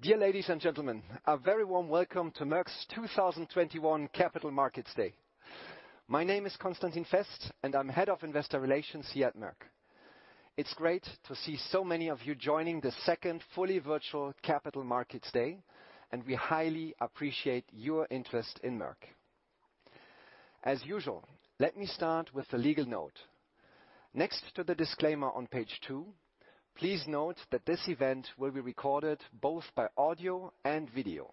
Dear ladies and gentlemen, a very warm welcome to Merck's 2021 Capital Markets Day. My name is Constantin Fest, and I'm head of investor relations here at Merck. It's great to see so many of you joining the second fully virtual Capital Markets Day, and we highly appreciate your interest in Merck. As usual, let me start with a legal note. Next to the disclaimer on page two, please note that this event will be recorded both by audio and video.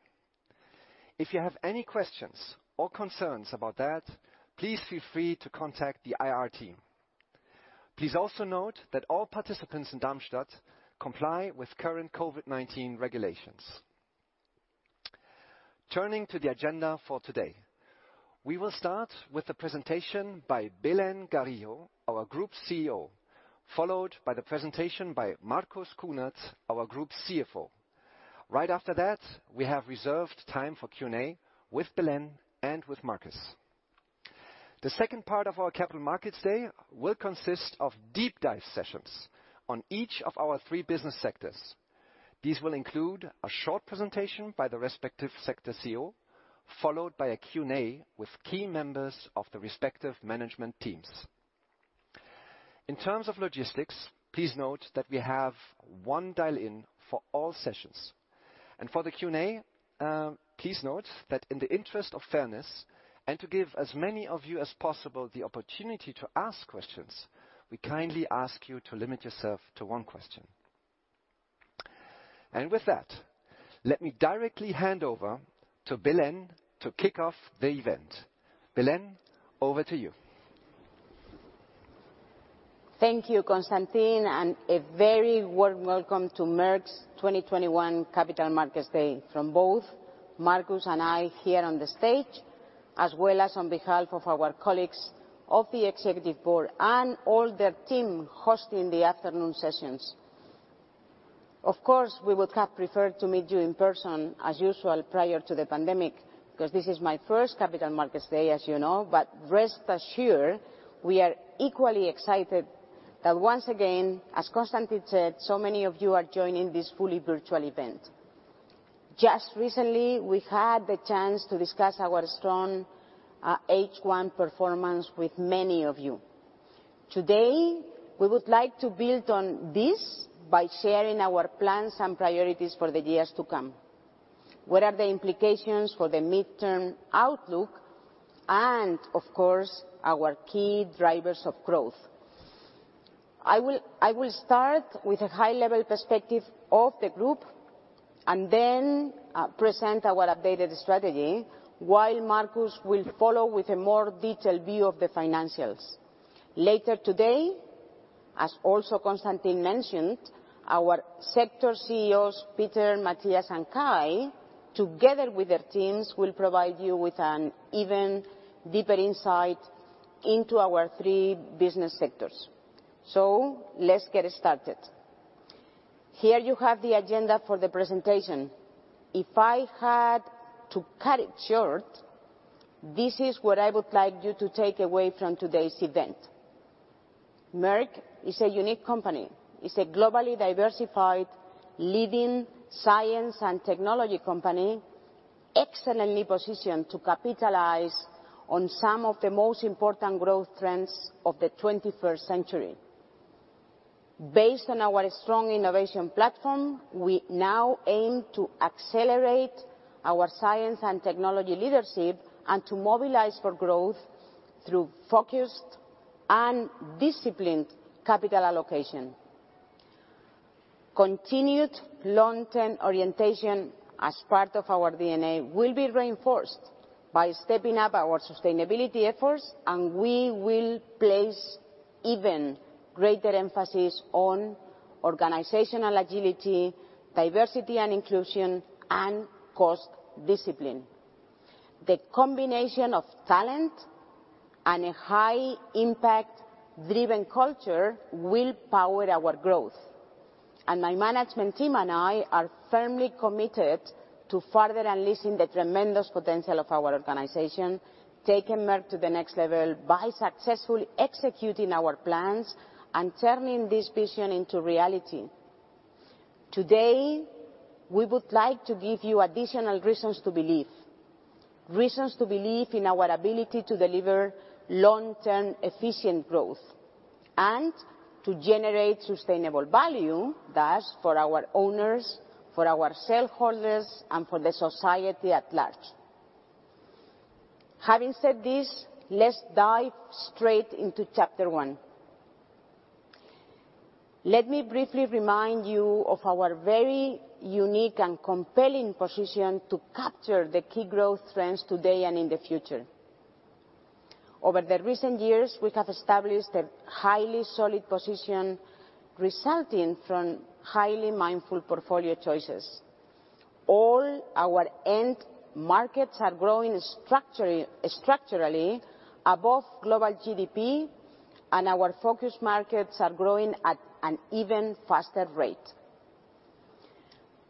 If you have any questions or concerns about that, please feel free to contact the IR team. Please also note that all participants in Darmstadt comply with current COVID-19 regulations. Turning to the agenda for today. We will start with a presentation by Belén Garijo, our Group CEO, followed by the presentation by Marcus Kuhnert, our Group CFO. Right after that, we have reserved time for Q&A with Belén and with Marcus. The second part of our Capital Markets Day will consist of deep dive sessions on each of our three business sectors. These will include a short presentation by the respective sector CEO, followed by a Q&A with key members of the respective management teams. In terms of logistics, please note that we have one dial-in for all sessions. For the Q&A, please note that in the interest of fairness, and to give as many of you as possible the opportunity to ask questions, we kindly ask you to limit yourself to one question. With that, let me directly hand over to Belén to kick off the event. Belén, over to you. Thank you, Constantin, and a very warm welcome to Merck's 2021 Capital Markets Day from both Marcus and I here on the stage, as well as on behalf of our colleagues of the Executive Board and all their team hosting the afternoon sessions. Of course, we would have preferred to meet you in person as usual prior to the pandemic, because this is my first Capital Markets Day, as you know. Rest assured, we are equally excited that once again, as Constantin said, so many of you are joining this fully virtual event. Just recently, we had the chance to discuss our strong H1 performance with many of you. Today, we would like to build on this by sharing our plans and priorities for the years to come. What are the implications for the midterm outlook and, of course, our key drivers of growth? I will start with a high-level perspective of the group, and then present our updated strategy, while Marcus will follow with a more detailed view of the financials. Later today, as also Constantin mentioned, our sector CEOs, Peter, Matthias, and Kai, together with their teams, will provide you with an even deeper insight into our three business sectors. Let's get started. Here you have the agenda for the presentation. If I had to cut it short, this is what I would like you to take away from today's event. Merck is a unique company. It's a globally diversified leading science and technology company, excellently positioned to capitalize on some of the most important growth trends of the 21st century. Based on our strong innovation platform, we now aim to accelerate our science and technology leadership, and to mobilize for growth through focused and disciplined capital allocation. Continued long-term orientation as part of our DNA will be reinforced by stepping up our sustainability efforts, and we will place even greater emphasis on organizational agility, diversity and inclusion, and cost discipline. The combination of talent and a high impact driven culture will power our growth. My management team and I are firmly committed to further unleashing the tremendous potential of our organization, taking Merck to the next level by successfully executing our plans and turning this vision into reality. Today, we would like to give you additional reasons to believe. Reasons to believe in our ability to deliver long-term efficient growth and to generate sustainable value, thus for our owners, for our shareholders, and for the society at large. Having said this, let's dive straight into chapter one. Let me briefly remind you of our very unique and compelling position to capture the key growth trends today and in the future. Over the recent years, we have established a highly solid position resulting from highly mindful portfolio choices. All our end markets are growing structurally above global GDP, and our focus markets are growing at an even faster rate.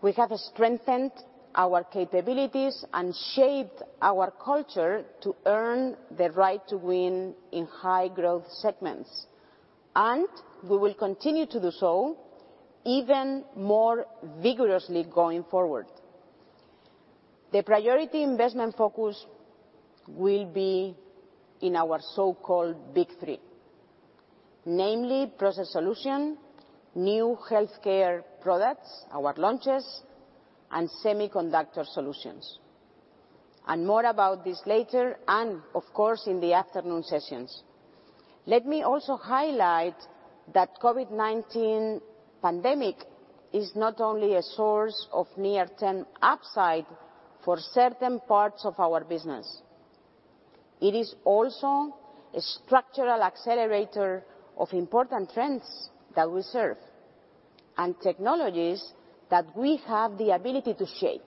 We have strengthened our capabilities and shaped our culture to earn the right to win in high growth segments. We will continue to do so even more vigorously going forward. The priority investment focus will be in our so-called big three, namely Process Solutions, new healthcare products, our launches, and Semiconductor Solutions. More about this later, and of course, in the afternoon sessions. Let me also highlight that COVID-19 pandemic is not only a source of near-term upside for certain parts of our business. It is also a structural accelerator of important trends that we serve and technologies that we have the ability to shape.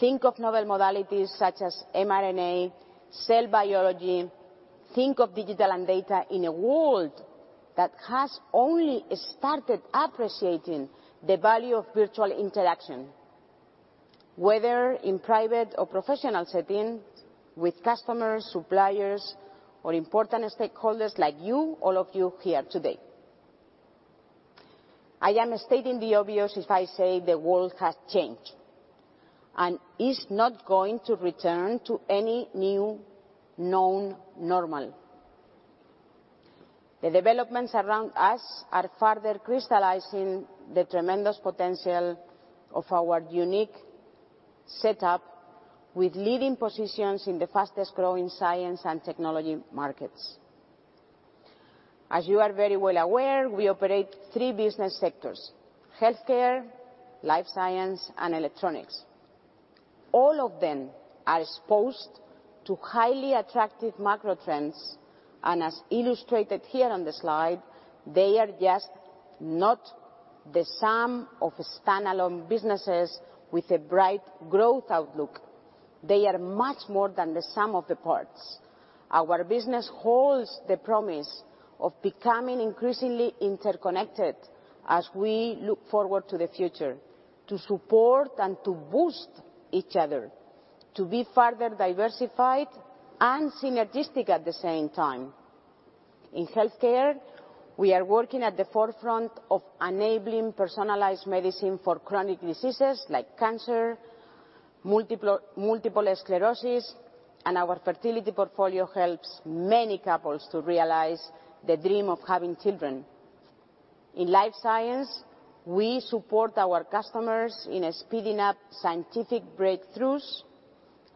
Think of novel modalities such as mRNA, cell biology. Think of digital and data in a world that has only started appreciating the value of virtual interaction, whether in private or professional setting, with customers, suppliers or important stakeholders like you, all of you here today. I am stating the obvious if I say the world has changed and is not going to return to any new known normal. The developments around us are further crystallizing the tremendous potential of our unique setup with leading positions in the fastest-growing science and technology markets. As you are very well aware, we operate three business sectors: Healthcare, Life Science, and Electronics. All of them are exposed to highly attractive macro trends and as illustrated here on the slide, they are just not the sum of standalone businesses with a bright growth outlook. They are much more than the sum of the parts. Our business holds the promise of becoming increasingly interconnected as we look forward to the future, to support and to boost each other, to be further diversified and synergistic at the same time. In Healthcare, we are working at the forefront of enabling personalized medicine for chronic diseases like cancer, multiple sclerosis, and our fertility portfolio helps many couples to realize the dream of having children. In Life Science, we support our customers in speeding up scientific breakthroughs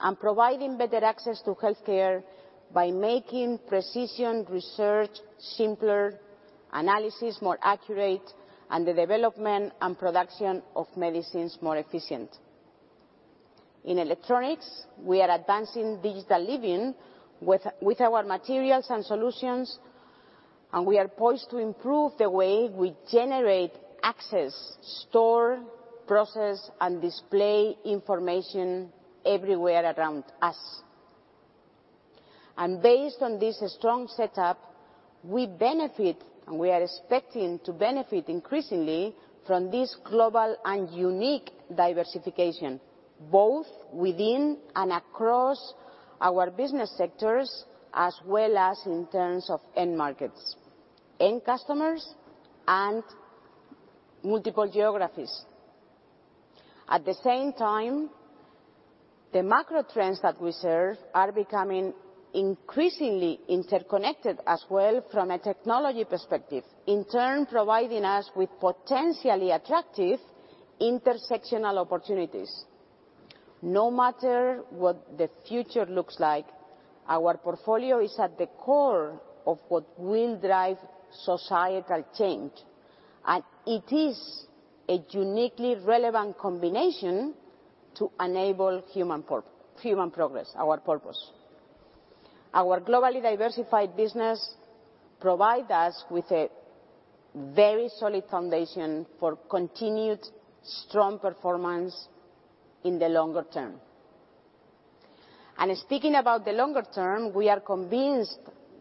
and providing better access to Healthcare by making precision research simpler, analysis more accurate, and the development and production of medicines more efficient. In Electronics, we are advancing digital living with our materials and solutions. We are poised to improve the way we generate access, store, process, and display information everywhere around us. Based on this strong setup, we benefit, and we are expecting to benefit increasingly from this global and unique diversification, both within and across our business sectors, as well as in terms of end markets, end customers, and multiple geographies. At the same time, the macro trends that we serve are becoming increasingly interconnected as well from a technology perspective, in turn providing us with potentially attractive intersectional opportunities. No matter what the future looks like, our portfolio is at the core of what will drive societal change. It is a uniquely relevant combination to enable human progress, our purpose. Our globally diversified business provide us with a very solid foundation for continued strong performance in the longer term. Speaking about the longer term, we are convinced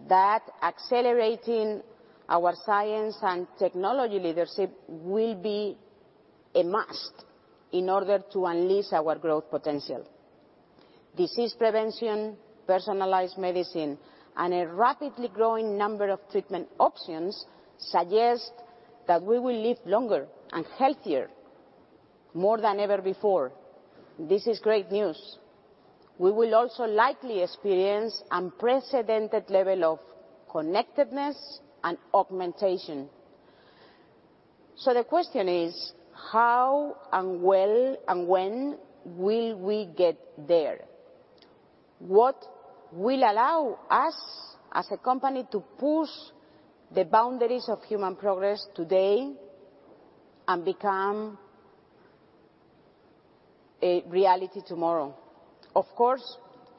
that accelerating our science and technology leadership will be a must in order to unleash our growth potential. Disease prevention, personalized medicine, and a rapidly growing number of treatment options suggest that we will live longer and healthier more than ever before. This is great news. We will also likely experience unprecedented level of connectedness and augmentation. The question is, how and well and when will we get there? What will allow us as a company to push the boundaries of human progress today and become a reality tomorrow? Of course,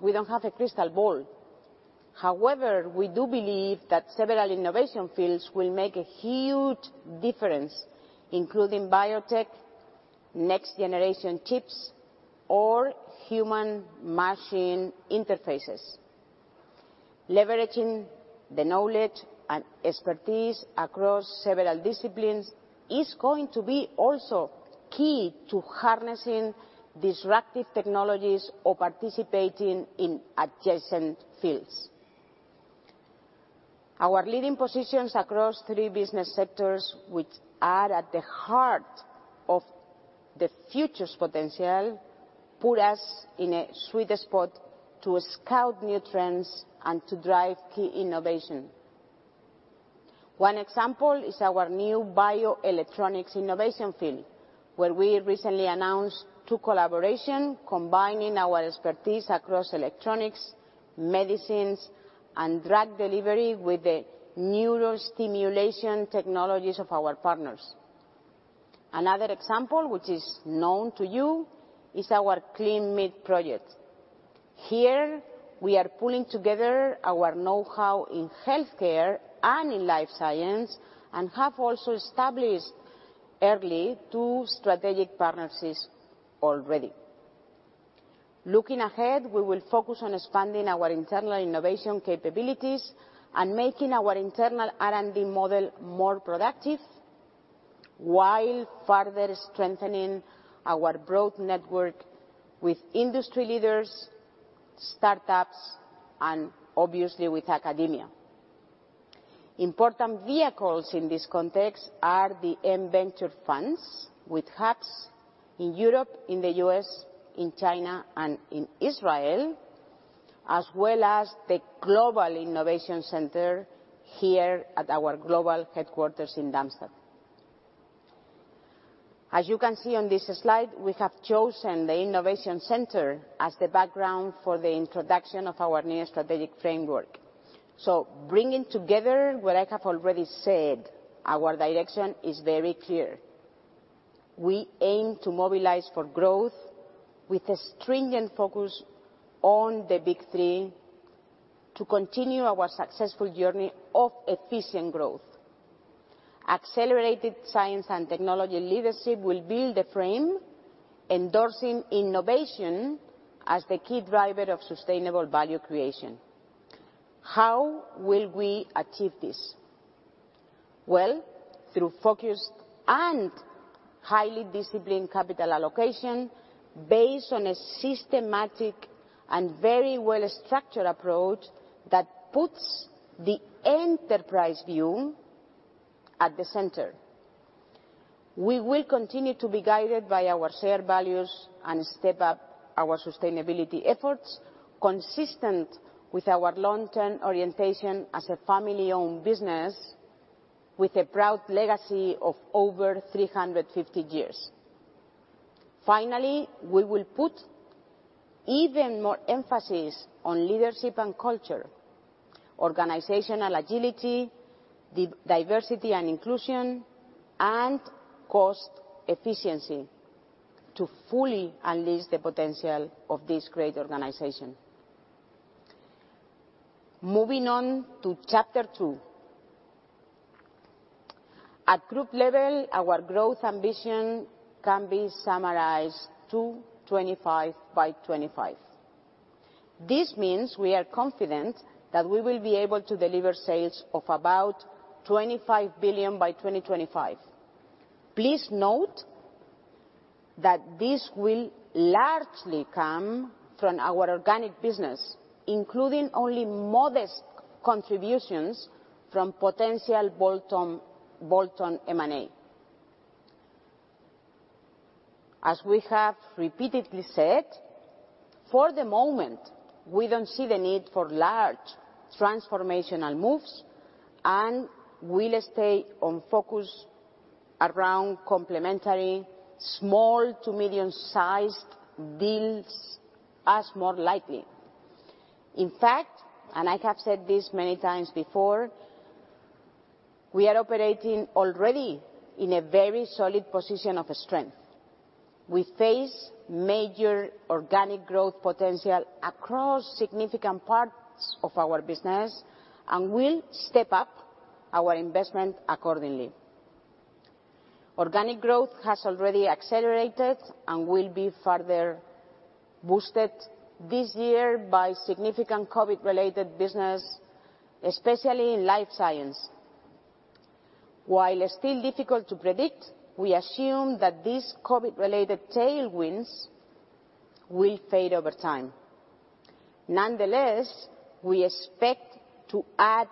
we don't have a crystal ball. However, we do believe that several innovation fields will make a huge difference, including biotech, next-generation chips or human-machine interfaces. Leveraging the knowledge and expertise across several disciplines is going to be also key to harnessing disruptive technologies or participating in adjacent fields. Our leading positions across three business sectors, which are at the heart of the future's potential, put us in a sweet spot to scout new trends and to drive key innovation. One example is our new bioelectronics innovation field, where we recently announced two collaboration, combining our expertise across electronics, medicines, and drug delivery with the neurostimulation technologies of our partners. Another example, which is known to you, is our clean meat project. Here, we are pulling together our know-how in Healthcare and in Life Science and have also established early two strategic partnerships already. Looking ahead, we will focus on expanding our internal innovation capabilities and making our internal R&D model more productive while further strengthening our broad network with industry leaders, startups, and obviously with academia. Important vehicles in this context are the M Ventures funds with hubs in Europe, in the U.S., in China, and in Israel, as well as the Global Innovation Center here at our global headquarters in Darmstadt. As you can see on this slide, we have chosen the Innovation Center as the background for the introduction of our new strategic framework. Bringing together what I have already said, our direction is very clear. We aim to mobilize for growth with a stringent focus on the big three to continue our successful journey of efficient growth. Accelerated science and technology leadership will build a frame endorsing innovation as the key driver of sustainable value creation. How will we achieve this? Well, through focused and highly disciplined capital allocation based on a systematic and very well-structured approach that puts the enterprise view at the center. We will continue to be guided by our shared values and step up our sustainability efforts consistent with our long-term orientation as a family-owned business with a proud legacy of over 350 years. Finally, we will put even more emphasis on leadership and culture, organizational agility, diversity and inclusion, and cost efficiency to fully unleash the potential of this great organization. Moving on to chapter two. At group level, our growth ambition can be summarized to 25 billion by 2025. This means we are confident that we will be able to deliver sales of about 25 billion by 2025. Please note that this will largely come from our organic business, including only modest contributions from potential bolt-on M&A. As we have repeatedly said, for the moment, we don't see the need for large transformational moves and will stay on focus around complementary small to medium-sized deals as more likely. In fact, I have said this many times before, we are operating already in a very solid position of strength. We face major organic growth potential across significant parts of our business and will step up our investment accordingly. Organic growth has already accelerated and will be further boosted this year by significant COVID-related business, especially in Life Science. While still difficult to predict, we assume that these COVID-related tailwinds will fade over time. Nonetheless, we expect to add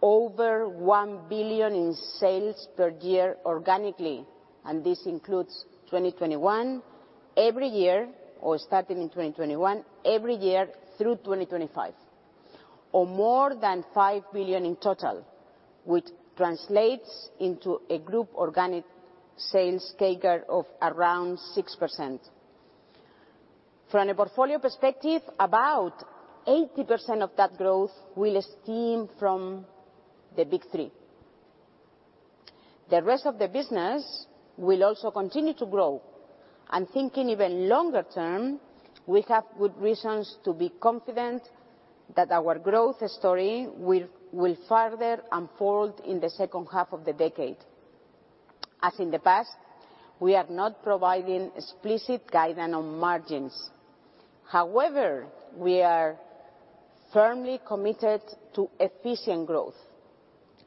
over 1 billion in sales per year organically, and this includes 2021 every year, or starting in 2021 every year through 2025, or more than 5 billion in total, which translates into a group organic sales CAGR of around 6%. From a portfolio perspective, about 80% of that growth will stem from the big 3. The rest of the business will also continue to grow. Thinking even longer term, we have good reasons to be confident that our growth story will further unfold in the second half of the decade. As in the past, we are not providing explicit guidance on margins. However, we are firmly committed to efficient growth.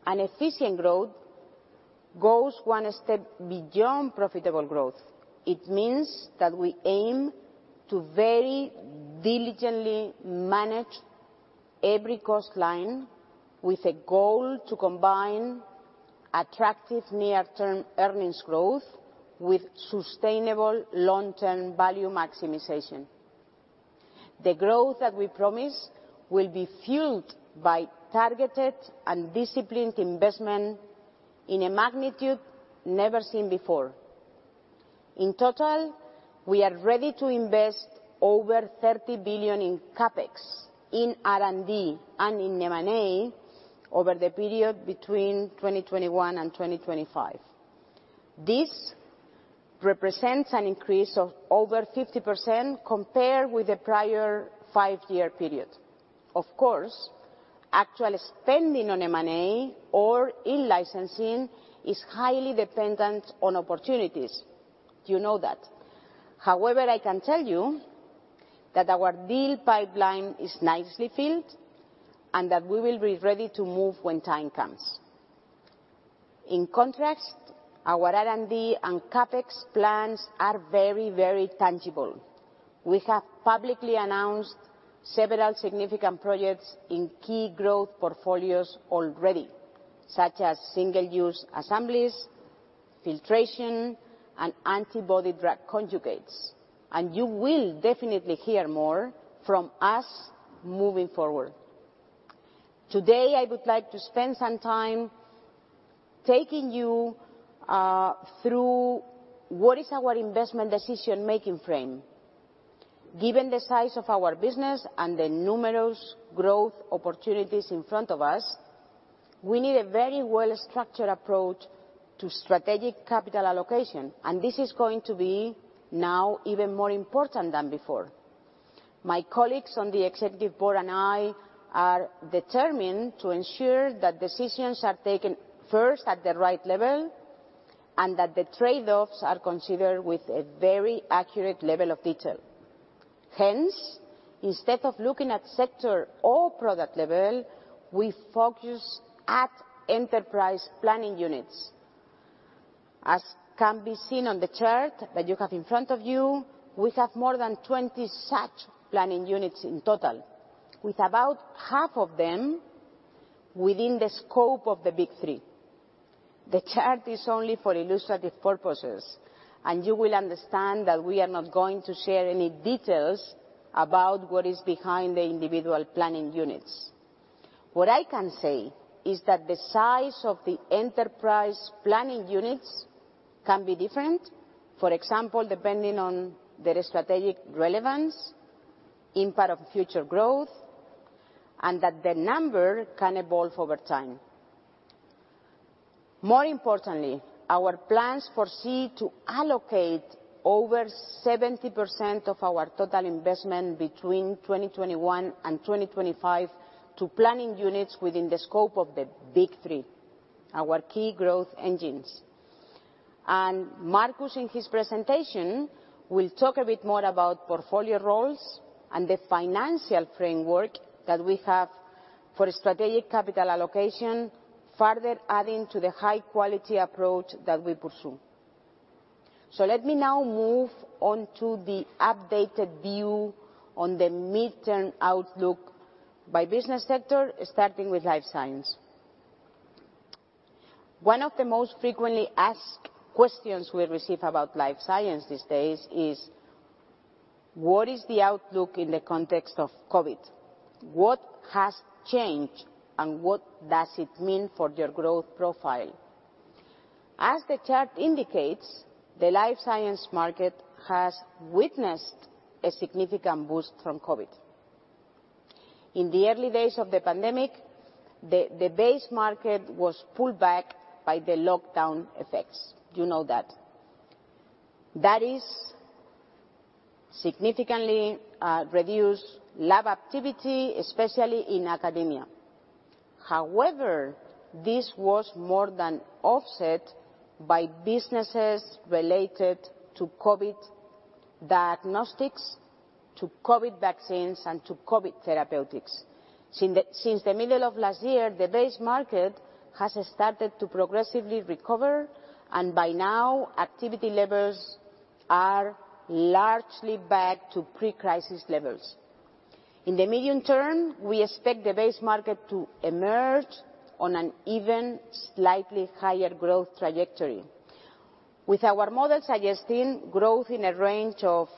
Efficient growth goes one step beyond profitable growth. It means that we aim to very diligently manage every cost line with a goal to combine attractive near-term earnings growth with sustainable long-term value maximization. The growth that we promise will be fueled by targeted and disciplined investment in a magnitude never seen before. In total, we are ready to invest over 30 billion in CapEx, in R&D, and in M&A over the period between 2021 and 2025. This represents an increase of over 50% compared with the prior 5-year period. Of course, actual spending on M&A or in licensing is highly dependent on opportunities. You know that. However, I can tell you that our deal pipeline is nicely filled and that we will be ready to move when time comes. In contrast, our R&D and CapEx plans are very, very tangible. We have publicly announced several significant projects in key growth portfolios already, such as single-use assemblies, filtration, and antibody-drug conjugates, and you will definitely hear more from us moving forward. Today, I would like to spend some time taking you through what is our investment decision-making frame. Given the size of our business and the numerous growth opportunities in front of us, we need a very well-structured approach to strategic capital allocation, and this is going to be now even more important than before. My colleagues on the executive board and I are determined to ensure that decisions are taken first at the right level, that the trade-offs are considered with a very accurate level of detail. Hence, instead of looking at sector or product level, we focus at enterprise planning units. As can be seen on the chart that you have in front of you, we have more than 20 such planning units in total, with about half of them within the scope of the big three. The chart is only for illustrative purposes, you will understand that we are not going to share any details about what is behind the individual planning units. What I can say is that the size of the enterprise planning units can be different. For example, depending on their strategic relevance, impact of future growth, that the number can evolve over time. More importantly, our plans foresee to allocate over 70% of our total investment between 2021 and 2025 to planning units within the scope of the big three, our key growth engines. Marcus, in his presentation, will talk a bit more about portfolio roles and the financial framework that we have for strategic capital allocation, further adding to the high-quality approach that we pursue. Let me now move on to the updated view on the mid-term outlook by business sector, starting with Life Science. One of the most frequently asked questions we receive about Life Science these days is what is the outlook in the context of COVID? What has changed, and what does it mean for your growth profile? As the chart indicates, the Life Science market has witnessed a significant boost from COVID. In the early days of the pandemic, the base market was pulled back by the lockdown effects. You know that. That is significantly reduced lab activity, especially in academia. This was more than offset by businesses related to COVID diagnostics, to COVID vaccines, and to COVID therapeutics. Since the middle of last year, the base market has started to progressively recover, and by now, activity levels are largely back to pre-crisis levels. In the medium term, we expect the base market to emerge on an even slightly higher growth trajectory. With our model suggesting growth in a range of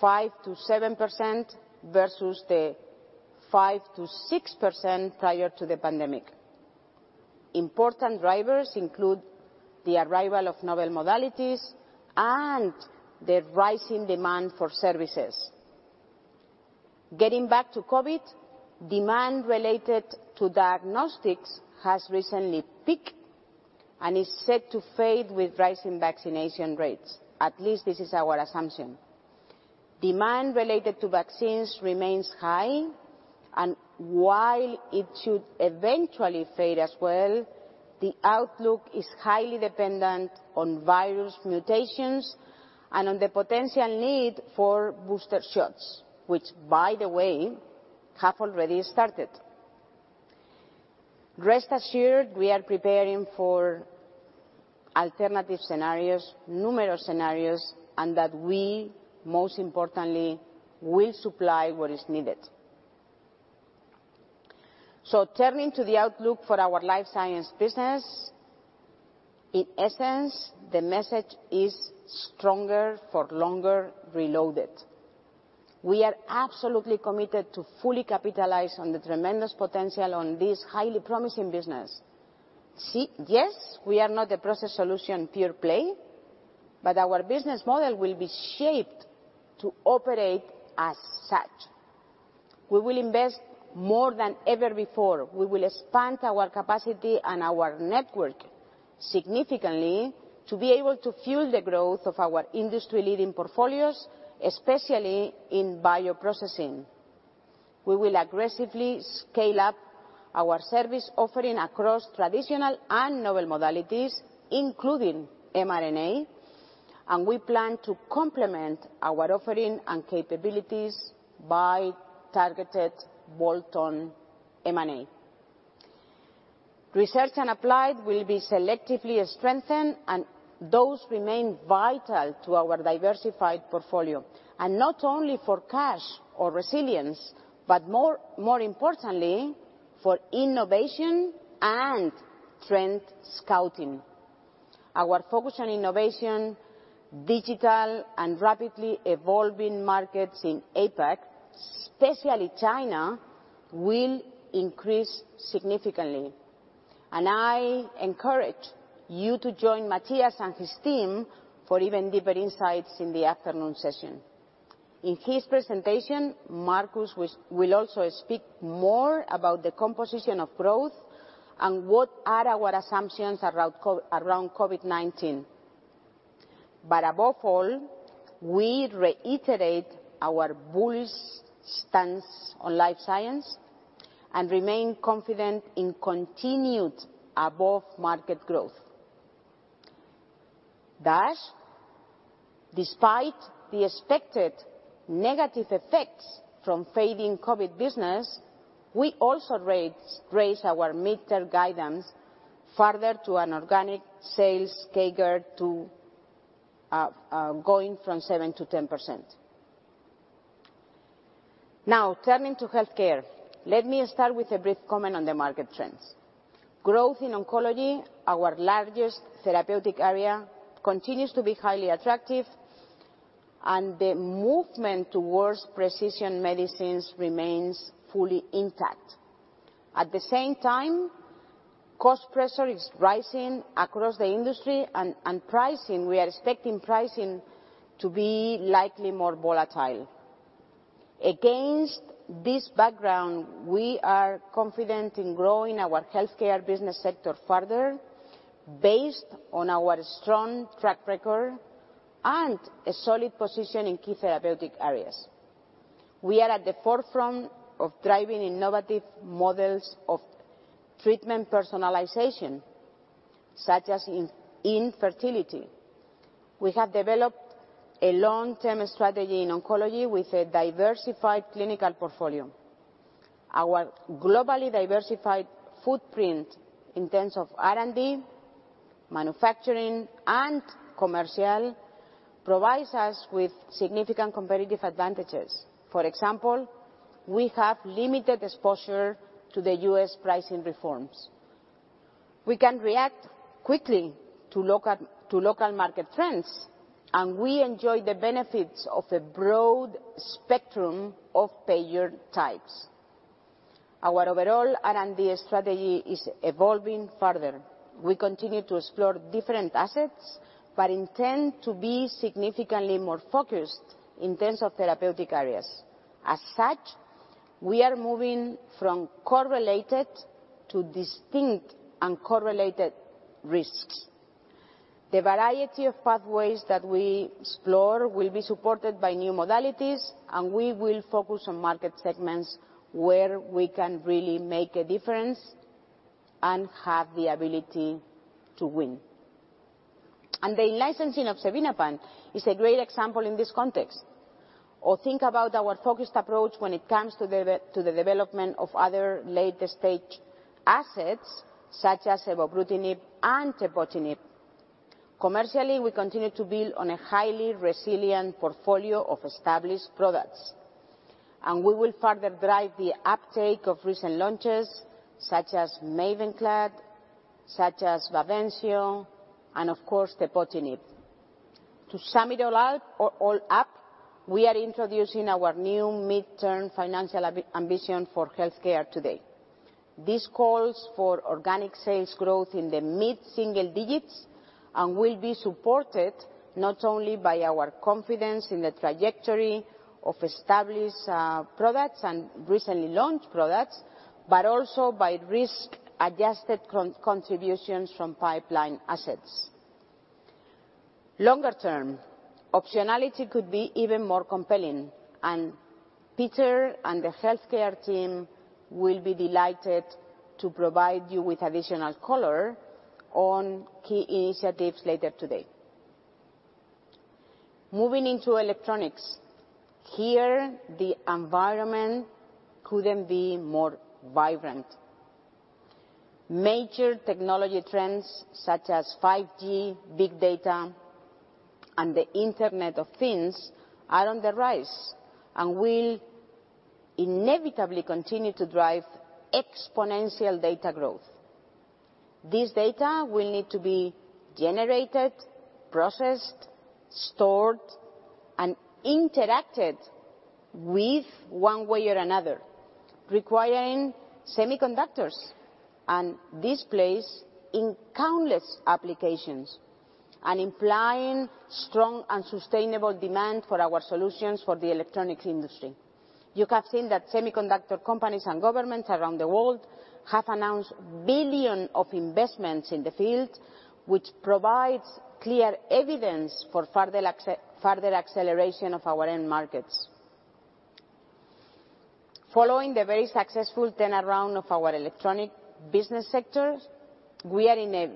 5%-7% versus the 5%-6% prior to the pandemic. Important drivers include the arrival of novel modalities and the rising demand for services. Getting back to COVID, demand related to diagnostics has recently peaked and is set to fade with rising vaccination rates. At least this is our assumption. Demand related to vaccines remains high, while it should eventually fade as well. The outlook is highly dependent on virus mutations and on the potential need for booster shots, which, by the way, have already started. Rest assured, we are preparing for alternative scenarios, numerous scenarios, and that we, most importantly, will supply what is needed. Turning to the outlook for our Life Science business, in essence, the message is stronger for longer reloaded. We are absolutely committed to fully capitalize on the tremendous potential on this highly promising business. We are not a Process Solutions pure play, our business model will be shaped to operate as such. We will invest more than ever before. We will expand our capacity and our network significantly to be able to fuel the growth of our industry leading portfolios, especially in bioprocessing. We will aggressively scale up our service offering across traditional and novel modalities, including mRNA, and we plan to complement our offering and capabilities by targeted bolt-on M&A. Research and applied will be selectively strengthened, those remain vital to our diversified portfolio. Not only for cash or resilience, but more importantly, for innovation and trend scouting. Our focus on innovation, digital and rapidly evolving markets in APAC, especially China, will increase significantly. I encourage you to join Matthias and his team for even deeper insights in the afternoon session. In his presentation, Marcus will also speak more about the composition of growth and what are our assumptions around COVID-19. Above all, we reiterate our bullish stance on Life Science and remain confident in continued above-market growth. Despite the expected negative effects from fading COVID business, we also raise our mid-term guidance further to an organic sales CAGR going from 7%-10%. Turning to Healthcare. Let me start with a brief comment on the market trends. Growth in oncology, our largest therapeutic area, continues to be highly attractive and the movement towards precision medicines remains fully intact. Cost pressure is rising across the industry, and we are expecting pricing to be likely more volatile. Against this background, we are confident in growing our Healthcare business sector further based on our strong track record and a solid position in key therapeutic areas. We are at the forefront of driving innovative models of treatment personalization, such as in infertility. We have developed a long-term strategy in oncology with a diversified clinical portfolio. Our globally diversified footprint in terms of R&D, manufacturing, and commercial, provides us with significant competitive advantages. For example, we have limited exposure to the U.S. pricing reforms. We can react quickly to local market trends, and we enjoy the benefits of a broad spectrum of payer types. Our overall R&D strategy is evolving further. We continue to explore different assets, but intend to be significantly more focused in terms of therapeutic areas. As such, we are moving from correlated to distinct and correlated risks. The variety of pathways that we explore will be supported by new modalities, and we will focus on market segments where we can really make a difference and have the ability to win. The licensing of xevinapant is a great example in this context. Think about our focused approach when it comes to the development of other late-stage assets, such as evobrutinib and tepotinib. Commercially, we continue to build on a highly resilient portfolio of established products, and we will further drive the uptake of recent launches such as MAVENCLAD, such as BAVENCIO, and of course, tepotinib. To sum it all up, we are introducing our new mid-term financial ambition for Healthcare today. This calls for organic sales growth in the mid-single digits and will be supported not only by our confidence in the trajectory of established products and recently launched products, but also by risk-adjusted contributions from pipeline assets. Longer term, optionality could be even more compelling, and Peter and the Healthcare team will be delighted to provide you with additional color on key initiatives later today. Moving into Electronics. Here, the environment couldn't be more vibrant. Major technology trends such as 5G, big data, and the Internet of Things are on the rise and will inevitably continue to drive exponential data growth. This data will need to be generated, processed, stored, and interacted with one way or another, requiring semiconductors and displays in countless applications, and implying strong and sustainable demand for our solutions for the Electronics industry. You have seen that semiconductor companies and governments around the world have announced billions of investments in the field, which provides clear evidence for further acceleration of our end markets. Following the very successful turnaround of our Electronics business sector, we are in a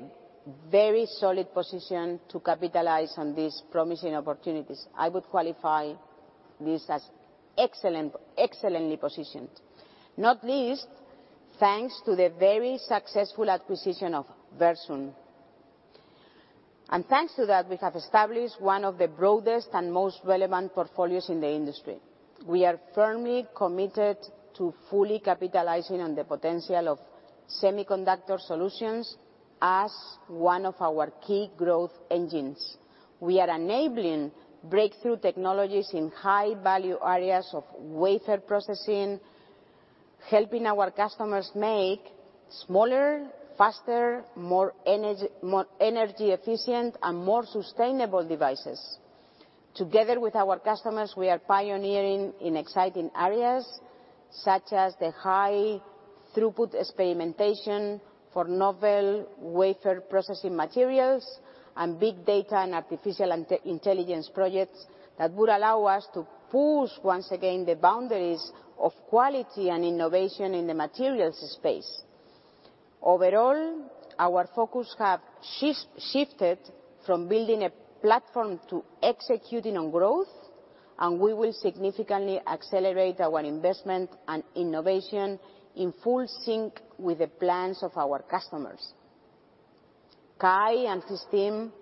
very solid position to capitalize on these promising opportunities. I would qualify this as excellently positioned. Not least, thanks to the very successful acquisition of Versum. Thanks to that, we have established one of the broadest and most relevant portfolios in the industry. We are firmly committed to fully capitalizing on the potential of semiconductor solutions as one of our key growth engines. We are enabling breakthrough technologies in high-value areas of wafer processing, helping our customers make smaller, faster, more energy efficient, and more sustainable devices. Together with our customers, we are pioneering in exciting areas, such as the high throughput experimentation for novel wafer processing materials and big data and artificial intelligence projects that would allow us to push, once again, the boundaries of quality and innovation in the materials space. Overall, our focus have shifted from building a platform to executing on growth, and we will significantly accelerate our investment and innovation in full sync with the plans of our customers. Kai and his team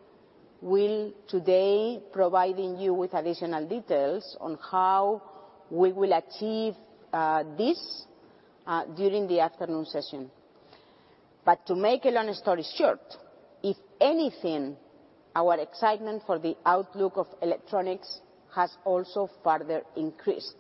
will today providing you with additional details on how we will achieve this during the afternoon session. To make a long story short, if anything, our excitement for the outlook of electronics has also further increased.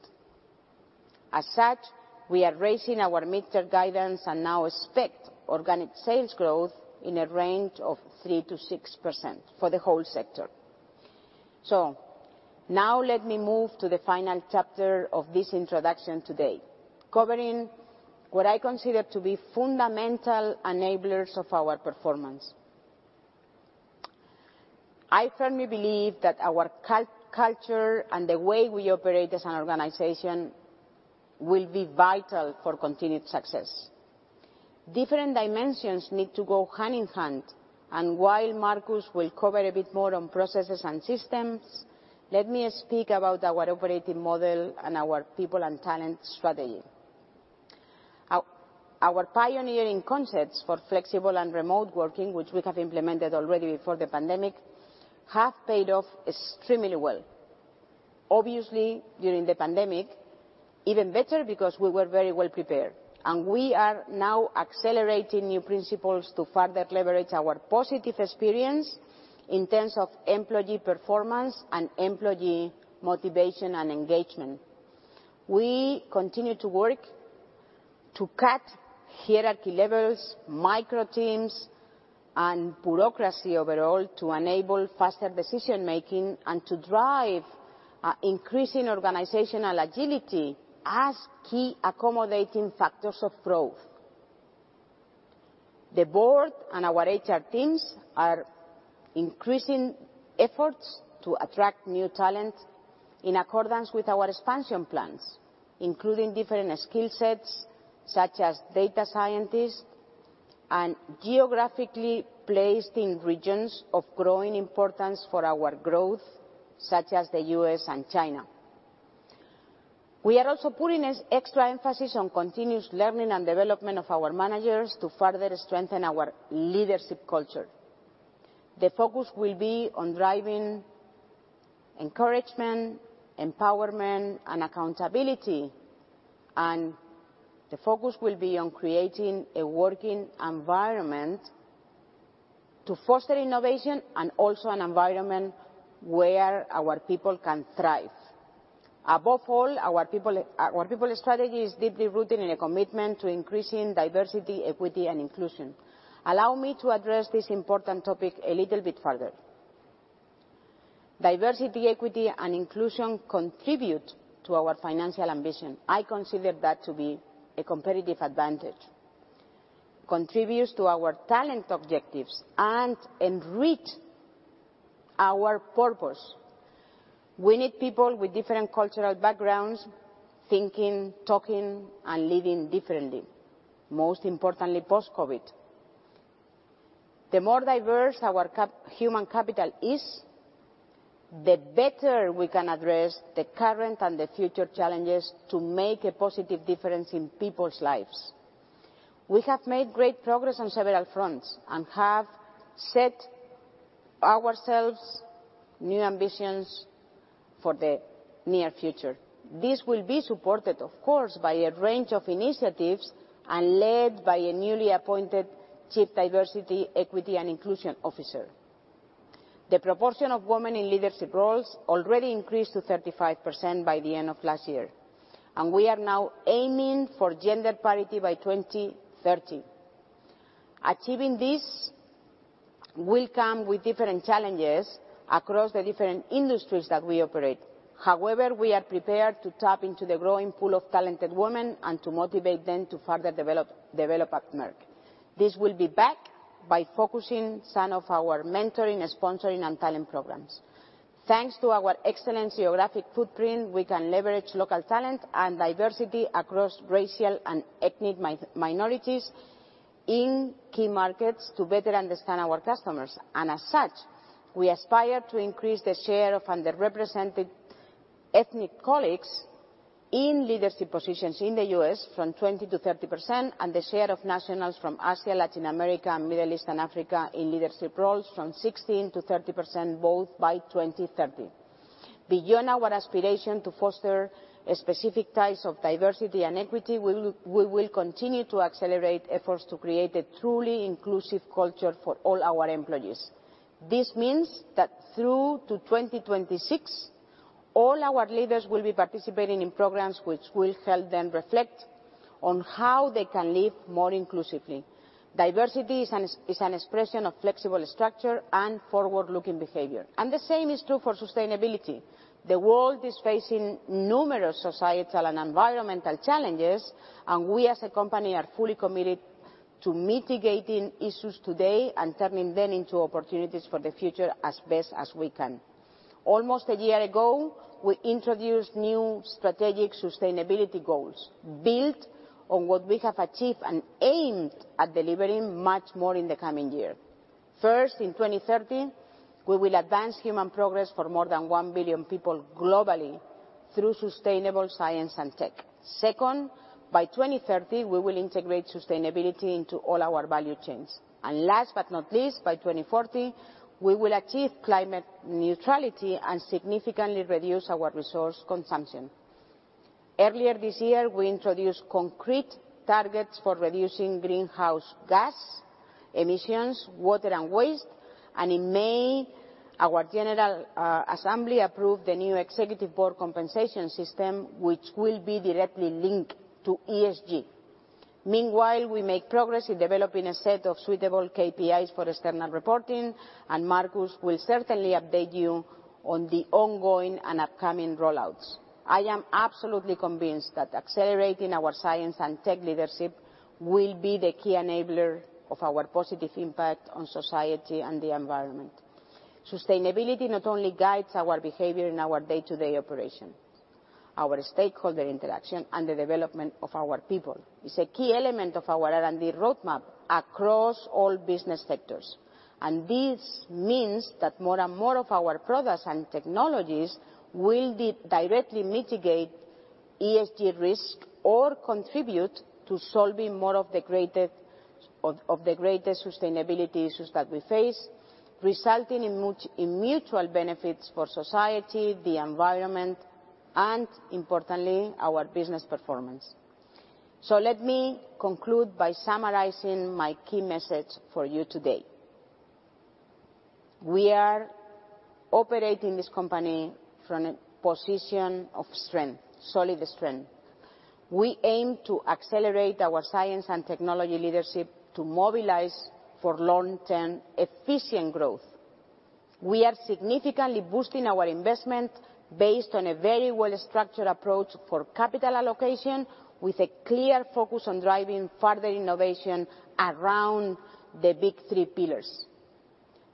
We are raising our mid-term guidance and now expect organic sales growth in a range of 3%-6% for the whole sector. Now let me move to the final chapter of this introduction today, covering what I consider to be fundamental enablers of our performance. I firmly believe that our culture and the way we operate as an organization will be vital for continued success. Different dimensions need to go hand in hand, and while Markus will cover a bit more on processes and systems, let me speak about our operating model and our people and talent strategy. Our pioneering concepts for flexible and remote working, which we have implemented already before the pandemic, have paid off extremely well. Obviously, during the pandemic, even better because we were very well prepared. We are now accelerating new principles to further leverage our positive experience in terms of employee performance and employee motivation and engagement. We continue to work to cut hierarchy levels, micro teams, and bureaucracy overall to enable faster decision-making and to drive increasing organizational agility as key accommodating factors of growth. The board and our HR teams are increasing efforts to attract new talent in accordance with our expansion plans, including different skill sets such as data scientists and geographically placed in regions of growing importance for our growth, such as the U.S. and China. We are also putting extra emphasis on continuous learning and development of our managers to further strengthen our leadership culture. The focus will be on driving encouragement, empowerment, and accountability. The focus will be on creating a working environment to foster innovation and also an environment where our people can thrive. Above all, our people strategy is deeply rooted in a commitment to increasing diversity, equity, and inclusion. Allow me to address this important topic a little bit further. Diversity, equity, and inclusion contribute to our financial ambition. I consider that to be a competitive advantage, contributes to our talent objectives and enrich our purpose. We need people with different cultural backgrounds, thinking, talking, and living differently, most importantly, post-COVID. The more diverse our human capital is, the better we can address the current and the future challenges to make a positive difference in people's lives. We have made great progress on several fronts and have set ourselves new ambitions for the near future. This will be supported, of course, by a range of initiatives and led by a newly appointed chief diversity, equity, and inclusion officer. The proportion of women in leadership roles already increased to 35% by the end of last year, and we are now aiming for gender parity by 2030. Achieving this will come with different challenges across the different industries that we operate. However, we are prepared to tap into the growing pool of talented women and to motivate them to further develop at Merck. This will be backed by focusing some of our mentoring and sponsoring and talent programs. Thanks to our excellent geographic footprint, we can leverage local talent and diversity across racial and ethnic minorities in key markets to better understand our customers. As such, we aspire to increase the share of underrepresented ethnic colleagues in leadership positions in the U.S. from 20% to 30%, and the share of nationals from Asia, Latin America, and Middle East, and Africa in leadership roles from 16% to 30%, both by 2030. Beyond our aspiration to foster specific types of diversity and equity, we will continue to accelerate efforts to create a truly inclusive culture for all our employees. This means that through to 2026, all our leaders will be participating in programs which will help them reflect on how they can live more inclusively. Diversity is an expression of flexible structure and forward-looking behavior. The same is true for sustainability. The world is facing numerous societal and environmental challenges, and we as a company are fully committed to mitigating issues today and turning them into opportunities for the future as best as we can. Almost a year ago, we introduced new strategic sustainability goals built on what we have achieved and aimed at delivering much more in the coming year. First, in 2030, we will advance human progress for more than 1 billion people globally through sustainable science and tech. Second, by 2030, we will integrate sustainability into all our value chains. Last but not least, by 2040, we will achieve climate neutrality and significantly reduce our resource consumption. Earlier this year, we introduced concrete targets for reducing greenhouse gas emissions, water, and waste, and in May, our general assembly approved the new executive board compensation system, which will be directly linked to ESG. Meanwhile, we make progress in developing a set of suitable KPIs for external reporting, and Marcus will certainly update you on the ongoing and upcoming rollouts. I am absolutely convinced that accelerating our science and tech leadership will be the key enabler of our positive impact on society and the environment. Sustainability not only guides our behavior in our day-to-day operation, our stakeholder interaction, and the development of our people. It's a key element of our R&D roadmap across all business sectors. This means that more and more of our products and technologies will directly mitigate ESG risk or contribute to solving more of the greatest sustainability issues that we face, resulting in mutual benefits for society, the environment, and importantly, our business performance. Let me conclude by summarizing my key message for you today. We are operating this company from a position of strength, solid strength. We aim to accelerate our science and technology leadership to mobilize for long-term, efficient growth. We are significantly boosting our investment based on a very well-structured approach for capital allocation, with a clear focus on driving further innovation around the big three pillars.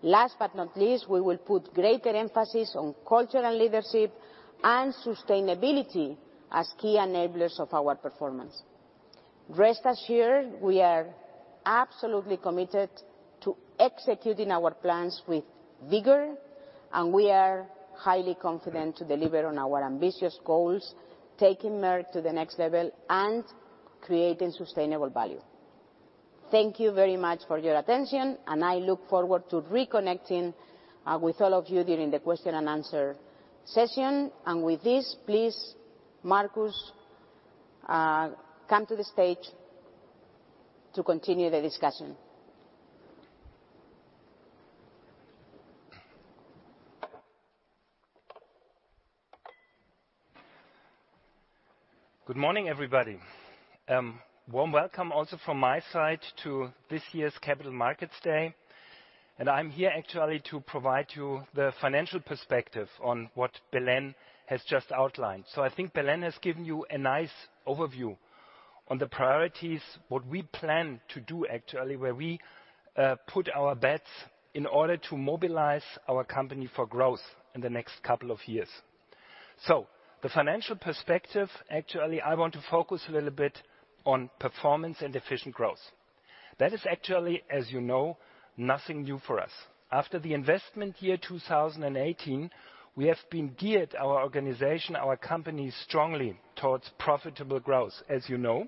Last but not least, we will put greater emphasis on culture and leadership and sustainability as key enablers of our performance. Rest assured, we are absolutely committed to executing our plans with vigor, and we are highly confident to deliver on our ambitious goals, taking Merck to the next level and creating sustainable value. Thank you very much for your attention, and I look forward to reconnecting with all of you during the question and answer session. With this, please, Marcus, come to the stage to continue the discussion. Good morning, everybody. Warm welcome also from my side to this year's Capital Markets Day. I'm here actually to provide you the financial perspective on what Belén has just outlined. I think Belén has given you a nice overview on the priorities, what we plan to do actually, where we put our bets in order to mobilize our company for growth in the next couple of years. The financial perspective, actually, I want to focus a little bit on performance and efficient growth. That is actually, as you know, nothing new for us. After the investment year 2018, we have been geared our organization, our company, strongly towards profitable growth, as you know.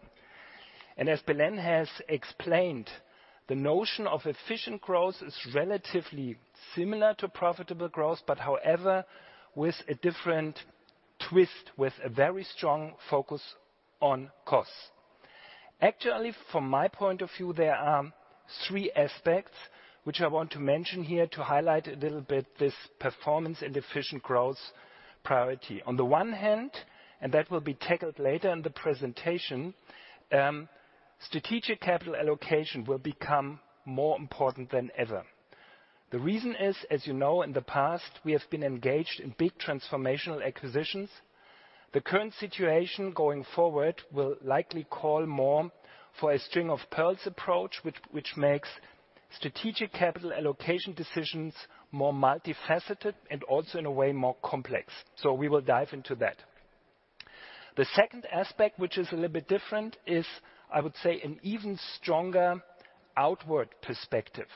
As Belén has explained, the notion of efficient growth is relatively similar to profitable growth, but however, with a different twist, with a very strong focus on costs. Actually, from my point of view, there are three aspects which I want to mention here to highlight a little bit this performance and efficient growth priority. On the one hand, and that will be tackled later in the presentation, strategic capital allocation will become more important than ever. The reason is, as you know, in the past, we have been engaged in big transformational acquisitions. The current situation going forward will likely call more for a string of pearls approach, which makes strategic capital allocation decisions more multifaceted and also, in a way, more complex. We will dive into that. The second aspect, which is a little bit different, is, I would say, an even stronger outward perspective.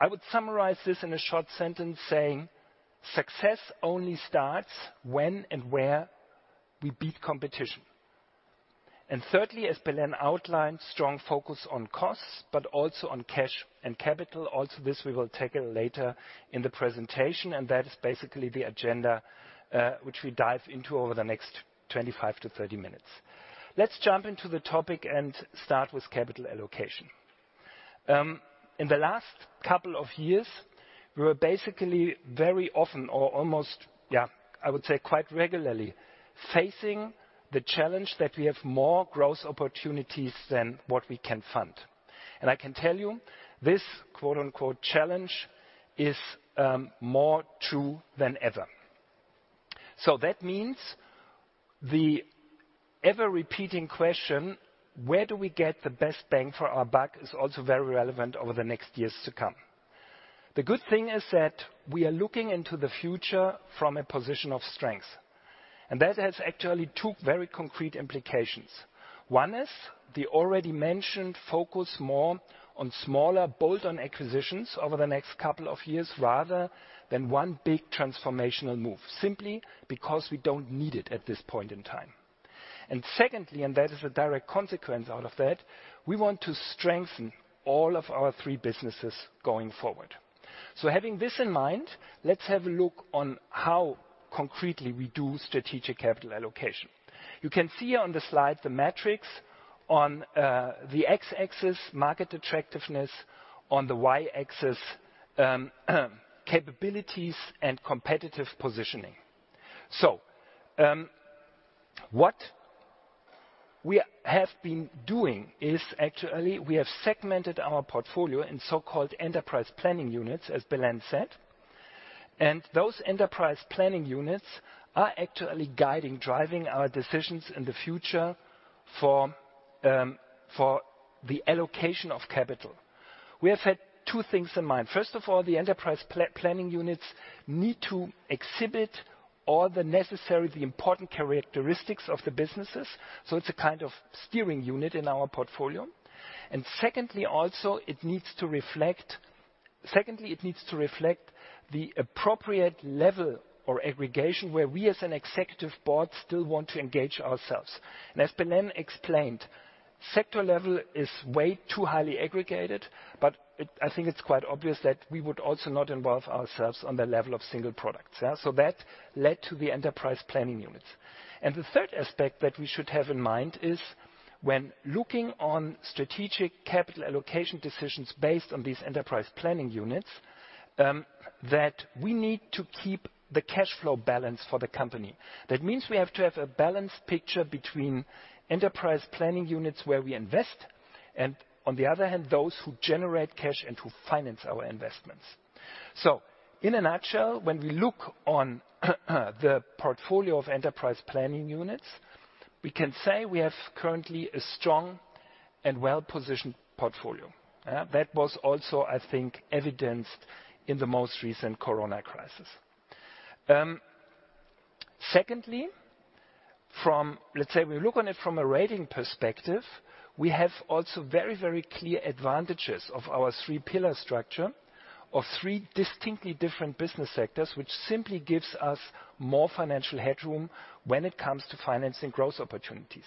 I would summarize this in a short sentence saying success only starts when and where we beat competition. Thirdly, as Belén outlined, strong focus on costs, but also on cash and capital. This we will tackle later in the presentation, and that is basically the agenda which we dive into over the next 25 to 30 minutes. Let's jump into the topic and start with capital allocation. In the last couple of years, we were basically very often or almost, I would say, quite regularly facing the challenge that we have more growth opportunities than what we can fund. I can tell you this, quote, unquote, "challenge" is more true than ever. That means the ever-repeating question, where do we get the best bang for our buck is also very relevant over the next years to come. The good thing is that we are looking into the future from a position of strength, and that has actually two very concrete implications. One is the already mentioned focus more on smaller bolt-on acquisitions over the next couple of years rather than one big transformational move, simply because we don't need it at this point in time. Secondly, and that is a direct consequence out of that, we want to strengthen all of our three businesses going forward. Having this in mind, let's have a look on how concretely we do strategic capital allocation. You can see on the slide the metrics on the x-axis, market attractiveness, on the y-axis, capabilities and competitive positioning. What we have been doing is actually we have segmented our portfolio in so-called enterprise planning units, as Belén said. Those enterprise planning units are actually guiding, driving our decisions in the future for the allocation of capital. We have had two things in mind. First of all, the enterprise planning units need to exhibit all the necessary, the important characteristics of the businesses. It's a kind of steering unit in our portfolio. Secondly, it needs to reflect the appropriate level or aggregation where we as an executive board still want to engage ourselves. As Belén explained, sector level is way too highly aggregated, but I think it's quite obvious that we would also not involve ourselves on the level of single products. That led to the enterprise planning units. The third aspect that we should have in mind is when looking on strategic capital allocation decisions based on these enterprise planning units, that we need to keep the cash flow balance for the company. We have to have a balanced picture between enterprise planning units where we invest and, on the other hand, those who generate cash and who finance our investments. In a nutshell, when we look on the portfolio of enterprise planning units, we can say we have currently a strong and well-positioned portfolio. That was also, I think, evidenced in the most recent corona crisis. Secondly, let's say we look on it from a rating perspective. We have also very clear advantages of our three-pillar structure of three distinctly different business sectors, which simply gives us more financial headroom when it comes to financing growth opportunities.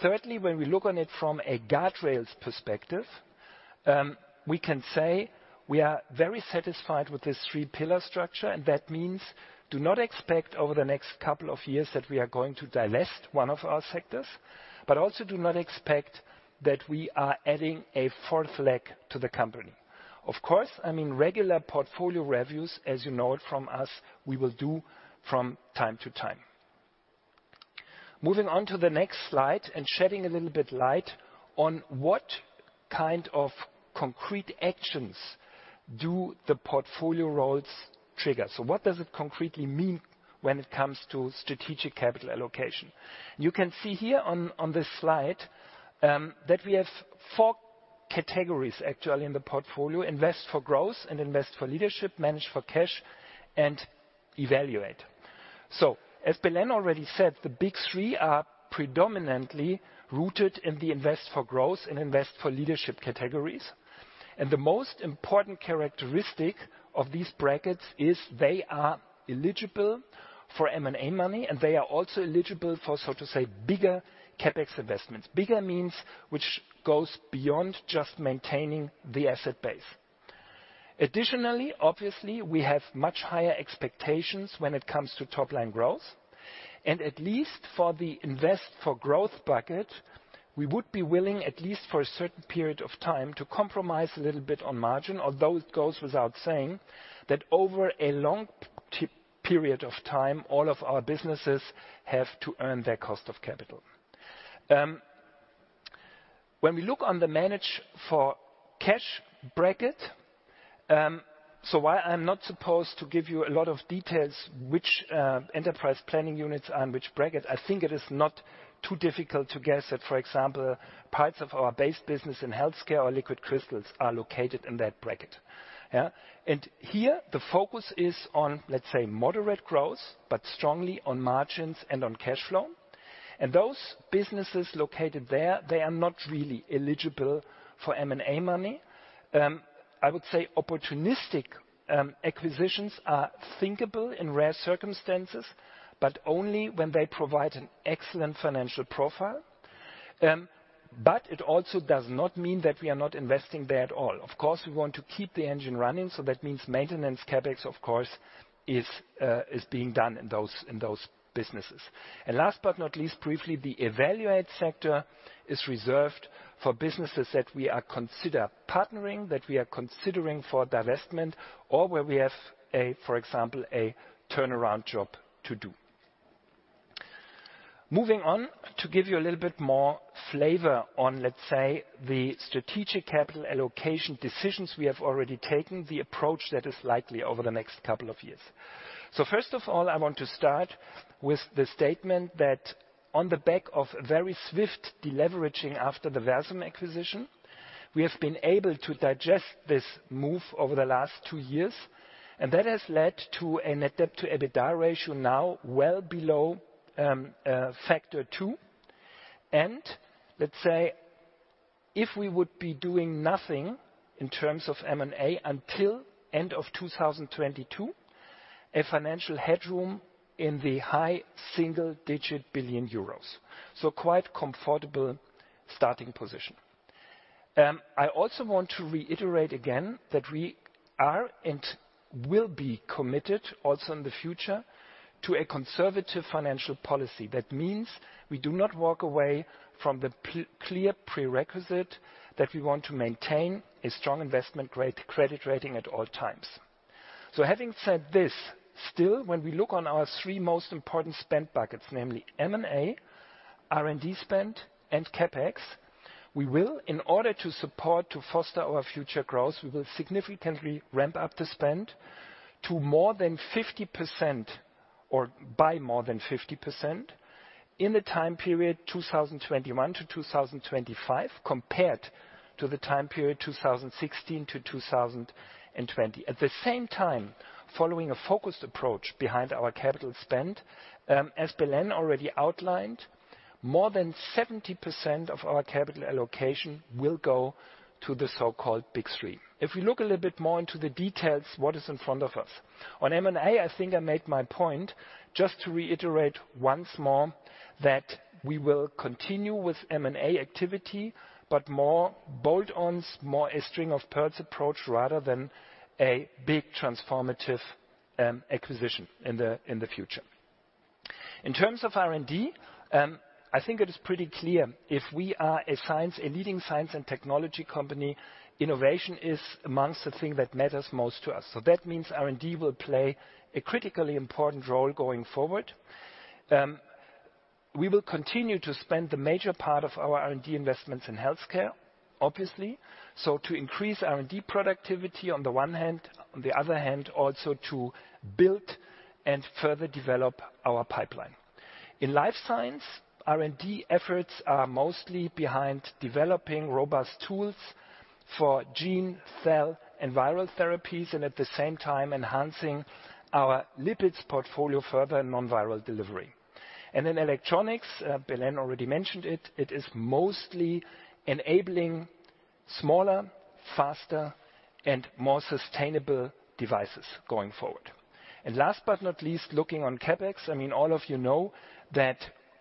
Thirdly, when we look on it from a guardrails perspective, we can say we are very satisfied with this three pillar structure, and that means do not expect over the next couple of years that we are going to divest one of our sectors, but also do not expect that we are adding a fourth leg to the company. Of course, regular portfolio reviews, as you know it from us, we will do from time to time. Moving on to the next slide and shedding a little bit light on what kind of concrete actions do the portfolio roles trigger. What does it concretely mean when it comes to strategic capital allocation? You can see here on this slide that we have four categories actually in the portfolio, invest for growth and invest for leadership, manage for cash and evaluate. As Belén already said, the big three are predominantly rooted in the invest for growth and invest for leadership categories. The most important characteristic of these brackets is they are eligible for M&A money, and they are also eligible for, so to say, bigger CapEx investments. Bigger means which goes beyond just maintaining the asset base. Additionally, obviously, we have much higher expectations when it comes to top-line growth. At least for the invest for growth bracket, we would be willing, at least for a certain period of time, to compromise a little bit on margin. Although it goes without saying that over a long period of time, all of our businesses have to earn their cost of capital. When we look on the manage for cash bracket, so while I'm not supposed to give you a lot of details which enterprise planning units are in which bracket, I think it is not too difficult to guess that, for example, parts of our base business in healthcare or liquid crystals are located in that bracket. Here the focus is on moderate growth, but strongly on margins and on cash flow. Those businesses located there, they are not really eligible for M&A money. I would say opportunistic acquisitions are thinkable in rare circumstances, but only when they provide an excellent financial profile. It also does not mean that we are not investing there at all. Of course, we want to keep the engine running, so that means maintenance CapEx, of course, is being done in those businesses. Last but not least, briefly, the evaluate sector is reserved for businesses that we are consider partnering, that we are considering for divestment, or where we have, for example, a turnaround job to do. Moving on, to give you a little bit more flavor on, let's say, the strategic capital allocation decisions we have already taken, the approach that is likely over the next couple of years. First of all, I want to start with the statement that on the back of a very swift deleveraging after the Versum acquisition, we have been able to digest this move over the last two years, and that has led to a net debt-to-EBITDA ratio now well below factor two. Let's say, if we would be doing nothing in terms of M&A until end of 2022, a financial headroom in the high single-digit billion EUR. Quite comfortable starting position. I also want to reiterate again that we are, and will be, committed also in the future to a conservative financial policy. That means we do not walk away from the clear prerequisite that we want to maintain a strong investment-grade credit rating at all times. Having said this, still, when we look on our three most important spend buckets, namely M&A, R&D spend, and CapEx, we will, in order to support to foster our future growth, we will significantly ramp up the spend to more than 50%, or by more than 50%, in the time period 2021 to 2025, compared to the time period 2016 to 2020. At the same time, following a focused approach behind our capital spend, as Belén already outlined, more than 70% of our capital allocation will go to the so-called big three. If we look a little bit more into the details, what is in front of us? On M&A, I think I made my point. Just to reiterate once more that we will continue with M&A activity, but more bolt-ons, more a string-of-pearls approach, rather than a big transformative acquisition in the future. In terms of R&D, I think it is pretty clear if we are a leading science and technology company, innovation is amongst the thing that matters most to us. That means R&D will play a critically important role going forward. We will continue to spend the major part of our R&D investments in healthcare, obviously. To increase R&D productivity on the one hand, on the other hand, also to build and further develop our pipeline. In Life Science, R&D efforts are mostly behind developing robust tools for gene, cell, and viral therapies, and at the same time enhancing our lipids portfolio further in non-viral delivery. In Electronics, Belén already mentioned it. It is mostly enabling smaller, faster, and more sustainable devices going forward. Last but not least, looking on CapEx, all of you know that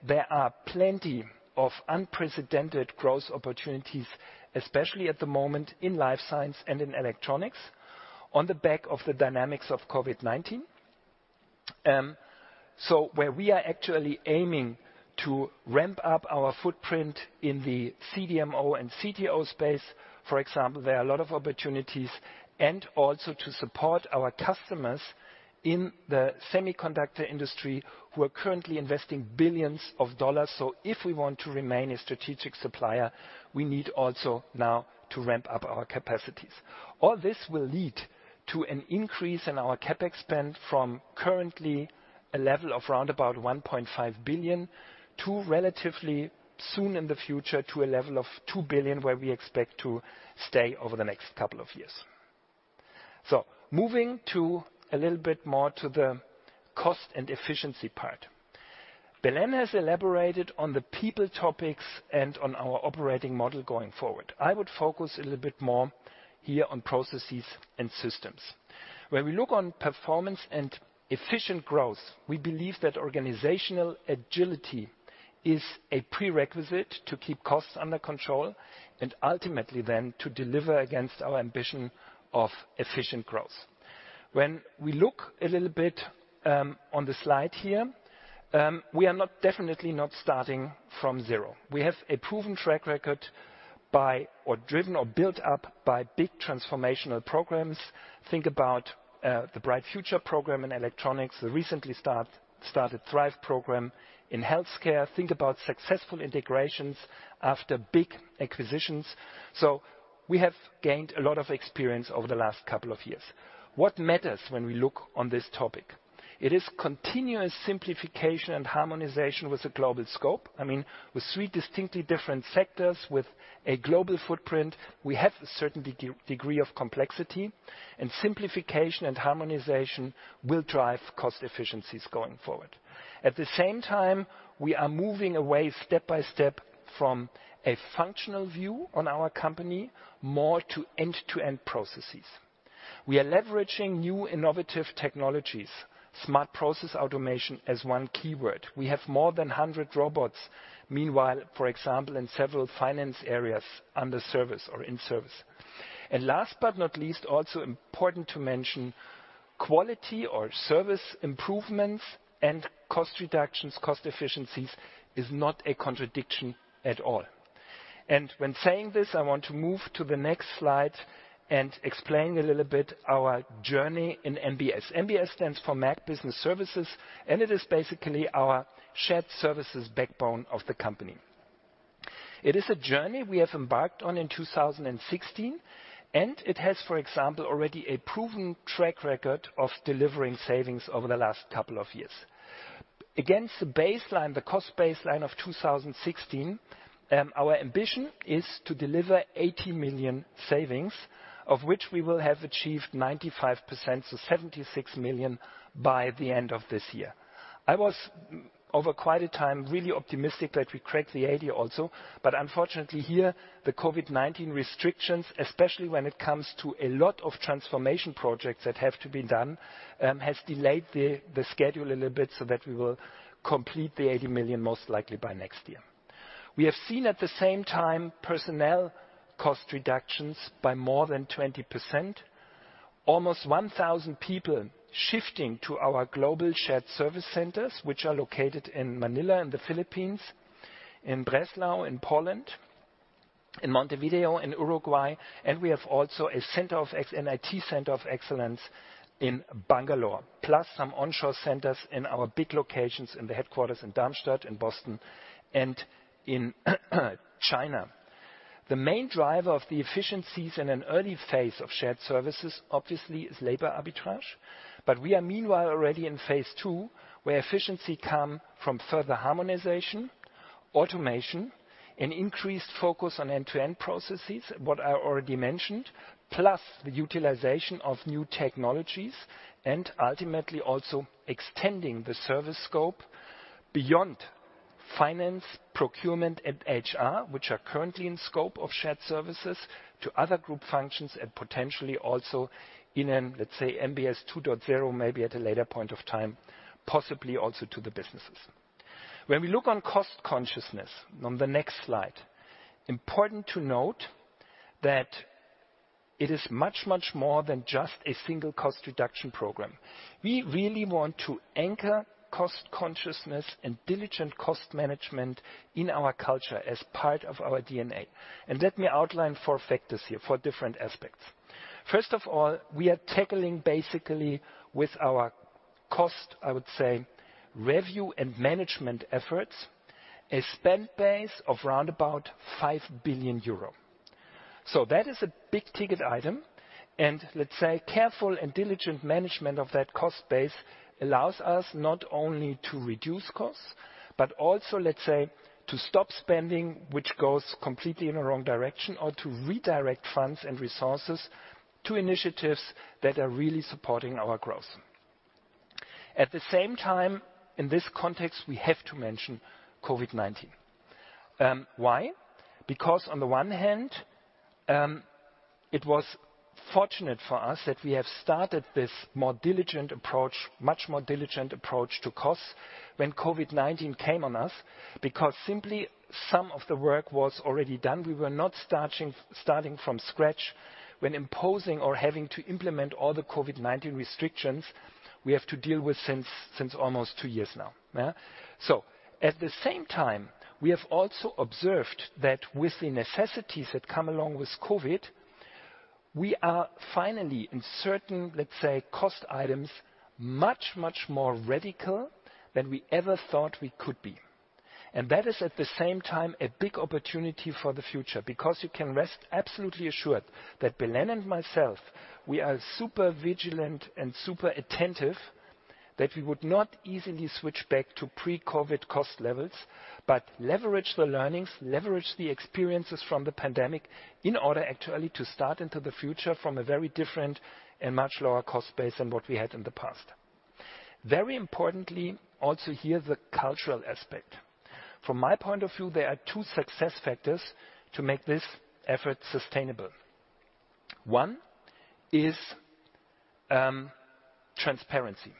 there are plenty of unprecedented growth opportunities, especially at the moment in Life Science and in Electronics, on the back of the dynamics of COVID-19. Where we are actually aiming to ramp up our footprint in the CDMO and CTO space, for example, there are a lot of opportunities, and also to support our customers in the semiconductor industry who are currently investing billions of dollars. If we want to remain a strategic supplier, we need also now to ramp up our capacities. All this will lead to an increase in our CapEx spend from currently a level of round about 1.5 billion, to relatively soon in the future, to a level of 2 billion, where we expect to stay over the next couple of years. Moving to a little bit more to the cost and efficiency part. Belén has elaborated on the people topics and on our operating model going forward. I would focus a little bit more here on processes and systems. When we look on performance and efficient growth, we believe that organizational agility is a prerequisite to keep costs under control and ultimately then to deliver against our ambition of efficient growth. When we look a little bit on the slide here, we are definitely not starting from zero. We have a proven track record driven or built up by big transformational programs. Think about the Bright Future program in electronics, the recently started THRIVE program in healthcare. Think about successful integrations after big acquisitions. We have gained a lot of experience over the last couple of years. What matters when we look on this topic? It is continuous simplification and harmonization with a global scope. I mean, with three distinctly different sectors, with a global footprint, we have a certain degree of complexity, and simplification and harmonization will drive cost efficiencies going forward. At the same time, we are moving away step by step from a functional view on our company, more to end-to-end processes. We are leveraging new innovative technologies, smart process automation as one keyword. We have more than 100 robots, meanwhile, for example, in several finance areas under service or in service. Last but not least, also important to mention, quality or service improvements and cost reductions, cost efficiencies is not a contradiction at all. When saying this, I want to move to the next slide and explain a little bit our journey in MBS. MBS stands for Merck Business Services, it is basically our shared services backbone of the company. It is a journey we have embarked on in 2016, it has, for example, already a proven track record of delivering savings over the last couple of years. Against the baseline, the cost baseline of 2016, our ambition is to deliver 80 million savings, of which we will have achieved 95%, so 76 million by the end of this year. I was, over quite a time, really optimistic that we crack the 80 also, but unfortunately here, the COVID-19 restrictions, especially when it comes to a lot of transformation projects that have to be done, has delayed the schedule a little bit so that we will complete the 80 million most likely by next year. We have seen at the same time personnel cost reductions by more than 20%. Almost 1,000 people shifting to our global shared service centers, which are located in Manila, in the Philippines, in Wrocław, in Poland, in Montevideo, in Uruguay, and we have also an IT center of excellence in Bangalore. Plus some onshore centers in our big locations in the headquarters in Darmstadt, in Boston, and in China. The main driver of the efficiencies in an early phase of shared services, obviously, is labor arbitrage. We are meanwhile already in phase II, where efficiency come from further harmonization, automation, an increased focus on end-to-end processes, what I already mentioned, plus the utilization of new technologies and ultimately also extending the service scope beyond finance, procurement, and HR, which are currently in scope of shared services, to other group functions and potentially also in, let's say, MBS 2.0, maybe at a later point of time, possibly also to the businesses. We look on cost consciousness, on the next slide, important to note that it is much, much more than just a single cost reduction program. We really want to anchor cost consciousness and diligent cost management in our culture as part of our DNA. Let me outline four factors here, four different aspects. We are tackling basically with our cost, I would say, review and management efforts, a spend base of round about 5 billion euro. That is a big-ticket item, and let's say careful and diligent management of that cost base allows us not only to reduce costs, but also, let's say, to stop spending, which goes completely in the wrong direction, or to redirect funds and resources to initiatives that are really supporting our growth. At the same time, in this context, we have to mention COVID-19. Why? It was fortunate for us that we have started this much more diligent approach to costs when COVID-19 came on us, because simply some of the work was already done. We were not starting from scratch when imposing or having to implement all the COVID-19 restrictions we have to deal with since almost two years now. At the same time, we have also observed that with the necessities that come along with COVID, we are finally in certain, let's say, cost items, much more radical than we ever thought we could be. That is at the same time a big opportunity for the future, because you can rest absolutely assured that Belén and myself, we are super vigilant and super attentive that we would not easily switch back to pre-COVID cost levels, but leverage the learnings, leverage the experiences from the pandemic in order actually to start into the future from a very different and much lower cost base than what we had in the past. Very importantly, also here, the cultural aspect. From my point of view, there are two success factors to make this effort sustainable. One is transparency.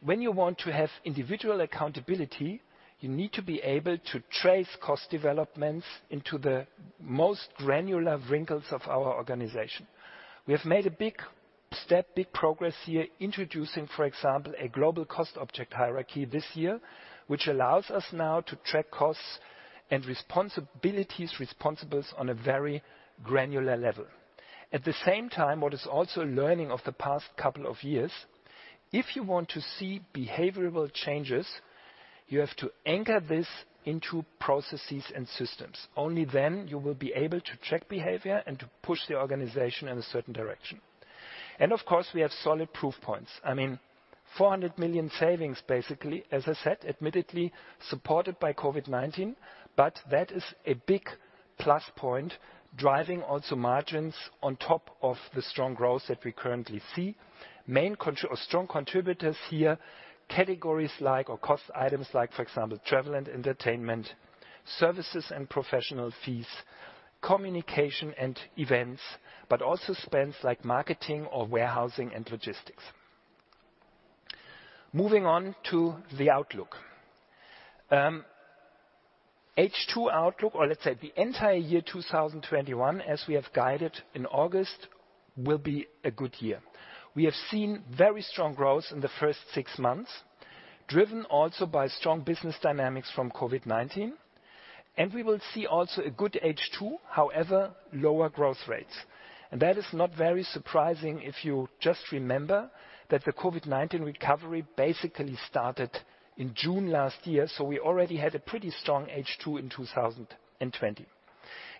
When you want to have individual accountability, you need to be able to trace cost developments into the most granular wrinkles of our organization. We have made a big step, progress here, introducing, for example, a global cost object hierarchy this year, which allows us now to track costs and responsibilities on a very granular level. At the same time, what is also a learning of the past couple of years, if you want to see behavioral changes, you have to anchor this into processes and systems. Only then you will be able to check behavior and to push the organization in a certain direction. Of course, we have solid proof points. I mean, 400 million savings, basically, as I said, admittedly supported by COVID-19, but that is a big plus point, driving also margins on top of the strong growth that we currently see. Strong contributors here, categories like or cost items like, for example, travel and entertainment, services and professional fees, communication and events, but also spends like marketing or warehousing and logistics. Moving on to the outlook. H2 outlook, or let's say the entire year 2021, as we have guided in August, will be a good year. We have seen very strong growth in the first six months, driven also by strong business dynamics from COVID-19, and we will see also a good H2, however, lower growth rates. That is not very surprising if you just remember that the COVID-19 recovery basically started in June last year, so we already had a pretty strong H2 in 2020.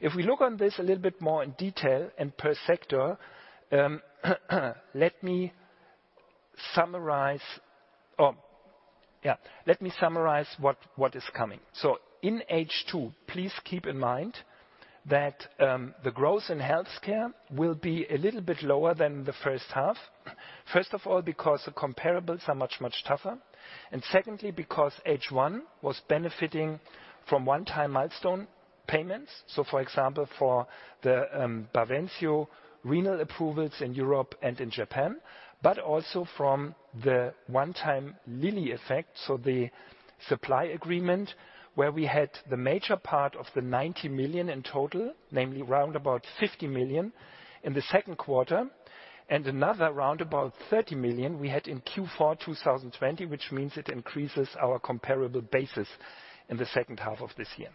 If we look on this a little bit more in detail and per sector, let me summarize what is coming. In H2, please keep in mind that the growth in Healthcare will be a little bit lower than the first half. First of all, because the comparables are much, much tougher, and secondly, because H1 was benefiting from one-time milestone payments. For example, for the BAVENCIO renal approvals in Europe and in Japan, but also from the one-time Lilly effect, the supply agreement where we had the major part of the 90 million in total, namely around 50 million in the second quarter, and another around 30 million we had in Q4 2020, which means it increases our comparable basis in the second half of this year.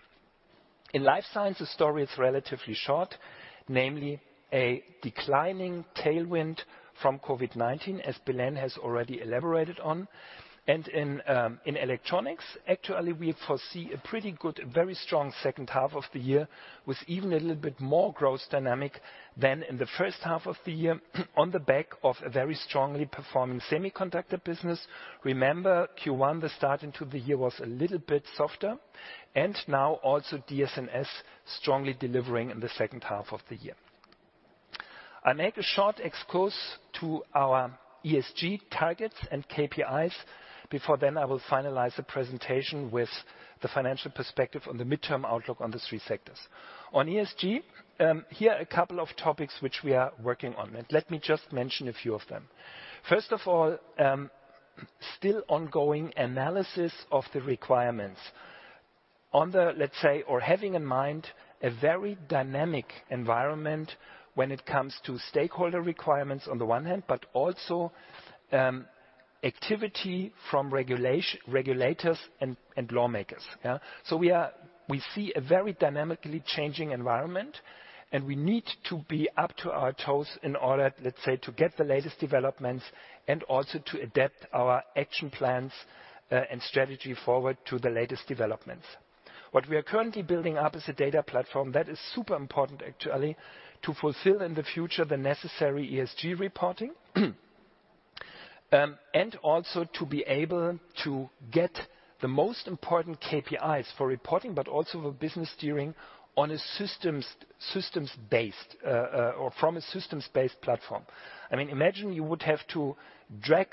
In Life Science, the story is relatively short, namely a declining tailwind from COVID-19, as Belén has already elaborated on. In Electronics, actually, we foresee a pretty good, very strong second half of the year with even a little bit more growth dynamic than in the first half of the year on the back of a very strongly performing semiconductor business. Remember Q1, the start into the year was a little bit softer. Now also DS&S strongly delivering in the second half of the year. I make a short expose to our ESG targets and KPIs before I will finalize the presentation with the financial perspective on the midterm outlook on these three sectors. On ESG, here are a couple of topics which we are working on. Let me just mention a few of them. First of all, still ongoing analysis of the requirements. Having in mind a very dynamic environment when it comes to stakeholder requirements on the one hand, also activity from regulators and lawmakers. We see a very dynamically changing environment, and we need to be up to our toes in order, let's say, to get the latest developments and also to adapt our action plans and strategy forward to the latest developments. What we are currently building up is a data platform that is super important, actually, to fulfill in the future the necessary ESG reporting. Also to be able to get the most important KPIs for reporting, but also for business steering from a systems based platform. I mean, imagine you would have to drag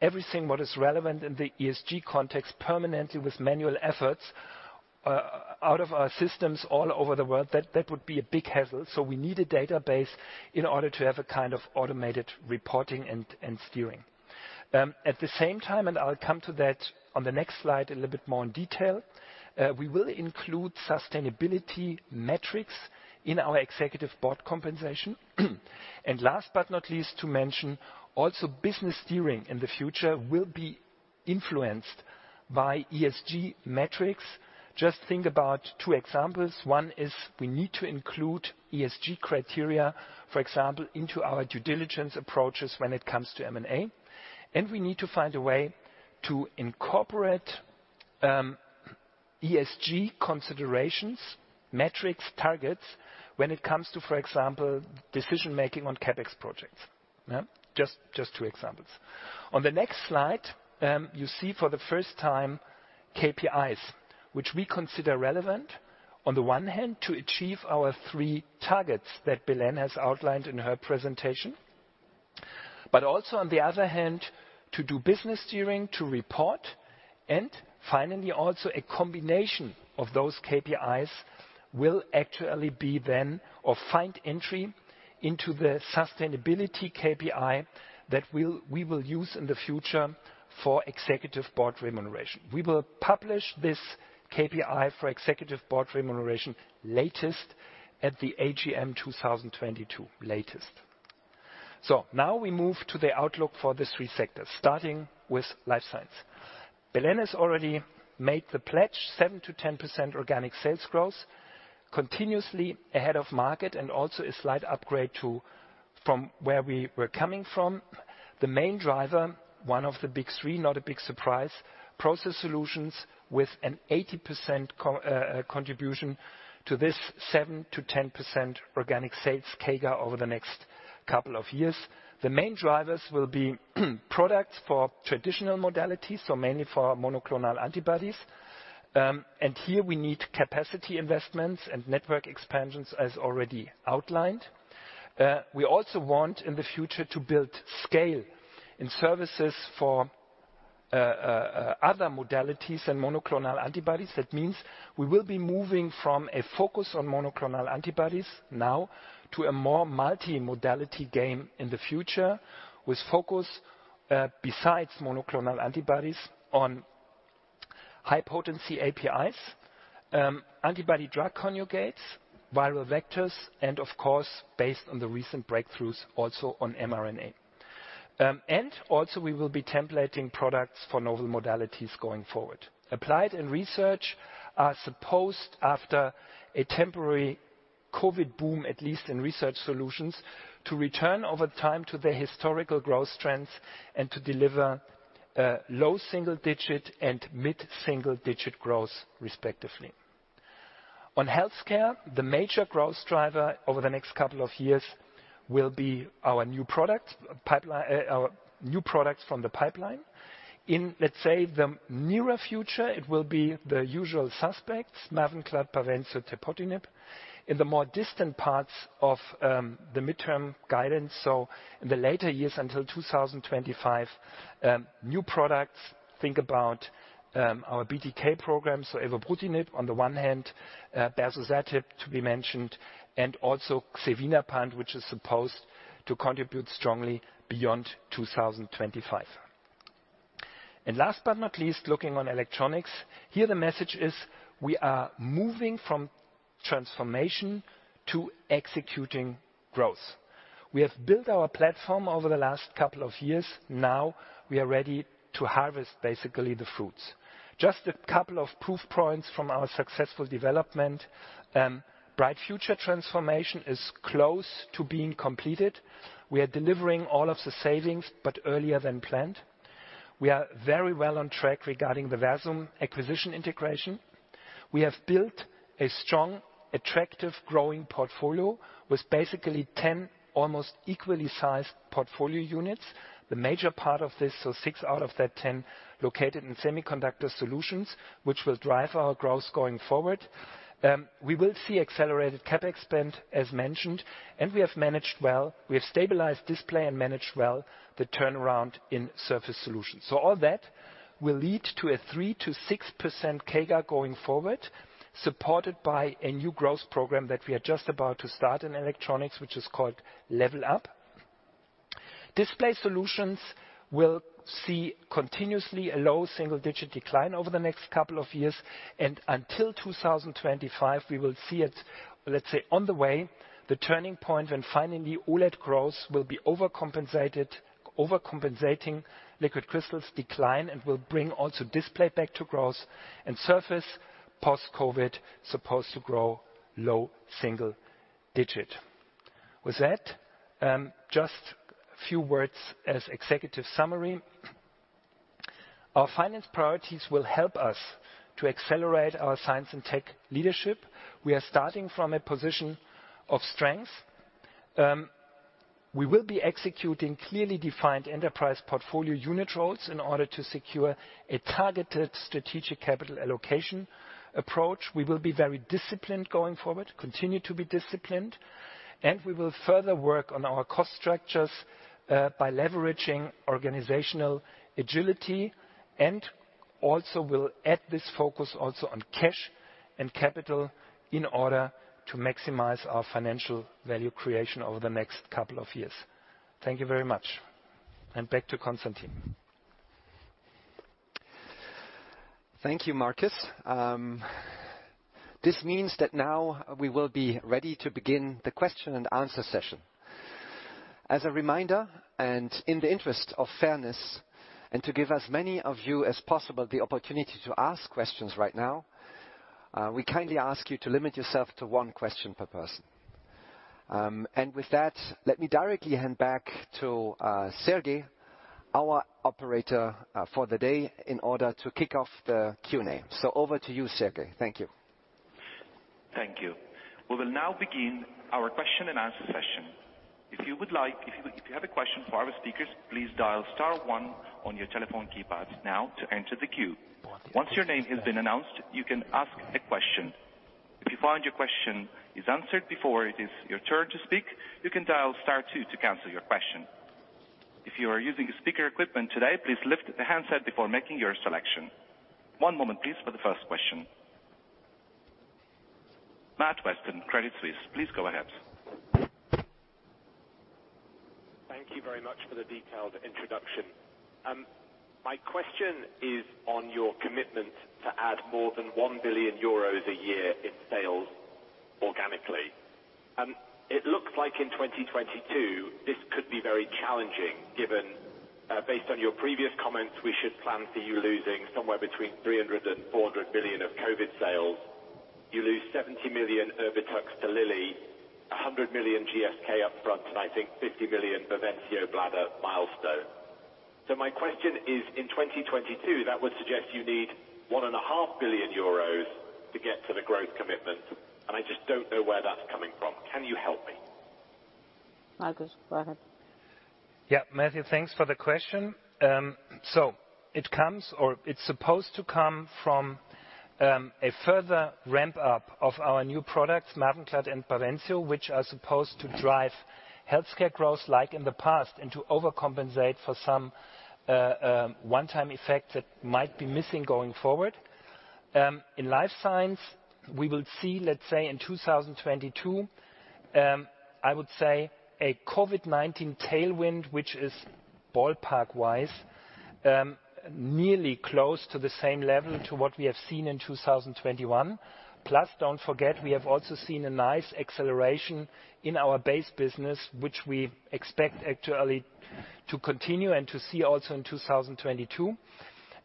everything what is relevant in the ESG context permanently with manual efforts out of our systems all over the world. That would be a big hassle. We need a database in order to have a kind of automated reporting and steering. At the same time, I'll come to that on the next slide a little bit more in detail, we will include sustainability metrics in our Executive Board compensation. Last but not least, to mention also business steering in the future will be influenced by ESG metrics. Just think about two examples. One is we need to include ESG criteria, for example, into our due diligence approaches when it comes to M&A. We need to find a way to incorporate ESG considerations, metrics, targets, when it comes to, for example, decision making on CapEx projects. Just two examples. On the next slide, you see for the first time KPIs, which we consider relevant, on the one hand, to achieve our three targets that Belén has outlined in her presentation, also on the other hand, to do business steering, to report. Finally, also a combination of those KPIs will actually be then or find entry into the sustainability KPI that we will use in the future for Executive Board remuneration. We will publish this KPI for Executive Board remuneration latest at the AGM 2022. Now we move to the outlook for the three sectors, starting with Life Science. Belén has already made the pledge, 7%-10% organic sales growth, continuously ahead of market, and also a slight upgrade from where we were coming from. The main driver, one of the big three, not a big surprise, Process Solutions with an 80% contribution to this 7%-10% organic sales CAGR over the next couple of years. The main drivers will be products for traditional modalities, so mainly for monoclonal antibodies. Here we need capacity investments and network expansions as already outlined. We also want in the future to build scale in services for other modalities and monoclonal antibodies. That means we will be moving from a focus on monoclonal antibodies now to a more multimodality game in the future, with focus, besides monoclonal antibodies, on high potency APIs, antibody-drug conjugates, viral vectors, and of course, based on the recent breakthroughs, also on mRNA. Also we will be templating products for novel modalities going forward. Applied and Research are supposed, after a temporary COVID boom, at least in Research Solutions, to return over time to their historical growth trends and to deliver low double-digit and mid double-digit growth respectively. On Healthcare, the major growth driver over the next couple of years will be our new products from the pipeline. In, let's say, the nearer future, it will be the usual suspects, MAVENCLAD, BAVENCIO, tepotinib. In the more distant parts of the midterm guidance, so in the later years until 2025, new products. Think about our BTK program, evobrutinib on the one hand, berzosertib to be mentioned, and also xevinapant, which is supposed to contribute strongly beyond 2025. Last but not least, looking on Electronics. Here the message is we are moving from transformation to executing growth. We have built our platform over the last couple of years. Now we are ready to harvest basically the fruits. Just a couple of proof points from our successful development. Bright Future transformation is close to being completed. We are delivering all of the savings, but earlier than planned. We are very well on track regarding the Versum acquisition integration. We have built a strong, attractive, growing portfolio with basically 10 almost equally sized portfolio units. The major part of this, so six out of that 10, located in semiconductor solutions, which will drive our growth going forward. We will see accelerated CapEx spend, as mentioned, and we have managed well. We have stabilized Display and managed well the turnaround in Surface Solutions. All that will lead to a 3%-6% CAGR going forward, supported by a new growth program that we are just about to start in Electronics, which is called Level Up. Display Solutions will see continuously a low single-digit decline over the next couple of years, and until 2025, we will see it, let's say, on the way. The turning point when finally OLED growth will be overcompensating liquid crystals decline and will bring also Display back to growth. Surface, post-COVID, supposed to grow low single-digit. With that, just a few words as executive summary. Our finance priorities will help us to accelerate our science and tech leadership. We are starting from a position of strength. We will be executing clearly defined enterprise portfolio unit roles in order to secure a targeted strategic capital allocation approach. We will be very disciplined going forward, continue to be disciplined, and we will further work on our cost structures by leveraging organizational agility and also we'll add this focus also on cash and capital in order to maximize our financial value creation over the next two years. Thank you very much. Back to Constantin. Thank you, Marcus. This means that now we will be ready to begin the question and answer session. As a reminder, and in the interest of fairness, and to give as many of you as possible the opportunity to ask questions right now, we kindly ask you to limit yourself to one question per person. With that, let me directly hand back to Sergey, our operator for the day, in order to kick off the Q&A. Over to you, Sergey. Thank you. Thank you. We will now begin our question and answer session. Matthew Weston, Credit Suisse, please go ahead. Thank you very much for the detailed introduction. My question is on your commitment to add more than 1 billion euros a year in sales organically. It looks like in 2022 this could be very challenging given, based on your previous comments, we should plan for you losing somewhere between 300 million-400 million of COVID sales. You lose 70 million Erbitux to Lilly, 100 million GSK upfront, and I think 50 million BAVENCIO bladder milestone. My question is, in 2022, that would suggest you need 1.5 billion euros to get to the growth commitment, and I just don't know where that's coming from. Can you help me? Marcus, go ahead. Yeah, Matthew, thanks for the question. It comes or it's supposed to come from a further ramp up of our new products, MAVENCLAD and BAVENCIO, which are supposed to drive Healthcare growth like in the past, and to overcompensate for some one-time effect that might be missing going forward. In Life Science, we will see, let's say in 2022, I would say a COVID-19 tailwind, which is ballpark wise, nearly close to the same level to what we have seen in 2021. Don't forget, we have also seen a nice acceleration in our base business, which we expect actually to continue and to see also in 2022.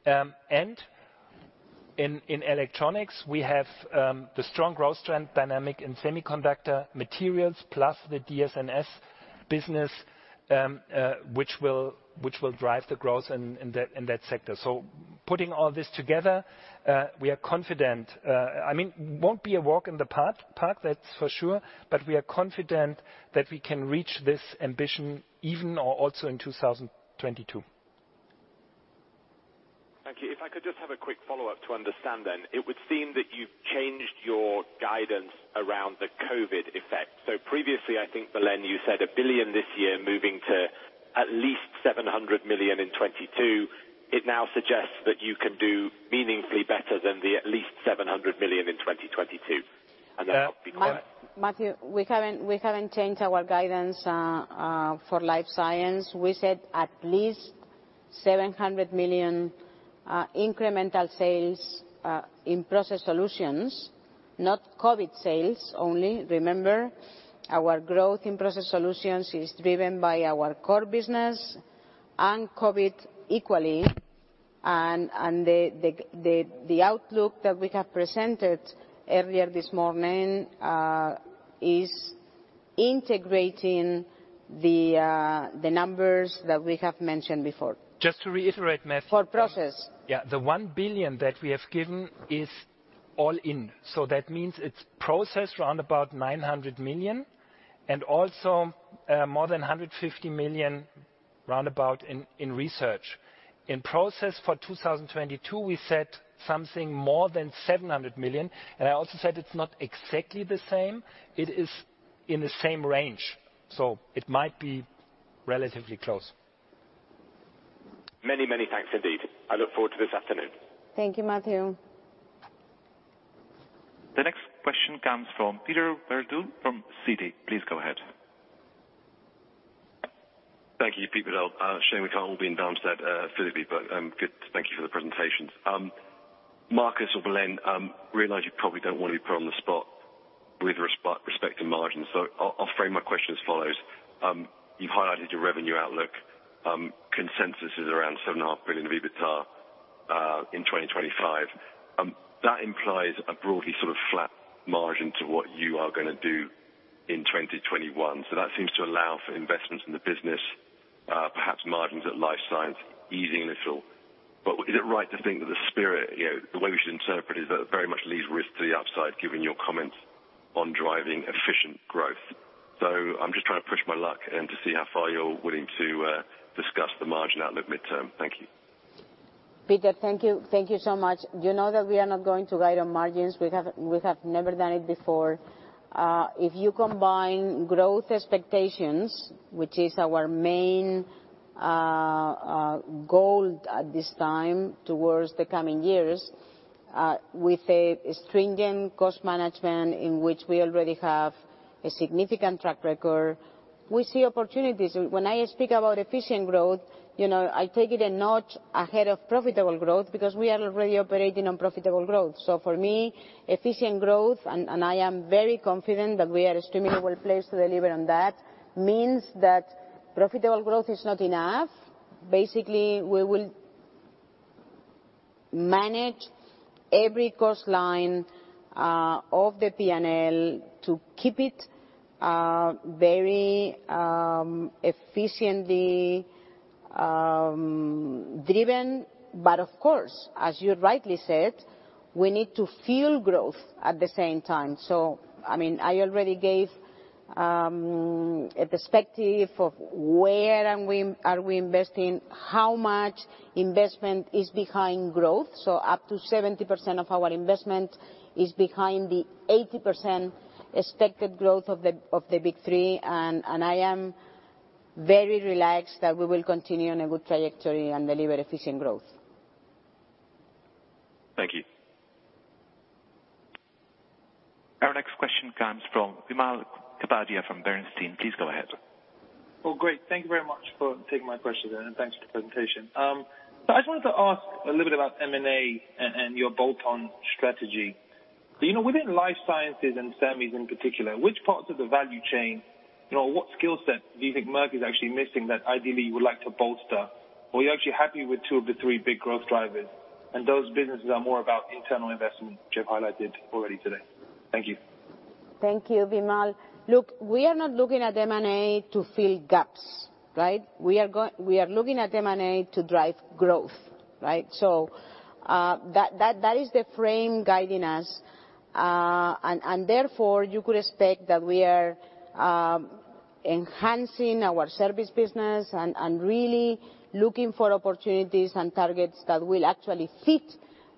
In Electronics, we have the strong growth trend dynamic in Semiconductor Materials plus the DS&S business, which will drive the growth in that sector. Putting all this together, we are confident. It won't be a walk in the park, that's for sure, but we are confident that we can reach this ambition even or also in 2022. Thank you. If I could just have a quick follow-up to understand then. It would seem that you've changed your guidance around the COVID effect. Previously, I think, Belén, you said 1 billion this year moving to at least 700 million in 2022. It now suggests that you can do meaningfully better than the at least 700 million in 2022. Matthew, we haven't changed our guidance for Life Science. We said at least 700 million incremental sales in Process Solutions, not COVID sales only. Remember, our growth in Process Solutions is driven by our core business and COVID equally. The outlook that we have presented earlier this morning is integrating the numbers that we have mentioned before. Just to reiterate, Matthew. For process. Yeah. The 1 billion that we have given is all in. That means it's process roundabout 900 million and also more than 150 million roundabout in research. In process for 2022, we said something more than 700 million, and I also said it's not exactly the same. It is in the same range. It might be relatively close. Many, many thanks, indeed. I look forward to this afternoon. Thank you, Matthew. The next question comes from Peter Verdult from Citi. Please go ahead. Thank you, Peter Verdult. Shame we can't all be in Darmstadt, Philippi, but good. Thank you for the presentations. Marcus or Belén, realize you probably don't want to be put on the spot with respect to margins. I'll frame my question as follows. You've highlighted your revenue outlook. Consensus is around 7.5 billion of EBITDA in 2025. That implies a broadly sort of flat margin to what you are going to do in 2021. That seems to allow for investments in the business, perhaps margins at Life Science easing a little. Is it right to think that the spirit, the way we should interpret it, is that it very much leaves risk to the upside given your comments on driving efficient growth? I'm just trying to push my luck and to see how far you're willing to discuss the margin outlook midterm. Thank you. Peter, thank you so much. You know that we are not going to guide on margins. We have never done it before. If you combine growth expectations, which is our main goal at this time towards the coming years, with a stringent cost management in which we already have a significant track record. We see opportunities. When I speak about efficient growth, I take it a notch ahead of profitable growth because we are already operating on profitable growth. For me, efficient growth, and I am very confident that we are extremely well-placed to deliver on that, means that profitable growth is not enough. Basically, we will manage every cost line of the P&L to keep it very efficiently driven. Of course, as you rightly said, we need to fuel growth at the same time. I already gave a perspective of where are we investing, how much investment is behind growth. Up to 70% of our investment is behind the 80% expected growth of the big three, and I am very relaxed that we will continue on a good trajectory and deliver efficient growth. Thank you. Our next question comes from Vimal Kapadia from Bernstein. Please go ahead. Well, great. Thank you very much for taking my question and thanks for the presentation. I just wanted to ask a little bit about M&A and your bolt-on strategy. Within life sciences and semis in particular, which parts of the value chain, or what skill set do you think Merck is actually missing that ideally you would like to bolster? Are you actually happy with two of the three big growth drivers and those businesses are more about internal investment, which you have highlighted already today? Thank you. Thank you, Vimal. Look, we are not looking at M&A to fill gaps, right? We are looking at M&A to drive growth. That is the frame guiding us. Therefore, you could expect that we are enhancing our service business and really looking for opportunities and targets that will actually fit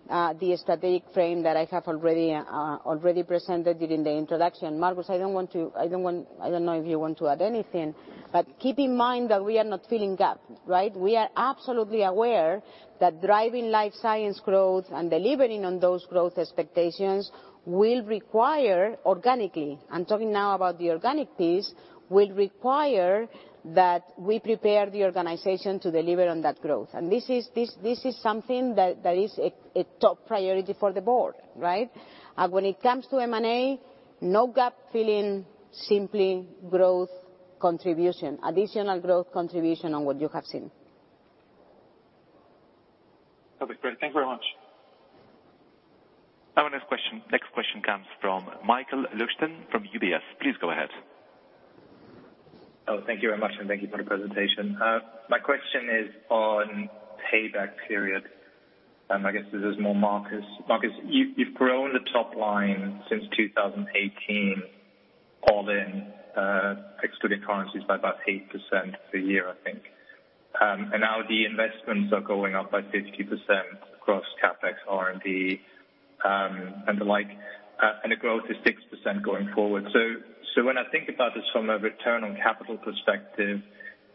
the strategic frame that I have already presented during the introduction. Marcus, I don't know if you want to add anything, but keep in mind that we are not filling gap. We are absolutely aware that driving Life Science growth and delivering on those growth expectations will require organically. I'm talking now about the organic piece, will require that we prepare the organization to deliver on that growth. This is something that is a top priority for the board. When it comes to M&A, no gap filling, simply growth contribution, additional growth contribution on what you have seen. That is great. Thank you very much. Our next question comes from Michael Leuchten from UBS. Please go ahead. Oh, thank you very much, and thank you for the presentation. My question is on payback period. I guess this is more Marcus. Marcus, you've grown the top line since 2018, all in, excluding currencies by about 8% a year, I think. Now the investments are going up by 50% across CapEx, R&D, and the like, and the growth is 6% going forward. When I think about this from a return on capital perspective,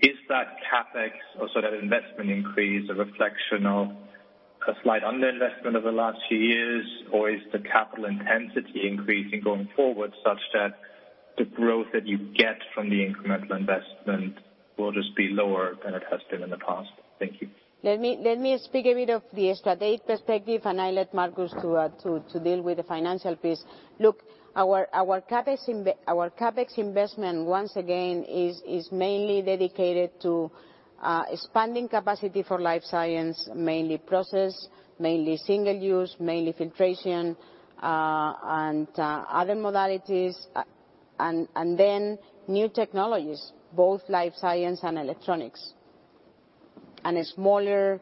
is that CapEx or sort of investment increase a reflection of a slight under-investment over the last few years? Or is the capital intensity increasing going forward such that the growth that you get from the incremental investment will just be lower than it has been in the past? Thank you. Let me speak a bit of the strategic perspective, I let Marcus to deal with the financial piece. Look, our CapEx investment, once again, is mainly dedicated to expanding capacity for Life Science, mainly process, mainly single use, mainly filtration, and other modalities. Then new technologies, both Life Science and Electronics. A smaller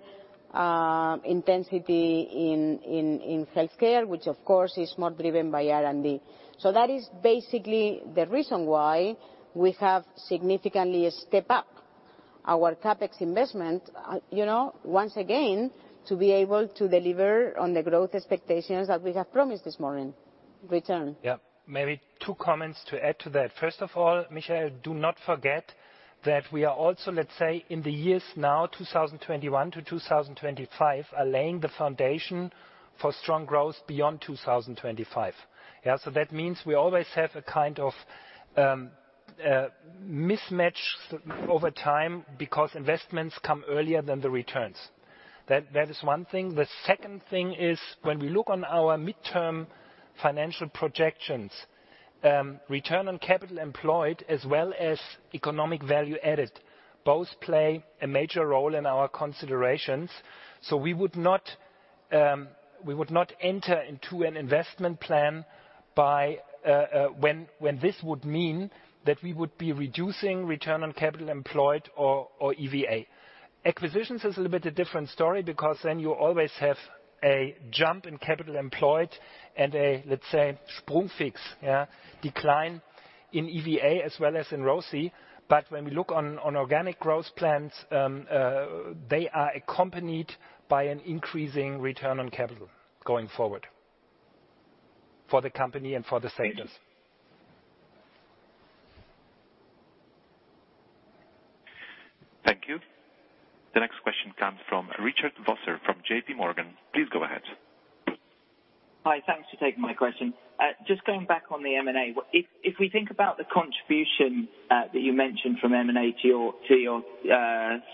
intensity in Healthcare, which of course is more driven by R&D. That is basically the reason why we have significantly step up our CapEx investment, once again, to be able to deliver on the growth expectations that we have promised this morning. Return. Yeah. Maybe two comments to add to that. First of all, Michael, do not forget that we are also, let's say, in the years now, 2021 to 2025, are laying the foundation for strong growth beyond 2025. That means we always have a kind of mismatch over time because investments come earlier than the returns. The second thing is when we look on our midterm financial projections, Return on Capital Employed as well as Economic Value Added, both play a major role in our considerations. We would not enter into an investment plan when this would mean that we would be reducing Return on Capital Employed or EVA. Acquisitions is a little bit a different story because then you always have a jump in capital employed and a, let's say, "Sprungfix", decline in EVA as well as in ROCE. When we look on organic growth plans, they are accompanied by an increasing return on capital going forward. For the company and for the stakeholders. Thank you. The next question comes from Richard Vosser from JPMorgan. Please go ahead. Hi. Thanks for taking my question. Just going back on the M&A. If we think about the contribution that you mentioned from M&A to your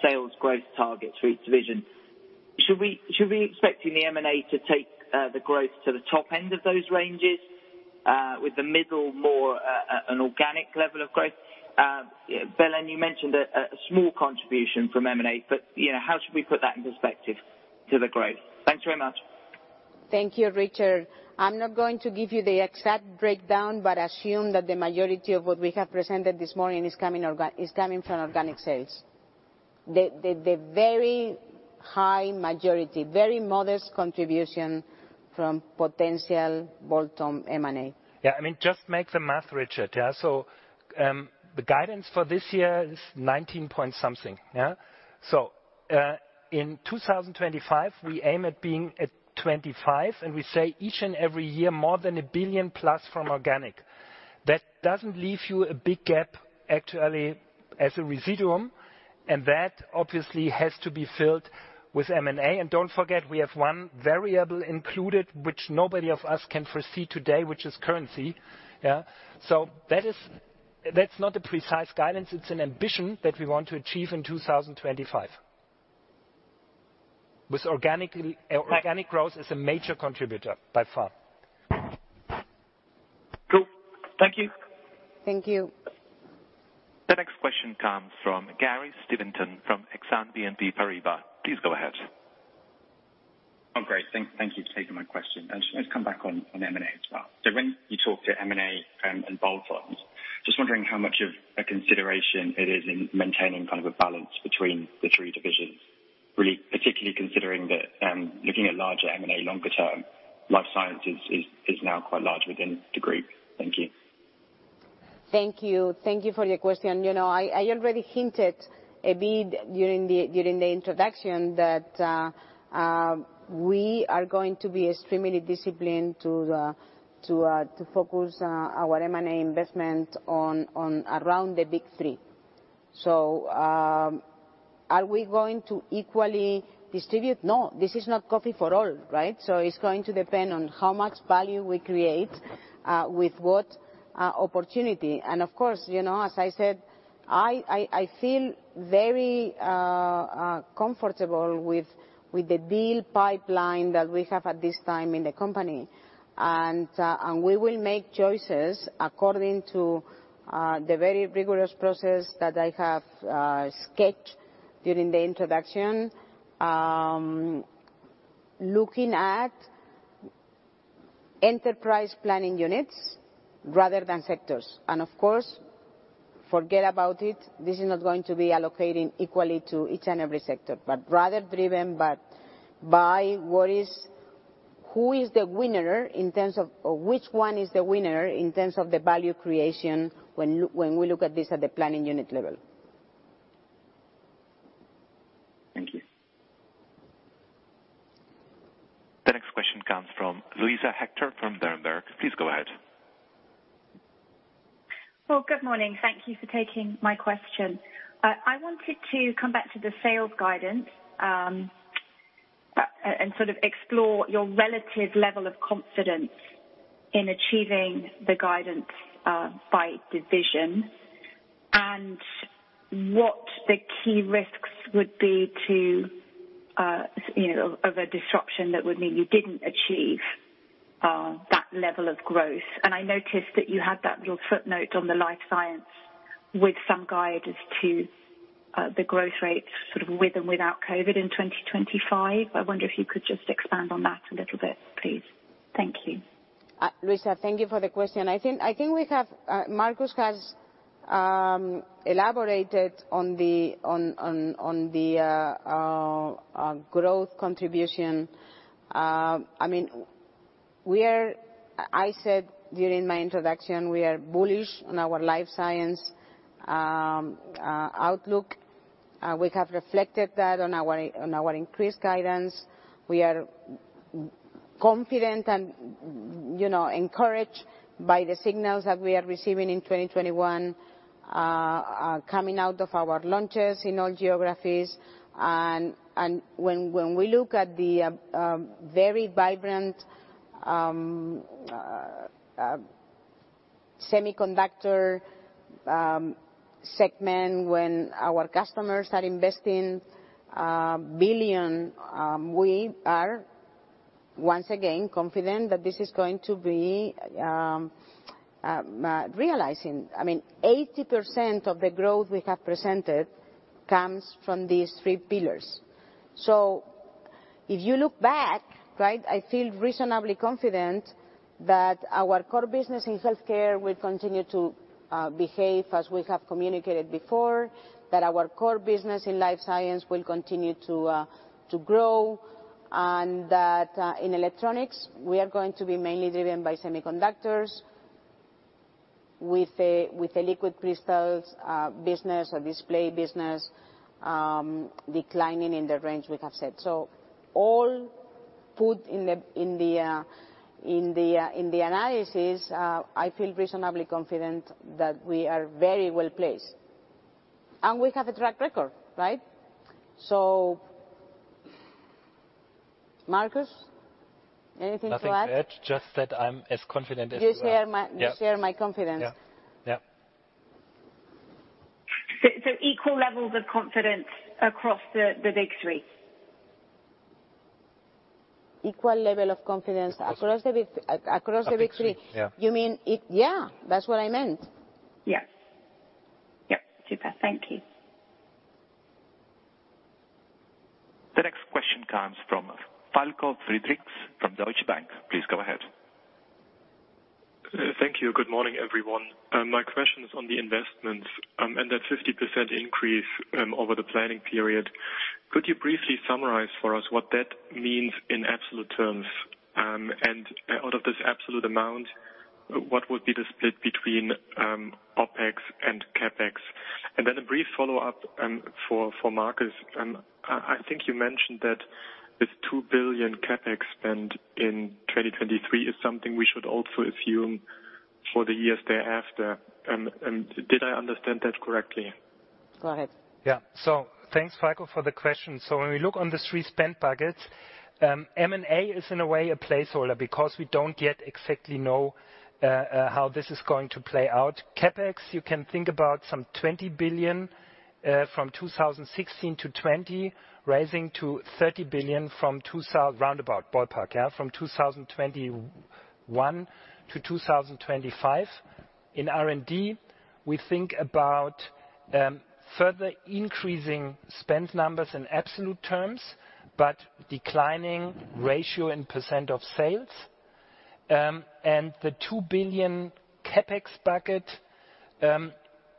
sales growth targets for each division, should we be expecting the M&A to take the growth to the top end of those ranges, with the middle more an organic level of growth? Belén, you mentioned a small contribution from M&A, but how should we put that in perspective to the growth? Thanks very much. Thank you, Richard. I'm not going to give you the exact breakdown, but assume that the majority of what we have presented this morning is coming from organic sales, the very high majority, very modest contribution from potential bolt-on M&A. Yeah, just make the math, Richard. The guidance for this year is 19 point something. In 2025, we aim at being at 25, and we say each and every year more than 1 billion plus from organic. That doesn't leave you a big gap, actually, as a residuum, and that obviously has to be filled with M&A. Don't forget, we have one variable included, which nobody of us can foresee today, which is currency. That's not a precise guidance, it's an ambition that we want to achieve in 2025, with organic growth as a major contributor by far. Cool. Thank you. Thank you. The next question comes from Gary Steventon from Exane BNP Paribas. Please go ahead. Oh, great. Thank you for taking my question. Let's come back on M&A as well. When you talk to M&A and bolt-ons, just wondering how much of a consideration it is in maintaining a balance between the three divisions, really, particularly considering that looking at larger M&A longer term, Life sciences is now quite large within the group. Thank you. Thank you. Thank you for your question. I already hinted a bit during the introduction that we are going to be extremely disciplined to focus our M&A investment around the big three. Are we going to equally distribute? No, this is not coffee for all, right? It's going to depend on how much value we create with what opportunity. Of course, as I said, I feel very comfortable with the deal pipeline that we have at this time in the company. We will make choices according to the very rigorous process that I have sketched during the introduction, looking at enterprise planning units rather than sectors. Of course, forget about it. This is not going to be allocating equally to each and every sector, but rather driven by who is the winner in terms of which one is the winner in terms of the value creation when we look at this at the planning unit level. Thank you. The next question comes from Luisa Hector from Bernstein. Please go ahead. Well, good morning. Thank you for taking my question. I wanted to come back to the sales guidance, sort of explore your relative level of confidence in achieving the guidance by division. What the key risks would be of a disruption that would mean you didn't achieve that level of growth. I noticed that you had that little footnote on the Life Science with some guide as to the growth rates, sort of with and without COVID in 2025. I wonder if you could just expand on that a little bit, please. Thank you. Luisa, thank you for the question. I think Marcus has elaborated on the growth contribution. I said during my introduction, we are bullish on our life science outlook. We have reflected that on our increased guidance. We are confident and encouraged by the signals that we are receiving in 2021, coming out of our launches in all geographies. When we look at the very vibrant semiconductor segment, when our customers are investing $ billion, we are once again confident that this is going to be realizing. 80% of the growth we have presented comes from these three pillars. If you look back, I feel reasonably confident that our core business in Healthcare will continue to behave as we have communicated before, that our core business in Life Science will continue to grow, and that in Electronics, we are going to be mainly driven by semiconductors. With the liquid crystals business, our display business declining in the range we have said. All put in the analysis, I feel reasonably confident that we are very well-placed. We have a track record, right? Markus, anything to add? Nothing to add. Just that I'm as confident as you are. You share my confidence. Yeah. Equal levels of confidence across the big 3? Equal level of confidence across the big three? Across the big three, yeah. Yeah, that's what I meant. Yes. Super. Thank you. The next question comes from Falko Friedrichs from Deutsche Bank. Please go ahead. Thank you. Good morning, everyone. My question is on the investments and that 50% increase over the planning period. Could you briefly summarize for us what that means in absolute terms? Out of this absolute amount, what would be the split between OpEx and CapEx? Then a brief follow-up for Markus. I think you mentioned that this 2 billion CapEx spend in 2023 is something we should also assume for the years thereafter. Did I understand that correctly? Go ahead. Thanks, Falko, for the question. When we look on the 3 spend buckets, M&A is in a way a placeholder because we don't yet exactly know how this is going to play out. CapEx, you can think about some $20 billion from 2016-2020, rising to $30 billion round about, ballpark, from 2021-2025. In R&D, we think about further increasing spend numbers in absolute terms, but declining ratio in % of sales. The $2 billion CapEx bucket,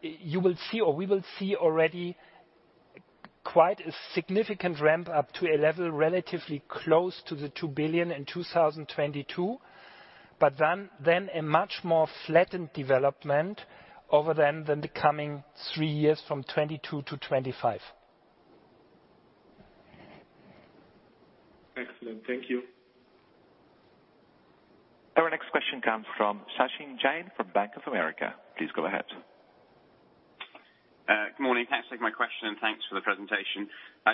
you will see or we will see already quite a significant ramp up to a level relatively close to the $2 billion in 2022. A much more flattened development over the coming 3 years from 2022-2025. Excellent. Thank you. Our next question comes from Sachin Jain from Bank of America. Please go ahead. Good morning. Thanks for taking my question, and thanks for the presentation.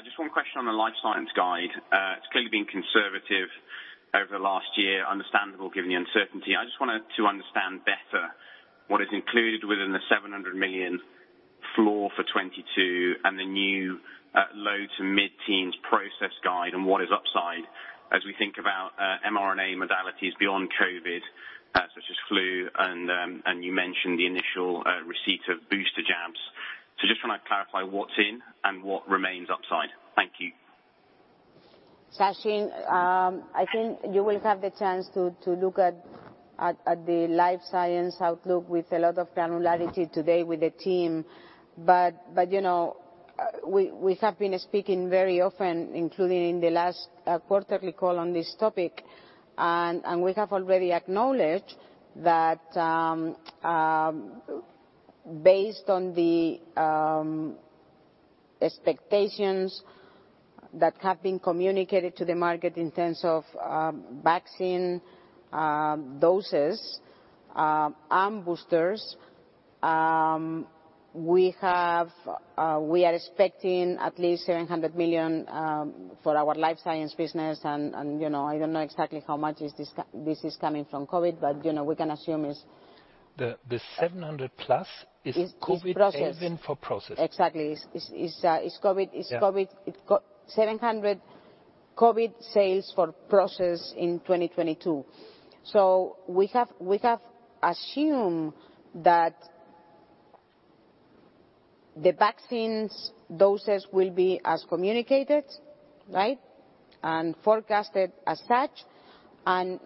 Just one question on the life science guide. It's clearly been conservative over the last year, understandable given the uncertainty. I just wanted to understand better what is included within the 700 million floor for 2022 and the new low to mid-teens process guide and what is upside as we think about mRNA modalities beyond COVID, such as flu, and you mentioned the initial receipt of booster jabs. Just want to clarify what's in and what remains upside. Thank you. Sachin, I think you will have the chance to look at the Life Science outlook with a lot of granularity today with the team. We have been speaking very often, including in the last quarterly call on this topic, and we have already acknowledged that based on the expectations that have been communicated to the market in terms of vaccine doses and boosters, we are expecting at least 700 million for our Life Science business, and I don't know exactly how much this is coming from COVID, but we can assume it's. The 700 plus is- Is process COVID even for process. Exactly. It's COVID. Yeah. 700 COVID sales for process in 2022. We have assumed that the vaccines doses will be as communicated, right, forecasted as such, and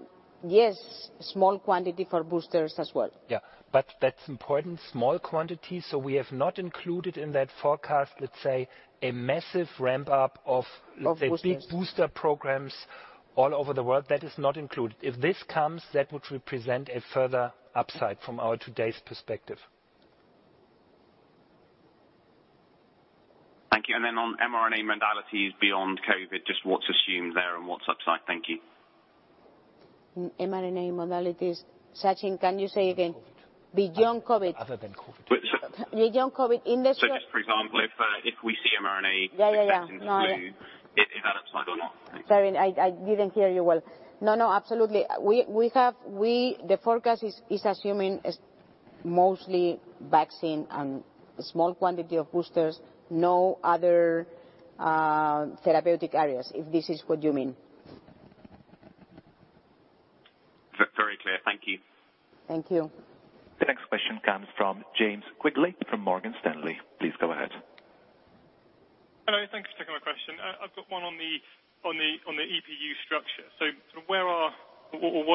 yes, small quantity for boosters as well. Yeah. That's important, small quantity, so we have not included in that forecast, let's say, a massive ramp-up. Of boosters. The big booster programs all over the world. That is not included. If this comes, that would represent a further upside from our today's perspective. Thank you. Then on mRNA modalities beyond COVID, just what's assumed there and what's upside? Thank you. mRNA modalities. Sachin, can you say again? COVID. Beyond COVID. Other than COVID. Beyond COVID industry- Just for example, if we see mRNA. Yeah affecting the flu, if that upside or not? Thank you. Sorry, I didn't hear you well. No, absolutely. The forecast is assuming mostly vaccine and small quantity of boosters, no other therapeutic areas, if this is what you mean. That's very clear. Thank you. Thank you. The next question comes from James Quigley from Morgan Stanley. Please go ahead. Hello, thanks for taking my question. I've got one on the EPU structure. What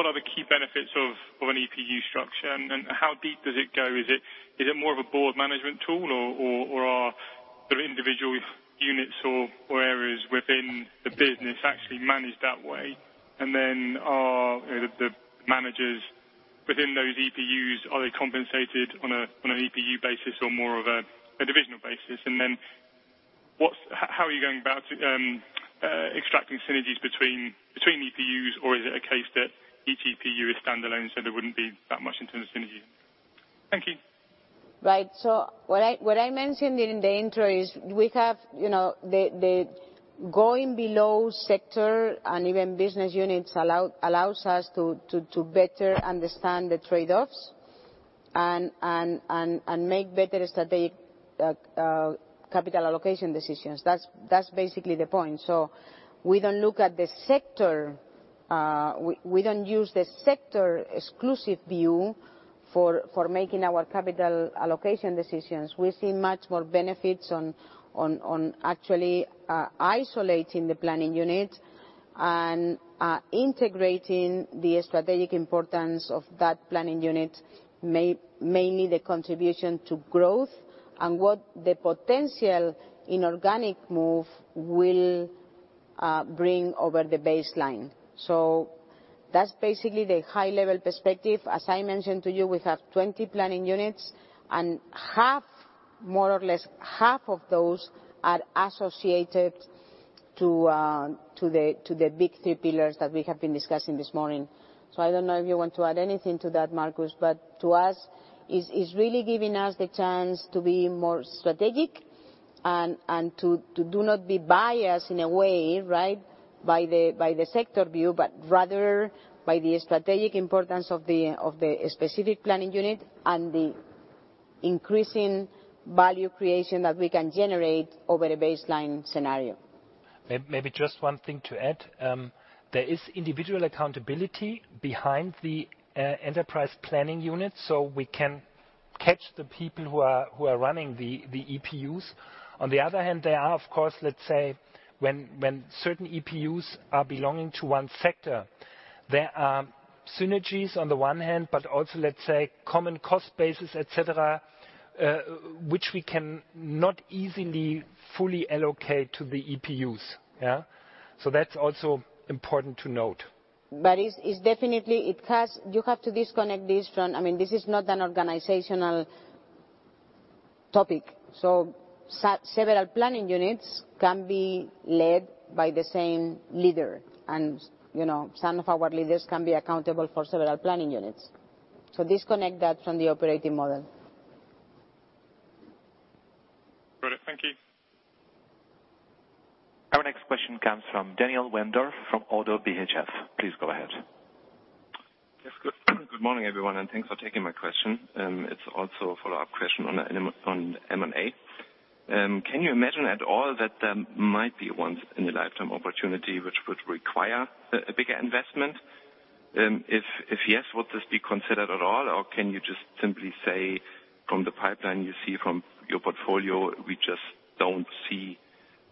are the key benefits of an EPU structure, and how deep does it go? Is it more of a board management tool, or are the individual units or areas within the business actually managed that way? Are the managers within those EPUs, are they compensated on an EPU basis or more of a divisional basis? How are you going about extracting synergies between EPUs? Is it a case that each EPU is standalone, so there wouldn't be that much in terms of synergy? Thank you. Right. What I mentioned in the intro is we have the going below sector and even business units allows us to better understand the trade-offs and make better strategic capital allocation decisions. That's basically the point. We don't look at the sector. We don't use the sector exclusive view for making our capital allocation decisions. We see much more benefits on actually isolating the planning unit and integrating the strategic importance of that planning unit, mainly the contribution to growth and what the potential inorganic move will bring over the baseline. That's basically the high level perspective. As I mentioned to you, we have 20 planning units, and more or less half of those are associated to the big three pillars that we have been discussing this morning. I don't know if you want to add anything to that, Marcus, but to us, it's really giving us the chance to be more strategic and to do not be biased in a way by the sector view, but rather by the strategic importance of the specific planning unit and the increasing value creation that we can generate over the baseline scenario. Maybe just one thing to add. There is individual accountability behind the enterprise planning unit, so we can catch the people who are running the EPUs. On the other hand, there are, of course, let's say, when certain EPUs are belonging to one sector, there are synergies on the one hand, but also, let's say, common cost basis, et cetera, which we cannot easily fully allocate to the EPUs. Yeah. That's also important to note. It's definitely, you have to disconnect this from. This is not an organizational topic. Several planning units can be led by the same leader. Some of our leaders can be accountable for several planning units. Disconnect that from the operating model. Got it. Thank you. Our next question comes from Daniel Wendorff from ODDO BHF. Please go ahead. Yes. Good morning, everyone, and thanks for taking my question. It is also a follow-up question on M&A. Can you imagine at all that there might be a once in a lifetime opportunity which would require a bigger investment? If yes, would this be considered at all, or can you just simply say from the pipeline you see from your portfolio, we just don't see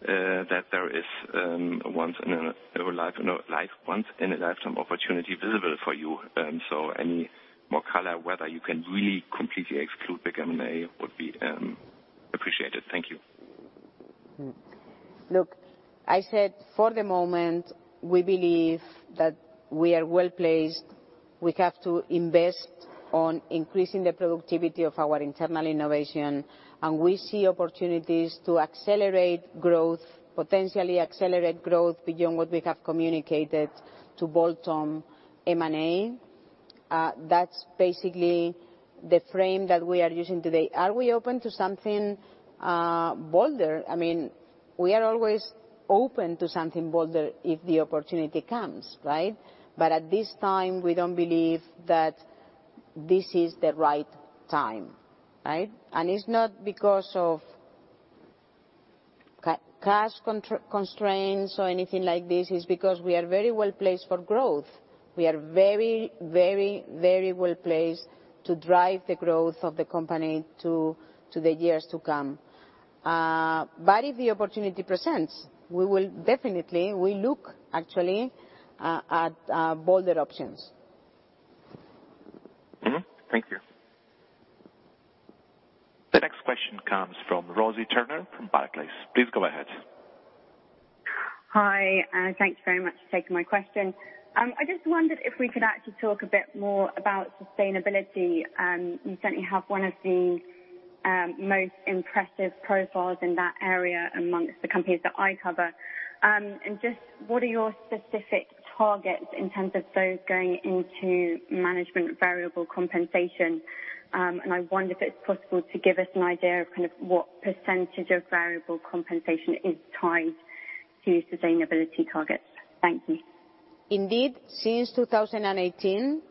that there is a once in a lifetime opportunity visible for you? Any more color whether you can really completely exclude big M&A would be appreciated. Thank you. Look, I said for the moment, we believe that we are well-placed. We have to invest on increasing the productivity of our internal innovation, and we see opportunities to accelerate growth, potentially accelerate growth beyond what we have communicated to bolt on M&A. That's basically the frame that we are using today. Are we open to something bolder? We are always open to something bolder if the opportunity comes, right? At this time, we don't believe that this is the right time. Right. It's not because of cash constraints or anything like this. It's because we are very well-placed for growth. We are very well-placed to drive the growth of the company to the years to come. If the opportunity presents, we will definitely look actually at bolder options. Mm-hmm. Thank you. The next question comes from Rosie Turner from Barclays. Please go ahead. Hi, and thanks very much for taking my question. I just wondered if we could actually talk a bit more about sustainability. You certainly have 1 of the most impressive profiles in that area amongst the companies that I cover. Just what are your specific targets in terms of those going into management variable compensation? I wonder if it's possible to give us an idea of what percentage of variable compensation is tied to sustainability targets. Thank you. Indeed, since 2018,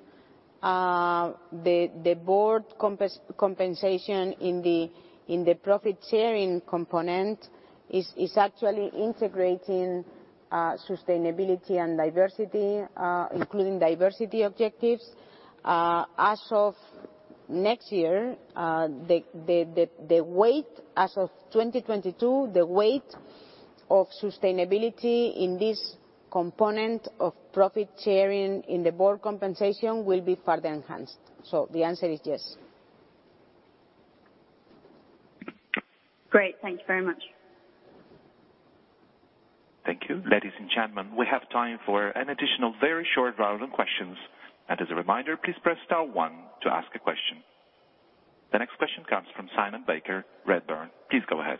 the board compensation in the profit-sharing component is actually integrating sustainability and diversity, including diversity objectives. As of next year, the weight as of 2022 of sustainability in this component of profit-sharing in the board compensation will be further enhanced. The answer is yes. Great. Thank you very much. Thank you. Ladies and gentlemen, we have time for an additional very short round of questions. As a reminder, please press star 1 to ask a question. The next question comes from Simon Baker, Redburn. Please go ahead.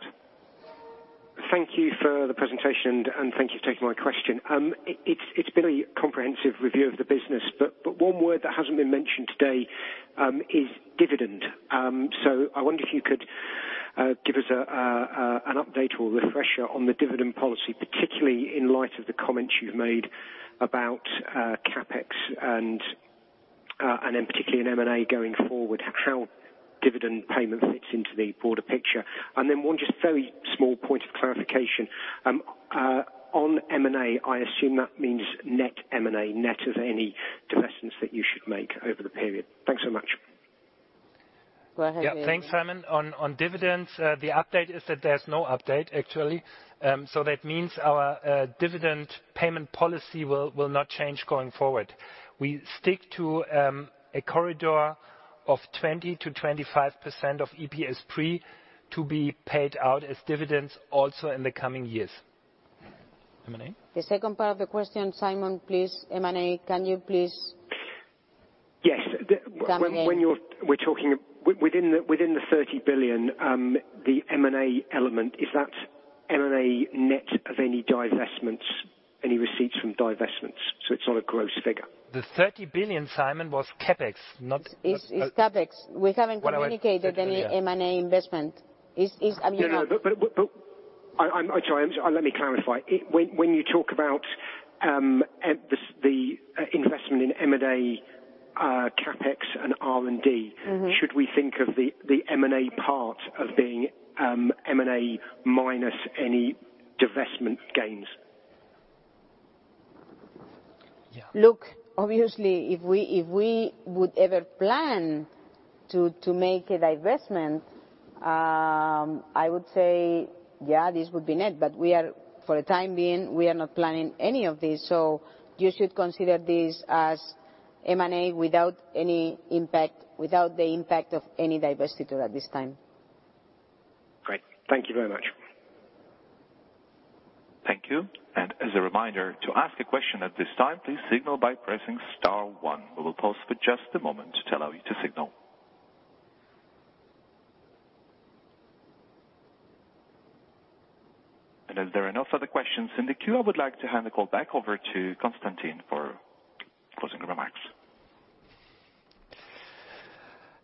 Thank you for the presentation, and thank you for taking my question. It's been a comprehensive review of the business. One word that hasn't been mentioned today is dividend. I wonder if you could give us an update or refresher on the dividend policy, particularly in light of the comments you've made about CapEx and then particularly in M&A going forward, how dividend payment fits into the broader picture. One just very small point of clarification. On M&A, I assume that means net M&A, net of any divestments that you should make over the period. Thanks so much. Go ahead, Andreas. Yeah. Thanks, Simon. On dividends, the update is that there's no update, actually. That means our dividend payment policy will not change going forward. We stick to a corridor of 20%-25% of EPS pre to be paid out as dividends also in the coming years. M&A? The second part of the question, Simon, please. M&A. Yes come in. We're talking within 30 billion, the M&A element, is that M&A net of any divestments, any receipts from divestments, so it's not a gross figure? The 30 billion, Simon, was CapEx. It's CapEx. We haven't communicated any M&A investment. No, I'm trying. Let me clarify. When you talk about the investment in M&A, CapEx, and R&D. Should we think of the M&A part of being M&A minus any divestment gains? Yeah. Look, obviously, if we would ever plan to make a divestment, I would say, yeah, this would be net, but for the time being, we are not planning any of these. You should consider this as M&A without the impact of any divestiture at this time. Great. Thank you very much. Thank you. As a reminder, to ask a question at this time, please signal by pressing star one. We will pause for just a moment to allow you to signal. As there are no further questions in the queue, I would like to hand the call back over to Constantin for closing remarks.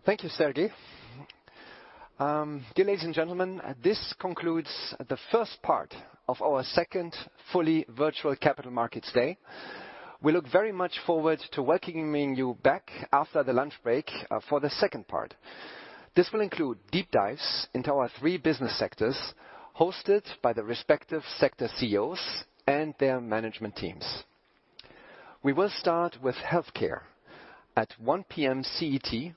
Thank you, Sergey. Dear ladies and gentlemen, this concludes the first part of our second fully virtual Capital Markets Day. We look very much forward to welcoming you back after the lunch break for the second part. This will include deep dives into our three business sectors hosted by the respective sector CEOs and their management teams. We will start with Healthcare at 1:00 P.M. CET,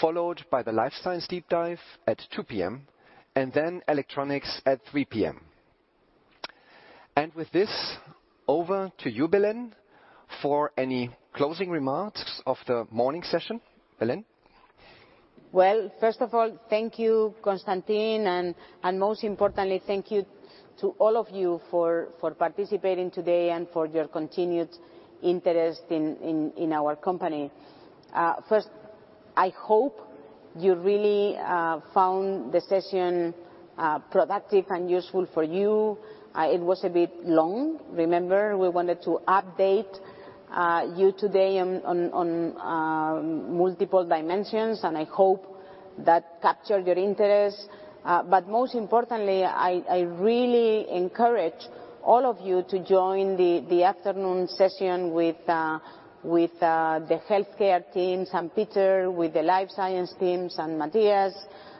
followed by the Life Science deep dive at 2:00 P.M., and then Electronics at 3:00 P.M. With this, over to you, Belén, for any closing remarks of the morning session. Belén? Well, first of all, thank you, Constantin, and most importantly, thank you to all of you for participating today and for your continued interest in our company. I hope you really found the session productive and useful for you. It was a bit long. Remember, we wanted to update you today on multiple dimensions, and I hope that captured your interest. Most importantly, I really encourage all of you to join the afternoon session with the healthcare team, and Peter, with the life science teams, and Matthias,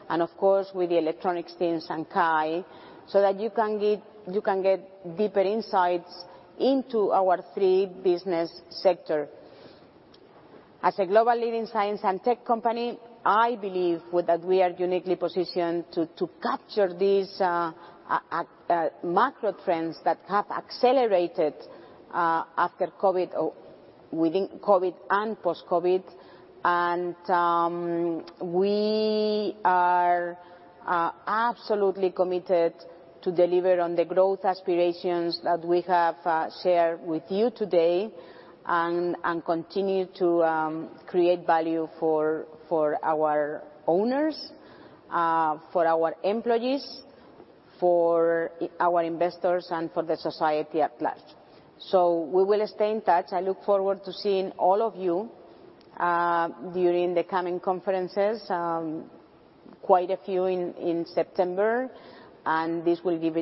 and of course, with the electronics teams and Kai, so that you can get deeper insights into our three business sector. As a global leading science and tech company, I believe that we are uniquely positioned to capture these macro trends that have accelerated within COVID and post-COVID. We are absolutely committed to deliver on the growth aspirations that we have shared with you today and continue to create value for our owners, for our employees, for our investors, and for the society at large. We will stay in touch. I look forward to seeing all of you during the coming conferences, quite a few in September. This will give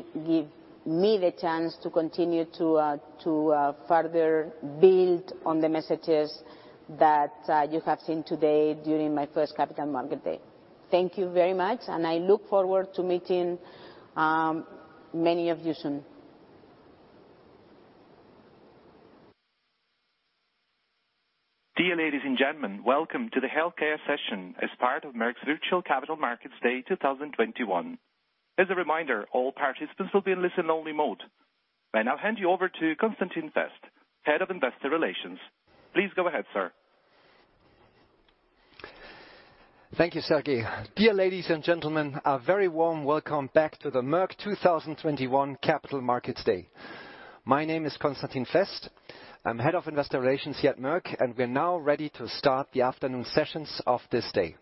me the chance to continue to further build on the messages that you have seen today during my first Capital Market Day. Thank you very much, and I look forward to meeting many of you soon. Dear ladies and gentlemen, welcome to the healthcare session as part of Merck's Virtual Capital Markets Day 2021. As a reminder, all participants will be in listen-only mode. I now hand you over to Constantin Fest, Head of Investor Relations. Please go ahead, sir. Thank you, Sergey. Dear ladies and gentlemen, a very warm welcome back to the Merck 2021 Capital Markets Day. My name is Constantin Fest. I'm Head of Investor Relations here at Merck, and we're now ready to start the afternoon sessions of this day.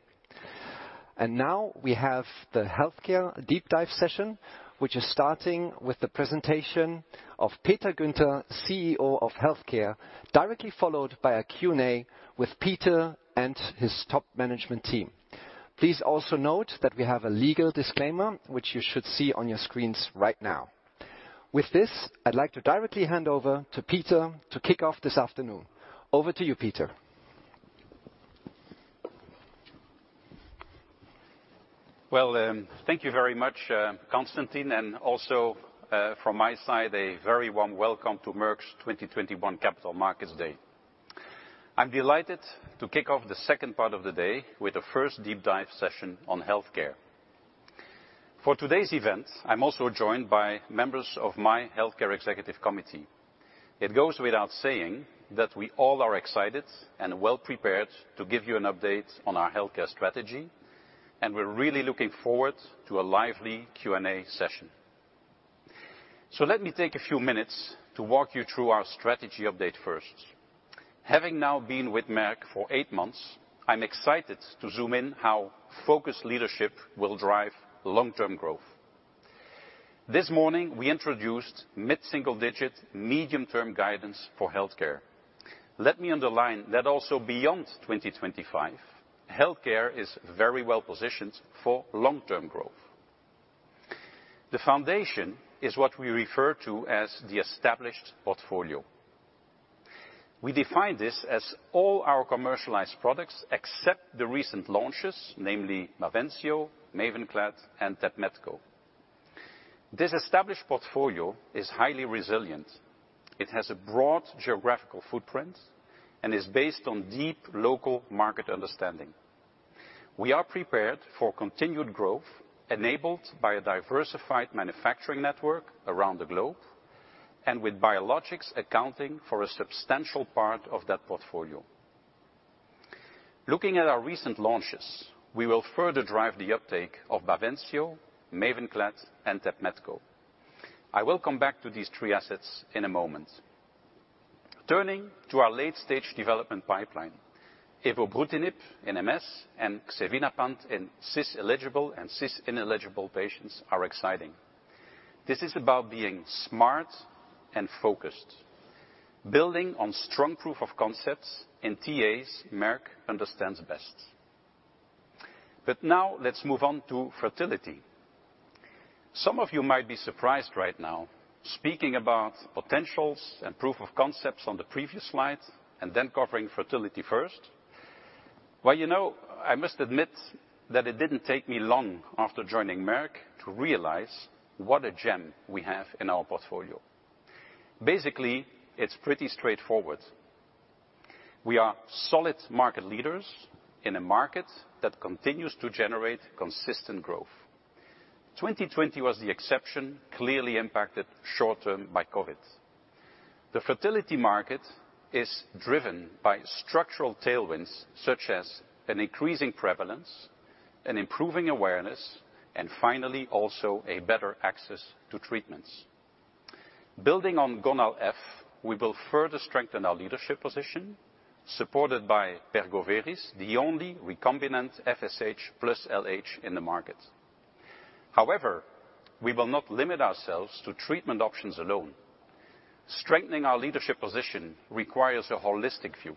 Now we have the healthcare deep dive session, which is starting with the presentation of Peter Guenter, CEO of Healthcare, directly followed by a Q&A with Peter and his top management team. Please also note that we have a legal disclaimer, which you should see on your screens right now. With this, I'd like to directly hand over to Peter to kick off this afternoon. Over to you, Peter. Well, thank you very much, Constantin, and also from my side, a very warm welcome to Merck's 2021 Capital Markets Day. I am delighted to kick off the second part of the day with the first deep dive session on healthcare. For today's event, I am also joined by members of my healthcare executive committee. It goes without saying that we all are excited and well prepared to give you an an update on our healthcare strategy, and we are really looking forward to a lively Q&A session. Let me take a few minutes to walk you through our strategy update first. Having now been with Merck for eight months, I am excited to zoom in how focused leadership will drive long-term growth. This morning, we introduced mid-single digit medium-term guidance for healthcare. Let me underline that also beyond 2025, healthcare is very well-positioned for long-term growth. The foundation is what we refer to as the established portfolio. We define this as all our commercialized products except the recent launches, namely BAVENCIO, MAVENCLAD, and TEPMETKO. This established portfolio is highly resilient. It has a broad geographical footprint and is based on deep local market understanding. We are prepared for continued growth enabled by a diversified manufacturing network around the globe and with biologics accounting for a substantial part of that portfolio. Looking at our recent launches, we will further drive the uptake of BAVENCIO, MAVENCLAD, and TEPMETKO. I will come back to these three assets in a moment. Turning to our late-stage development pipeline, evobrutinib in MS, and xevinapant in cisplatin-eligible and cis-ineligible patients are exciting. This is about being smart and focused. Building on strong proof of concepts in TAs Merck understands best. Now let's move on to fertility. Some of you might be surprised right now speaking about potentials and proof of concepts on the previous slide and then covering fertility first. Well, I must admit that it didn't take me long after joining Merck to realize what a gem we have in our portfolio. Basically, it's pretty straightforward. We are solid market leaders in a market that continues to generate consistent growth. 2020 was the exception, clearly impacted short-term by COVID. The fertility market is driven by structural tailwinds such as an increasing prevalence, an improving awareness, and finally, also a better access to treatments. Building on GONAL-f, we will further strengthen our leadership position, supported by Pergoveris, the only recombinant FSH plus LH in the market. However, we will not limit ourselves to treatment options alone. Strengthening our leadership position requires a holistic view.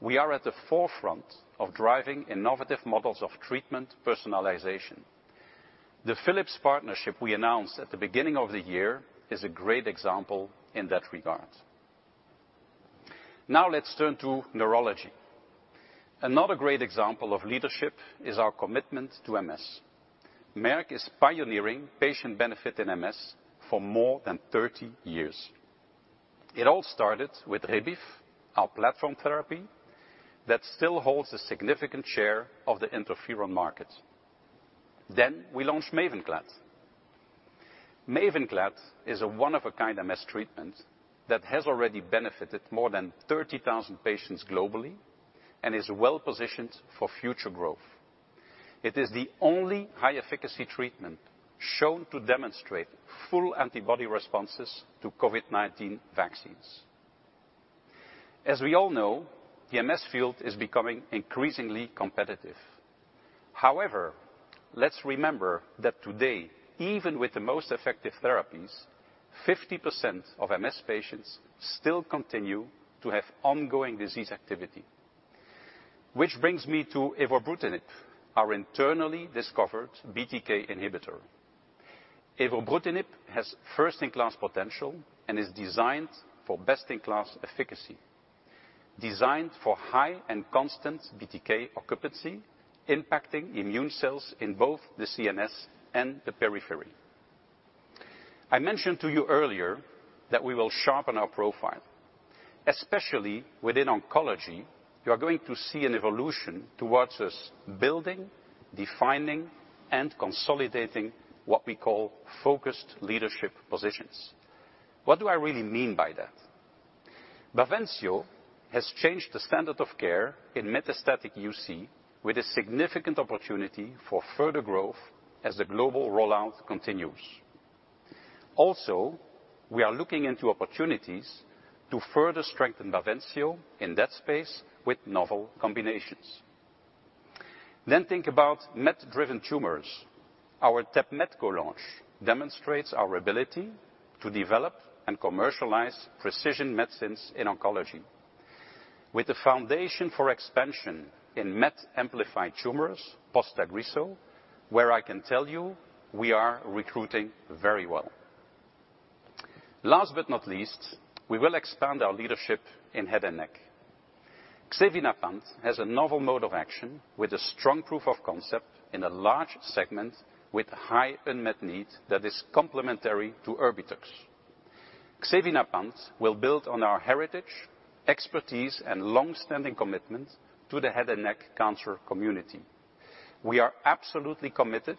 We are at the forefront of driving innovative models of treatment personalization. The Philips partnership we announced at the beginning of the year is a great example in that regard. Now let's turn to neurology. Another great example of leadership is our commitment to MS. Merck is pioneering patient benefit in MS for more than 30 years. It all started with Rebif, our platform therapy that still holds a significant share of the interferon market. We launched MAVENCLAD. MAVENCLAD is a one-of-a-kind MS treatment that has already benefited more than 30,000 patients globally and is well-positioned for future growth. It is the only high-efficacy treatment shown to demonstrate full antibody responses to COVID-19 vaccines. As we all know, the MS field is becoming increasingly competitive. However, let's remember that today, even with the most effective therapies, 50% of MS patients still continue to have ongoing disease activity. Which brings me to evobrutinib, our internally discovered BTK inhibitor. Evobrutinib has first-in-class potential and is designed for best-in-class efficacy. Designed for high and constant BTK occupancy, impacting immune cells in both the CNS and the periphery. I mentioned to you earlier that we will sharpen our profile. Especially within oncology, you are going to see an evolution towards us building, defining, and consolidating what we call focused leadership positions. What do I really mean by that? BAVENCIO has changed the standard of care in metastatic UC with a significant opportunity for further growth as the global rollout continues. We are looking into opportunities to further strengthen BAVENCIO in that space with novel combinations. Think about MET-driven tumors. Our TEPMETKO launch demonstrates our ability to develop and commercialize precision medicines in oncology. With the foundation for expansion in MET-amplified tumors post Tagrisso, where I can tell you we are recruiting very well. Last but not least, we will expand our leadership in head and neck. xevinapant has a novel mode of action with a strong proof of concept in a large segment with high unmet need that is complementary to Erbitux. xevinapant will build on our heritage, expertise, and longstanding commitment to the head and neck cancer community. We are absolutely committed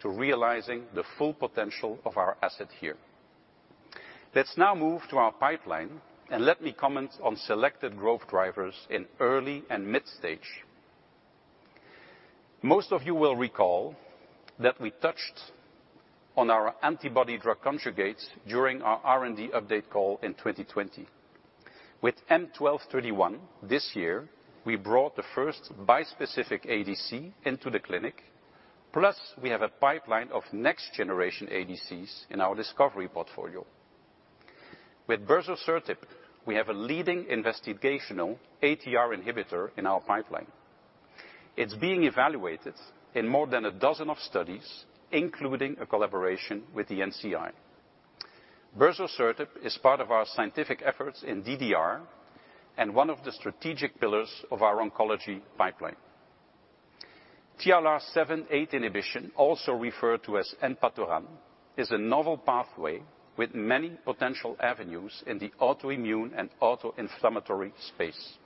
to realizing the full potential of our asset here. Let's now move to our pipeline, and let me comment on selected growth drivers in early and mid-stage. Most of you will recall that we touched on our antibody-drug conjugates during our R&D update call in 2020. With M1231 this year, we brought the first bispecific ADC into the clinic. Plus, we have a pipeline of next generation ADCs in our discovery portfolio. With berzosertib, we have a leading investigational ATR inhibitor in our pipeline. It's being evaluated in more than a dozen studies, including a collaboration with the NCI. berzosertib is part of our scientific efforts in DDR and one of the strategic pillars of our oncology pipeline. TLR7/8 inhibition, also referred to as enpatoran, is a novel pathway with many potential avenues in the autoimmune and autoinflammatory space.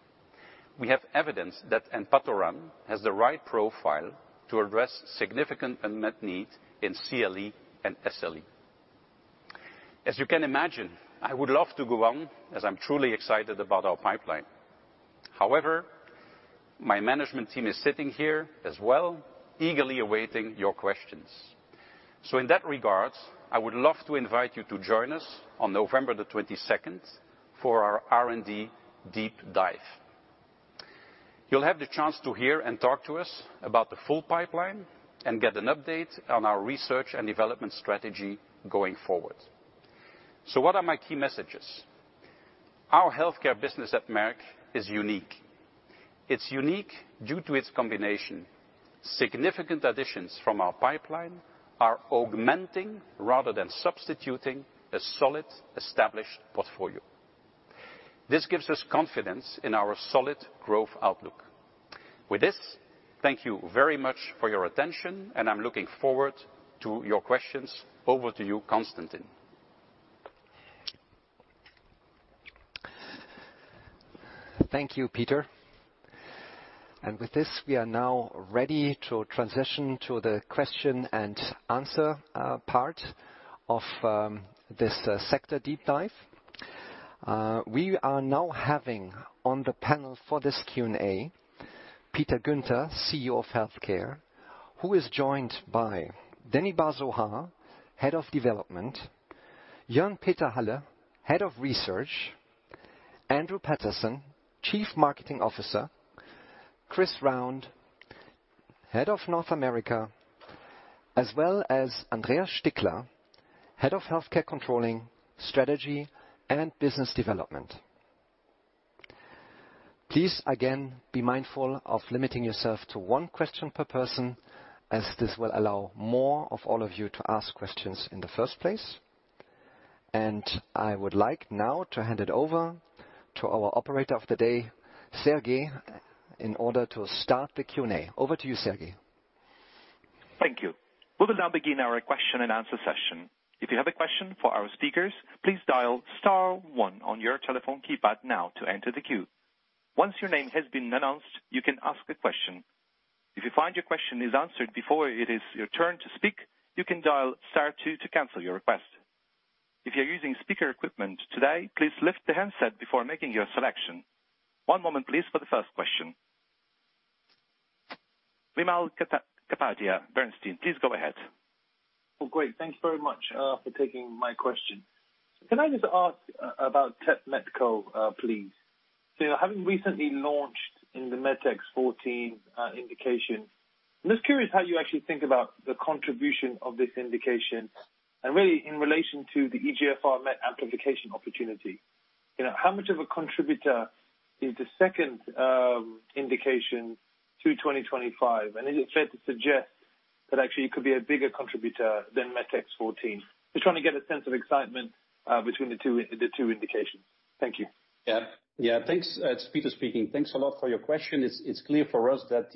We have evidence that enpatoran has the right profile to address significant unmet need in CLE and SLE. As you can imagine, I would love to go on as I'm truly excited about our pipeline. My management team is sitting here as well, eagerly awaiting your questions. In that regard, I would love to invite you to join us on November the 22nd for our R&D deep dive. You'll have the chance to hear and talk to us about the full pipeline and get an update on our research and development strategy going forward. What are my key messages? Our healthcare business at Merck is unique. It's unique due to its combination. Significant additions from our pipeline are augmenting rather than substituting a solid, established portfolio. This gives us confidence in our solid growth outlook. With this, thank you very much for your attention, and I'm looking forward to your questions. Over to you, Constantin. Thank you, Peter. With this, we are now ready to transition to the question and answer part of this sector deep dive. We are now having on the panel for this Q&A, Peter Guenter, CEO of Healthcare, who is joined by Danny Bar-Zohar, Head of Development, Joern-Peter Halle, Head of Research, Andrew Paterson, Chief Marketing Officer, Chris Round, Head of North America, as well as Andreas Stickler, Head of Healthcare Controlling, Strategy, and Business Development. Please again, be mindful of limiting yourself to one question per person, as this will allow more of all of you to ask questions in the first place. I would like now to hand it over to our operator of the day, Sergey, in order to start the Q&A. Over to you, Sergey. Thank you. Vimal Kapadia, Bernstein. Please go ahead. Well, great. Thanks very much for taking my question. Can I just ask about TEPMETKO, please? You have recently launched in the METex14 indication. I'm just curious how you actually think about the contribution of this indication and really in relation to the EGFR MET amplification opportunity. How much of a contributor is the second indication to 2025? Is it fair to suggest that actually it could be a bigger contributor than METex14? Just trying to get a sense of excitement between the two indications. Thank you. Yeah. Thanks. It's Peter speaking. Thanks a lot for your question. It's clear for us that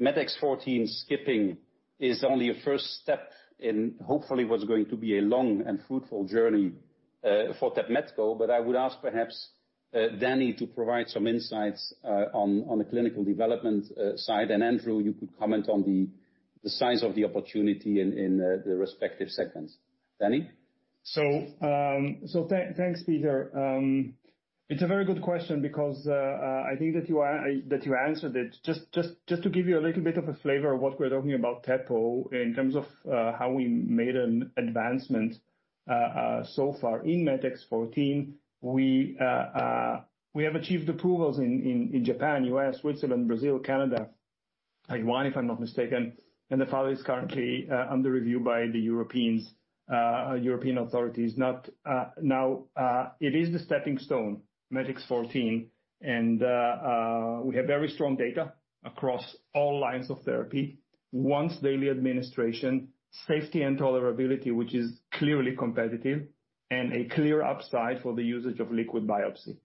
METex14 skipping is only a first step in hopefully what's going to be a long and fruitful journey for TEPMETKO, but I would ask perhaps Danny to provide some insights on the clinical development side, and Andrew, you could comment on the size of the opportunity in the respective segments. Danny? Thanks, Peter. It's a very good question because I think that you answered it. Just to give you a little bit of a flavor of what we're talking about, TEPMETKO, in terms of how we made an advancement so far in METex14, we have achieved approvals in Japan, U.S., Switzerland, Brazil, Canada, Taiwan, if I'm not mistaken, and the file is currently under review by the European authorities. It is the stepping stone, METex14, and we have very strong data across all lines of therapy. Once-daily administration, safety and tolerability, which is clearly competitive, and a clear upside for the usage of liquid biopsy.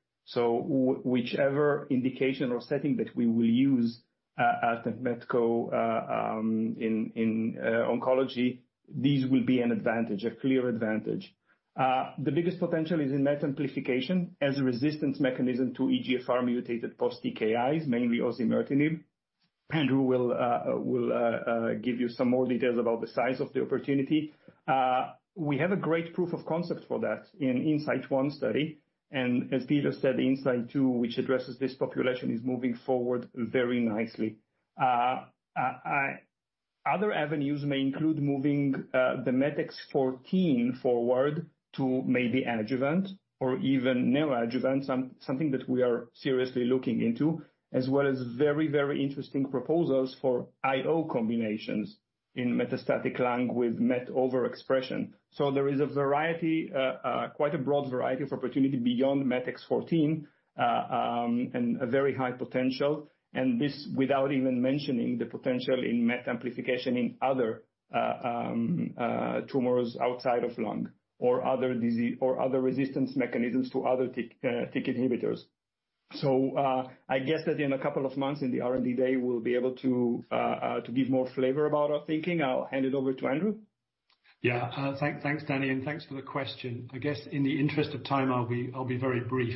Whichever indication or setting that we will use at TEPMETKO in oncology, these will be an advantage, a clear advantage. The biggest potential is in MET amplification as a resistance mechanism to EGFR mutated post TKIs, mainly osimertinib. Andrew will give you some more details about the size of the opportunity. We have a great proof of concept for that in INSIGHT 1 study. As Peter said, INSIGHT 2, which addresses this population, is moving forward very nicely. Other avenues may include moving the METex14 forward to maybe adjuvant or even neoadjuvant, something that we are seriously looking into, as well as very interesting proposals for IO combinations in metastatic lung with MET overexpression. There is quite a broad variety of opportunity beyond METex14, and a very high potential. This without even mentioning the potential in MET amplification in other tumors outside of lung or other resistance mechanisms to other TKI inhibitors. I guess that in a couple of months in the R&D day, we'll be able to give more flavor about our thinking. I'll hand it over to Andrew. Yeah. Thanks, Dani, and thanks for the question. I guess in the interest of time, I'll be very brief.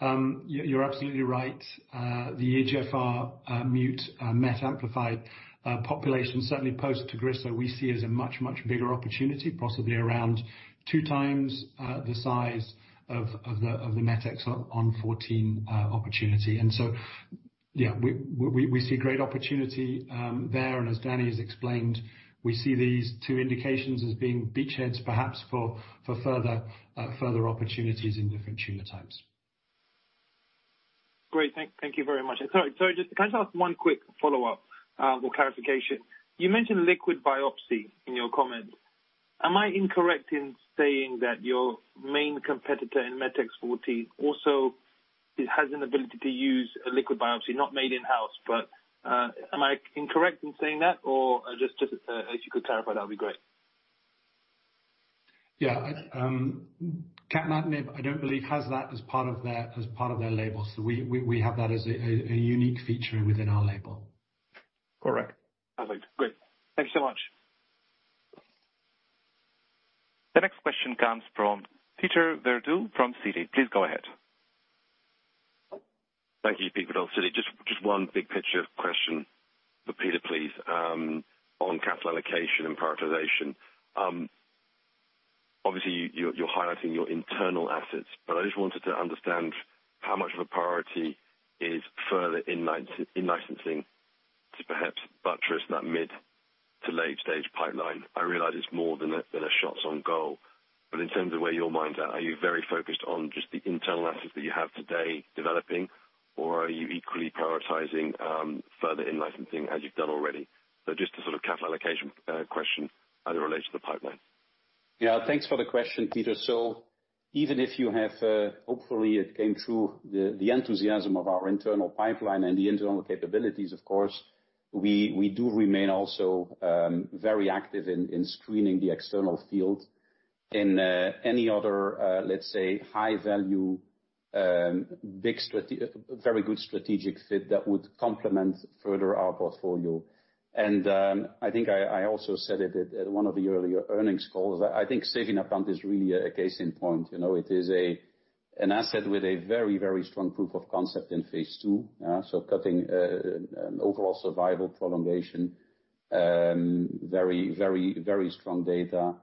You're absolutely right. The EGFR mut MET amplified population, certainly post Tagrisso, we see as a much bigger opportunity, possibly around 2x the size of the METex14 opportunity. Yeah, we see great opportunity there, and as Dani has explained, we see these two indications as being beachheads perhaps for further opportunities in different tumor types. Great. Thank you very much. Sorry, can I just ask one quick follow-up or clarification? You mentioned liquid biopsy in your comments. Am I incorrect in saying that your main competitor in METex14 also has an ability to use a liquid biopsy, not made in-house, but am I incorrect in saying that? Just if you could clarify, that'd be great. Yeah. capmatinib, I don't believe, has that as part of their label. We have that as a unique feature within our label. Correct. Perfect. Great. Thank you so much. The next question comes from Peter Verdult from Citi. Please go ahead. Thank you. Peter Verdult, Citi. One big picture question for Peter, please, on capital allocation and prioritization. Obviously, you're highlighting your internal assets. I just wanted to understand how much of a priority is further in-licensing to perhaps buttress that mid- to late-stage pipeline. I realize it's more than a shots on goal. In terms of where your mind's at, are you very focused on just the internal assets that you have today developing, or are you equally prioritizing further in-licensing as you've done already? Just a sort of capital allocation question as it relates to the pipeline. Yeah. Thanks for the question, Peter. Even if you have, hopefully it came through the enthusiasm of our internal pipeline and the internal capabilities, of course, we do remain also very active in screening the external field in any other, let's say, high value very good strategic fit that would complement further our portfolio. I think I also said it at one of the earlier earnings calls. I think xevinapant is really a case in point. It is an asset with a very strong proof of concept in phase II. Cutting an overall survival prolongation, very strong data.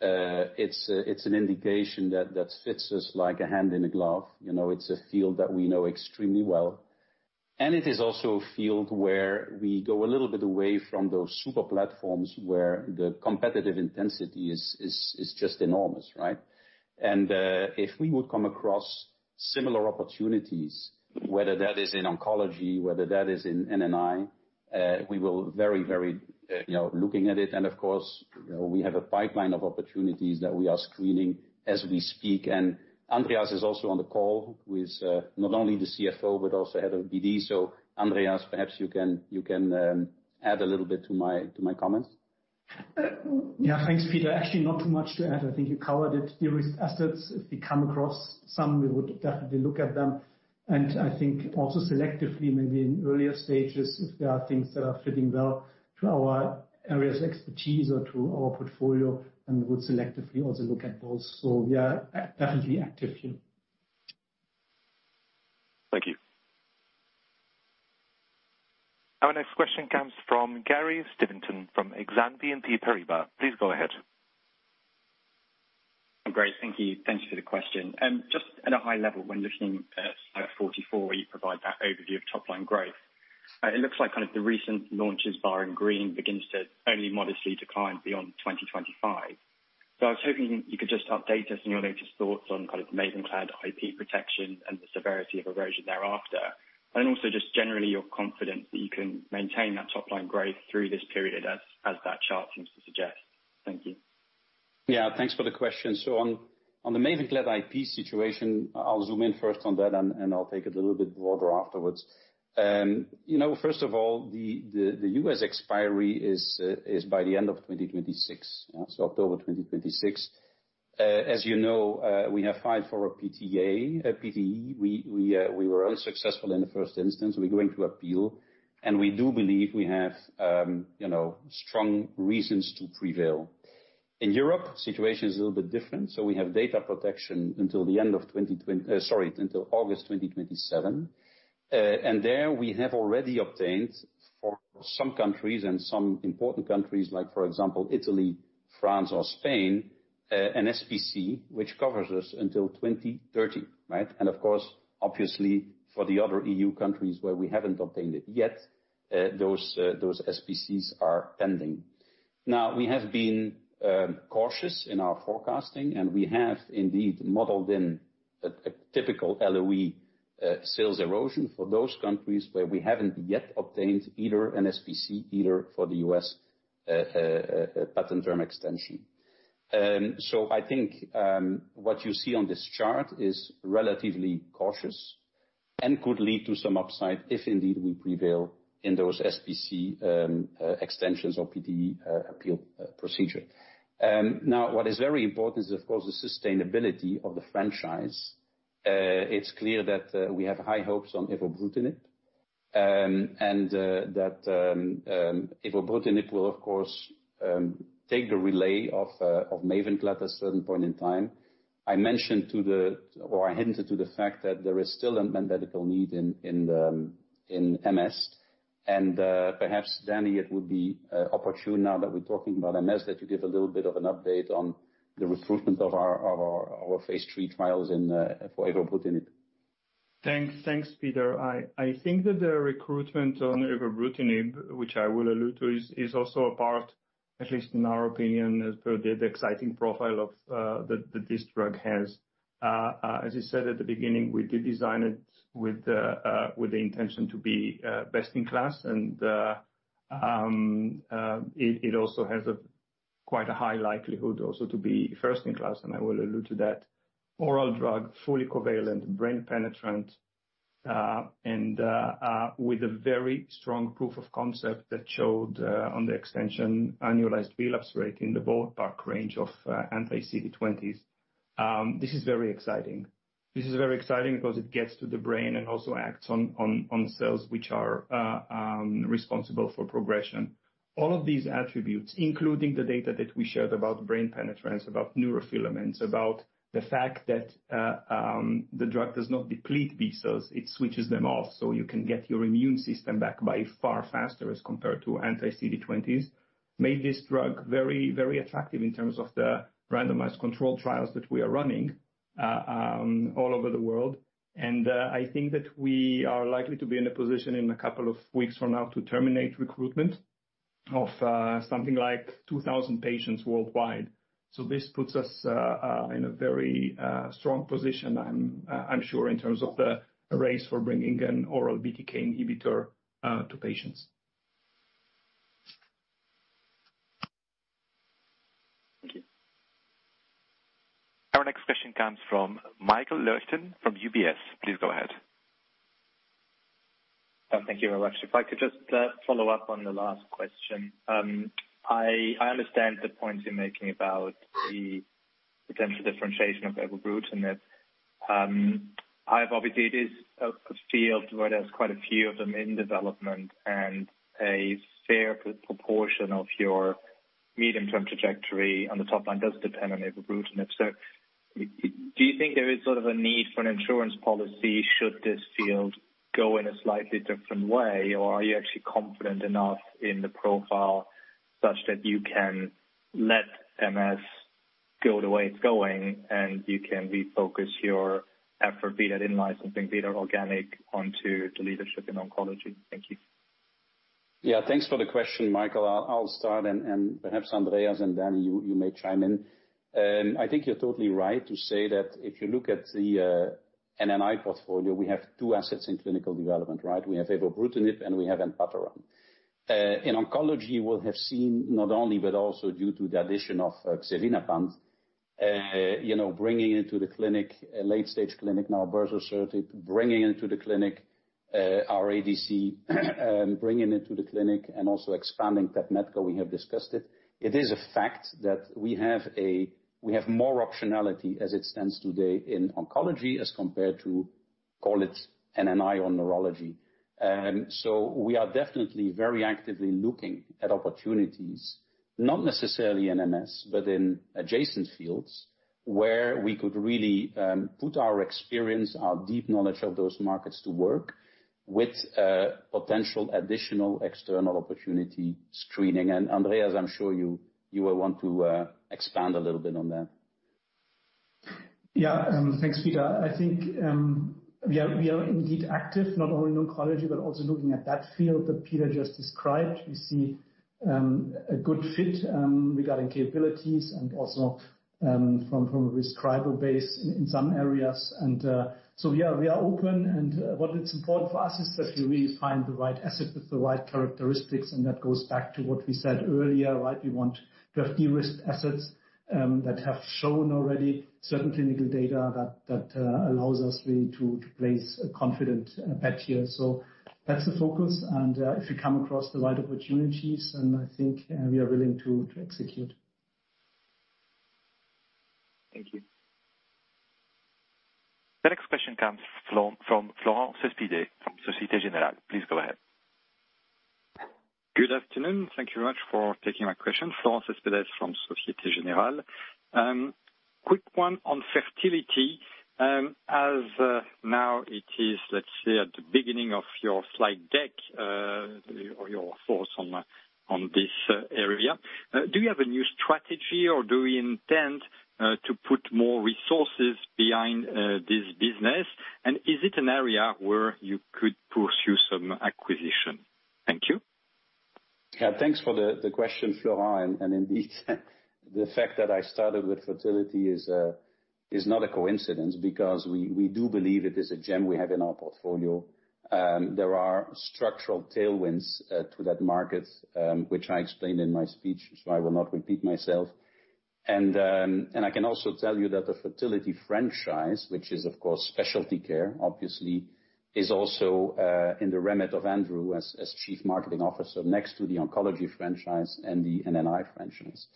It's an indication that fits us like a hand in a glove. It's a field that we know extremely well. It is also a field where we go a little bit away from those super platforms where the competitive intensity is just enormous, right? If we would come across similar opportunities, whether that is in oncology, whether that is in N&I, we will very looking at it. Of course, we have a pipeline of opportunities that we are screening as we speak. Andreas is also on the call, who is not only the CFO, but also head of BD. Andreas, perhaps you can add a little bit to my comments. Yeah. Thanks, Peter. Actually, not too much to add. I think you covered it. De-risked assets, if we come across some, we would definitely look at them. I think also selectively, maybe in earlier stages, if there are things that are fitting well to our areas of expertise or to our portfolio, and we would selectively also look at those. We are definitely active here. Thank you. Our next question comes from Gary Steventon, from Exane BNP Paribas. Please go ahead. Great. Thank you. Thanks for the question. Just at a high level, when looking at slide 44, where you provide that overview of top-line growth, it looks like the recent launches bar in green begins to only modestly decline beyond 2025. I was hoping you could just update us on your latest thoughts on kind of MAVENCLAD IP protection and the severity of erosion thereafter, and also just generally your confidence that you can maintain that top-line growth through this period as that chart seems to suggest. Thank you. Yeah. Thanks for the question. On the MAVENCLAD IP situation, I'll zoom in first on that and I'll take it a little bit broader afterwards. First of all, the U.S. expiry is by the end of 2026. October 2026. As you know, we have filed for a PTE. We were unsuccessful in the first instance. We're going to appeal, and we do believe we have strong reasons to prevail. In Europe, situation is a little bit different. We have data protection until August 2027. There we have already obtained for some countries and some important countries like, for example, Italy, France, or Spain, an SPC, which covers us until 2030, right? Of course, obviously for the other E.U. countries where we haven't obtained it yet, those SPCs are pending. We have been cautious in our forecasting, and we have indeed modeled in a typical LOE sales erosion for those countries where we haven't yet obtained either an SPC, either for the U.S. patent term extension. I think, what you see on this chart is relatively cautious and could lead to some upside if indeed we prevail in those SPC extensions or PTE appeal procedure. What is very important is of course the sustainability of the franchise. It's clear that we have high hopes on ibrutinib and that ibrutinib will, of course, take the relay of MAVENCLAD at a certain point in time. I mentioned to the, or I hinted to the fact that there is still a medical need in MS. Perhaps Danny, it would be opportune now that we're talking about MS that you give a little bit of an update on the recruitment of our phase III trials for ibrutinib. Thanks, Peter. I think that the recruitment on Ibrutinib, which I will allude to, is also a part, at least in our opinion, as per the exciting profile that this drug has. As you said at the beginning, we did design it with the intention to be best in class and it also has quite a high likelihood also to be first in class, and I will allude to that. Oral drug, fully covalent, brain penetrant, and with a very strong proof of concept that showed on the extension annualized relapse rate in the ballpark range of anti-CD20s. This is very exciting. This is very exciting because it gets to the brain and also acts on cells which are responsible for progression. All of these attributes, including the data that we shared about brain penetrance, about neurofilaments, about the fact that the drug does not deplete B-cells, it switches them off, so you can get your immune system back by far faster as compared to anti-CD20s, made this drug very attractive in terms of the randomized controlled trials that we are running all over the world. I think that we are likely to be in a position in a couple of weeks from now to terminate recruitment of something like 2,000 patients worldwide. This puts us in a very strong position, I'm sure, in terms of the race for bringing an oral BTK inhibitor to patients. Thank you. Our next question comes from Michael Leuchten from UBS. Please go ahead. Thank you very much. If I could just follow up on the last question. I understand the points you're making about the potential differentiation of ibrutinib. Obviously, it is a field where there's quite a few of them in development and a fair proportion of your medium-term trajectory on the top line does depend on ibrutinib. Do you think there is sort of a need for an insurance policy should this field go in a slightly different way, or are you actually confident enough in the profile such that you can let MS go the way it's going and you can refocus your effort, be that in licensing, be that organic, onto the leadership in oncology? Thank you. Thanks for the question, Michael. I'll start and perhaps Andreas and Danny, you may chime in. I think you're totally right to say that if you look at the N&I portfolio, we have two assets in clinical development, right? We have Ibrutinib and we have Eltanetan. In oncology, we'll have seen not only, but also due to the addition of xevinapant, bringing into the clinic, a late-stage clinic now, berzosertib, bringing into the clinic our ADC and bringing it to the clinic and also expanding TEPMETKO, we have discussed it. It is a fact that we have more optionality as it stands today in oncology as compared to, call it N&I or neurology. We are definitely very actively looking at opportunities, not necessarily in MS, but in adjacent fields where we could really put our experience, our deep knowledge of those markets to work with potential additional external opportunity screening. Andreas, I am sure you will want to expand a little bit on that. Yeah. Thanks, Peter. I think we are indeed active, not only in oncology, but also looking at that field that Peter just described. We see a good fit regarding capabilities and also from a prescriber base in some areas. Yeah, we are open. What is important for us is that we really find the right asset with the right characteristics, and that goes back to what we said earlier. We want to have de-risked assets that have shown already certain clinical data that allows us really to place a confident bet here. That's the focus. If we come across the right opportunities, I think we are willing to execute. Thank you. The next question comes from Florent Cespedes from Societe Generale. Please go ahead. Good afternoon. Thank you very much for taking my question. Florent Cespedes from Societe Generale. Quick one on fertility. As now it is, let's say, at the beginning of your slide deck, or your thoughts on this area, do you have a new strategy or do we intend to put more resources behind this business? Is it an area where you could pursue some acquisition? Thank you. Yeah, thanks for the question, Florent. Indeed, the fact that I started with fertility is not a coincidence because we do believe it is a gem we have in our portfolio. There are structural tailwinds to that market, which I explained in my speech, so I will not repeat myself. I can also tell you that the fertility franchise, which is, of course, specialty care, obviously, is also in the remit of Andrew as Chief Marketing Officer next to the oncology franchise and the N&I franchise.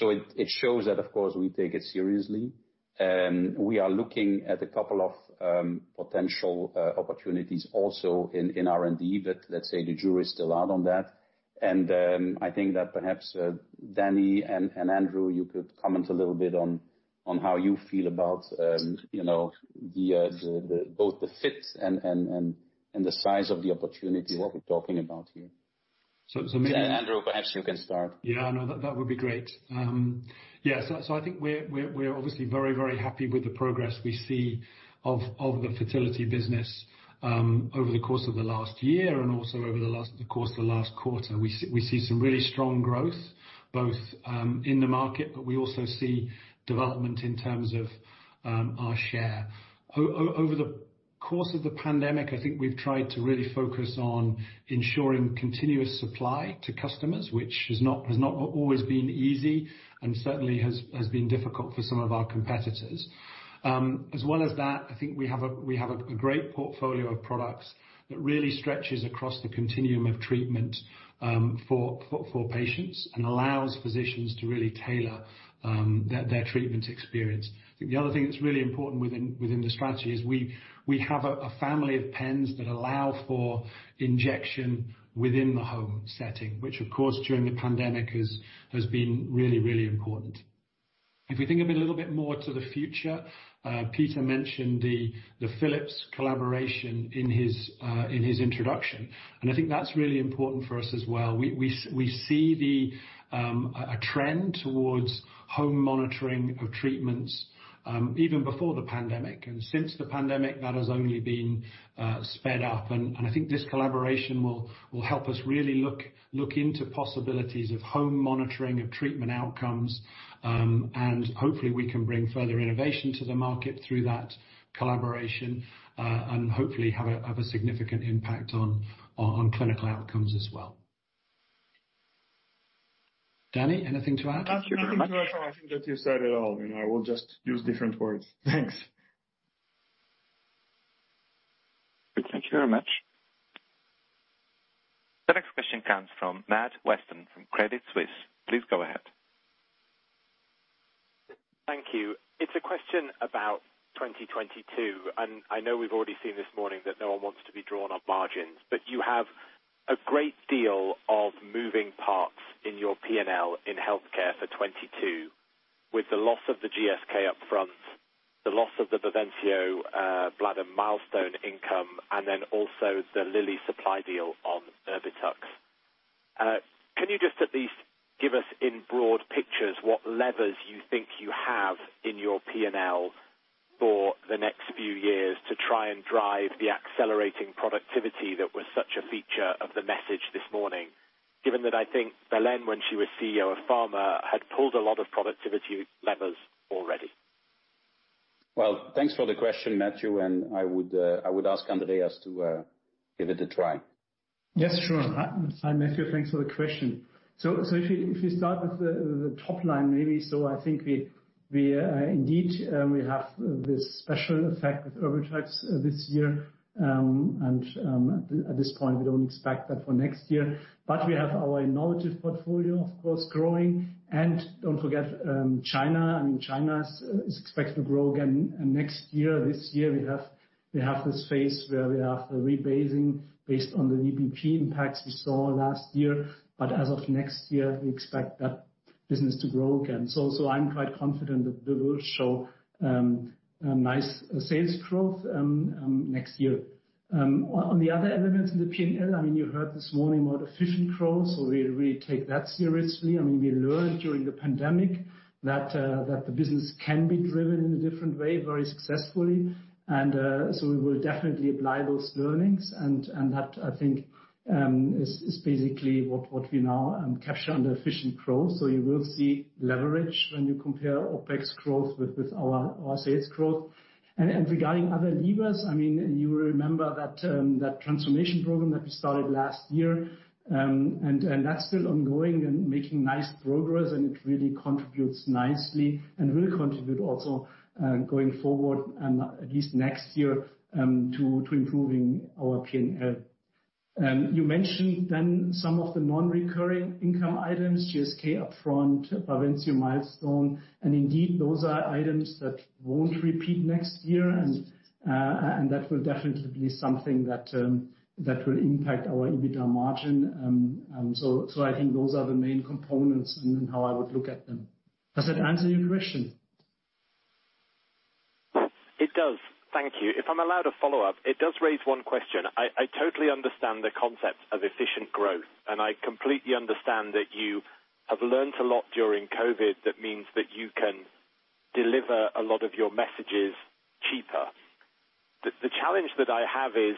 It shows that, of course, we take it seriously. We are looking at a couple of potential opportunities also in R&D, but let's say the jury is still out on that. I think that perhaps Danny and Andrew, you could comment a little bit on how you feel about both the fit and the size of the opportunity, what we're talking about here. So maybe- Andrew, perhaps you can start. Yeah, no, that would be great. Yeah. I think we're obviously very happy with the progress we see of the fertility business over the course of the last year and also over the course of the last quarter. We see some really strong growth, both in the market, but we also see development in terms of our share. Over the course of the pandemic, I think we've tried to really focus on ensuring continuous supply to customers, which has not always been easy and certainly has been difficult for some of our competitors. As well as that, I think we have a great portfolio of products that really stretches across the continuum of treatment for patients and allows physicians to really tailor their treatment experience. I think the other thing that's really important within the strategy is we have a family of pens that allow for injection within the home setting, which, of course, during the pandemic has been really important. If we think of it a little bit more to the future, Peter mentioned the Philips collaboration in his introduction. I think that's really important for us as well. We see a trend towards home monitoring of treatments, even before the pandemic. Since the pandemic, that has only been sped up. I think this collaboration will help us really look into possibilities of home monitoring of treatment outcomes. Hopefully we can bring further innovation to the market through that collaboration, and hopefully have a significant impact on clinical outcomes as well. Danny, anything to add? Nothing to add. I think that you said it all, and I will just use different words. Thanks. Thank you very much. The next question comes from Matthew Weston from Credit Suisse. Please go ahead. Thank you. It's a question about 2022, and I know we've already seen this morning that no one wants to be drawn on margins, but you have a great deal of moving parts in your P&L in healthcare for 2022. With the loss of the GSK upfront, the loss of the BAVENCIO bladder milestone income, and then also the Lilly supply deal on Erbitux. Can you just at least give us in broad pictures what levers you think you have in your P&L for the next few years to try and drive the accelerating productivity that was such a feature of the message this morning, given that I think Belén, when she was CEO of Pharma, had pulled a lot of productivity levers already? Well, thanks for the question, Matthew. I would ask Andreas to give it a try. Yes, sure. Hi, Matthew. Thanks for the question. If you start with the top line, maybe. I think indeed, we have this special effect with Erbitux this year and at this point, we don't expect that for next year. We have our innovative portfolio, of course, growing. Don't forget China. China is expected to grow again next year. This year, we have this phase where we are rebasing based on the VBP impacts we saw last year. As of next year, we expect that business to grow again. I'm quite confident that we will show nice sales growth next year. On the other elements in the P&L, you heard this morning about efficient growth, we take that seriously. We learned during the pandemic that the business can be driven in a different way very successfully. We will definitely apply those learnings. That, I think, is basically what we now capture under efficient growth. You will see leverage when you compare OPEX growth with our sales growth. Regarding other levers, you will remember that transformation program that we started last year, and that's still ongoing and making nice progress, and it really contributes nicely and will contribute also, going forward, at least next year, to improving our P&L. You mentioned then some of the non-recurring income items, GSK upfront, BAVENCIO milestone, and indeed, those are items that won't repeat next year, and that will definitely be something that will impact our EBITDA margin. I think those are the main components and how I would look at them. Does that answer your question? It does. Thank you. If I'm allowed a follow-up, it does raise 1 question. I totally understand the concept of efficient growth, and I completely understand that you have learned a lot during COVID that means that you can deliver a lot of your messages cheaper. The challenge that I have is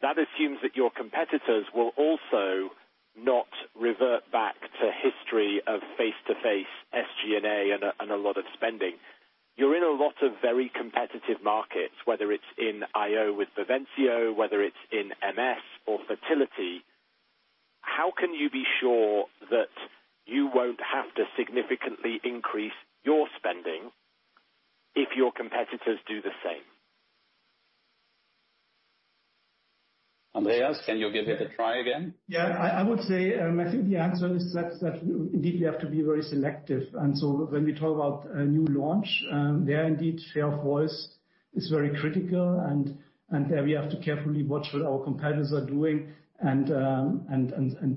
that assumes that your competitors will also not revert back to history of face-to-face SG&A and a lot of spending. You're in a lot of very competitive markets, whether it's in IO with BAVENCIO, whether it's in MS or fertility. How can you be sure that you won't have to significantly increase your spending if your competitors do the same? Andreas, can you give it a try again? Yeah. I would say, I think the answer is that indeed, we have to be very selective. When we talk about a new launch, there indeed, share of voice is very critical, and there we have to carefully watch what our competitors are doing and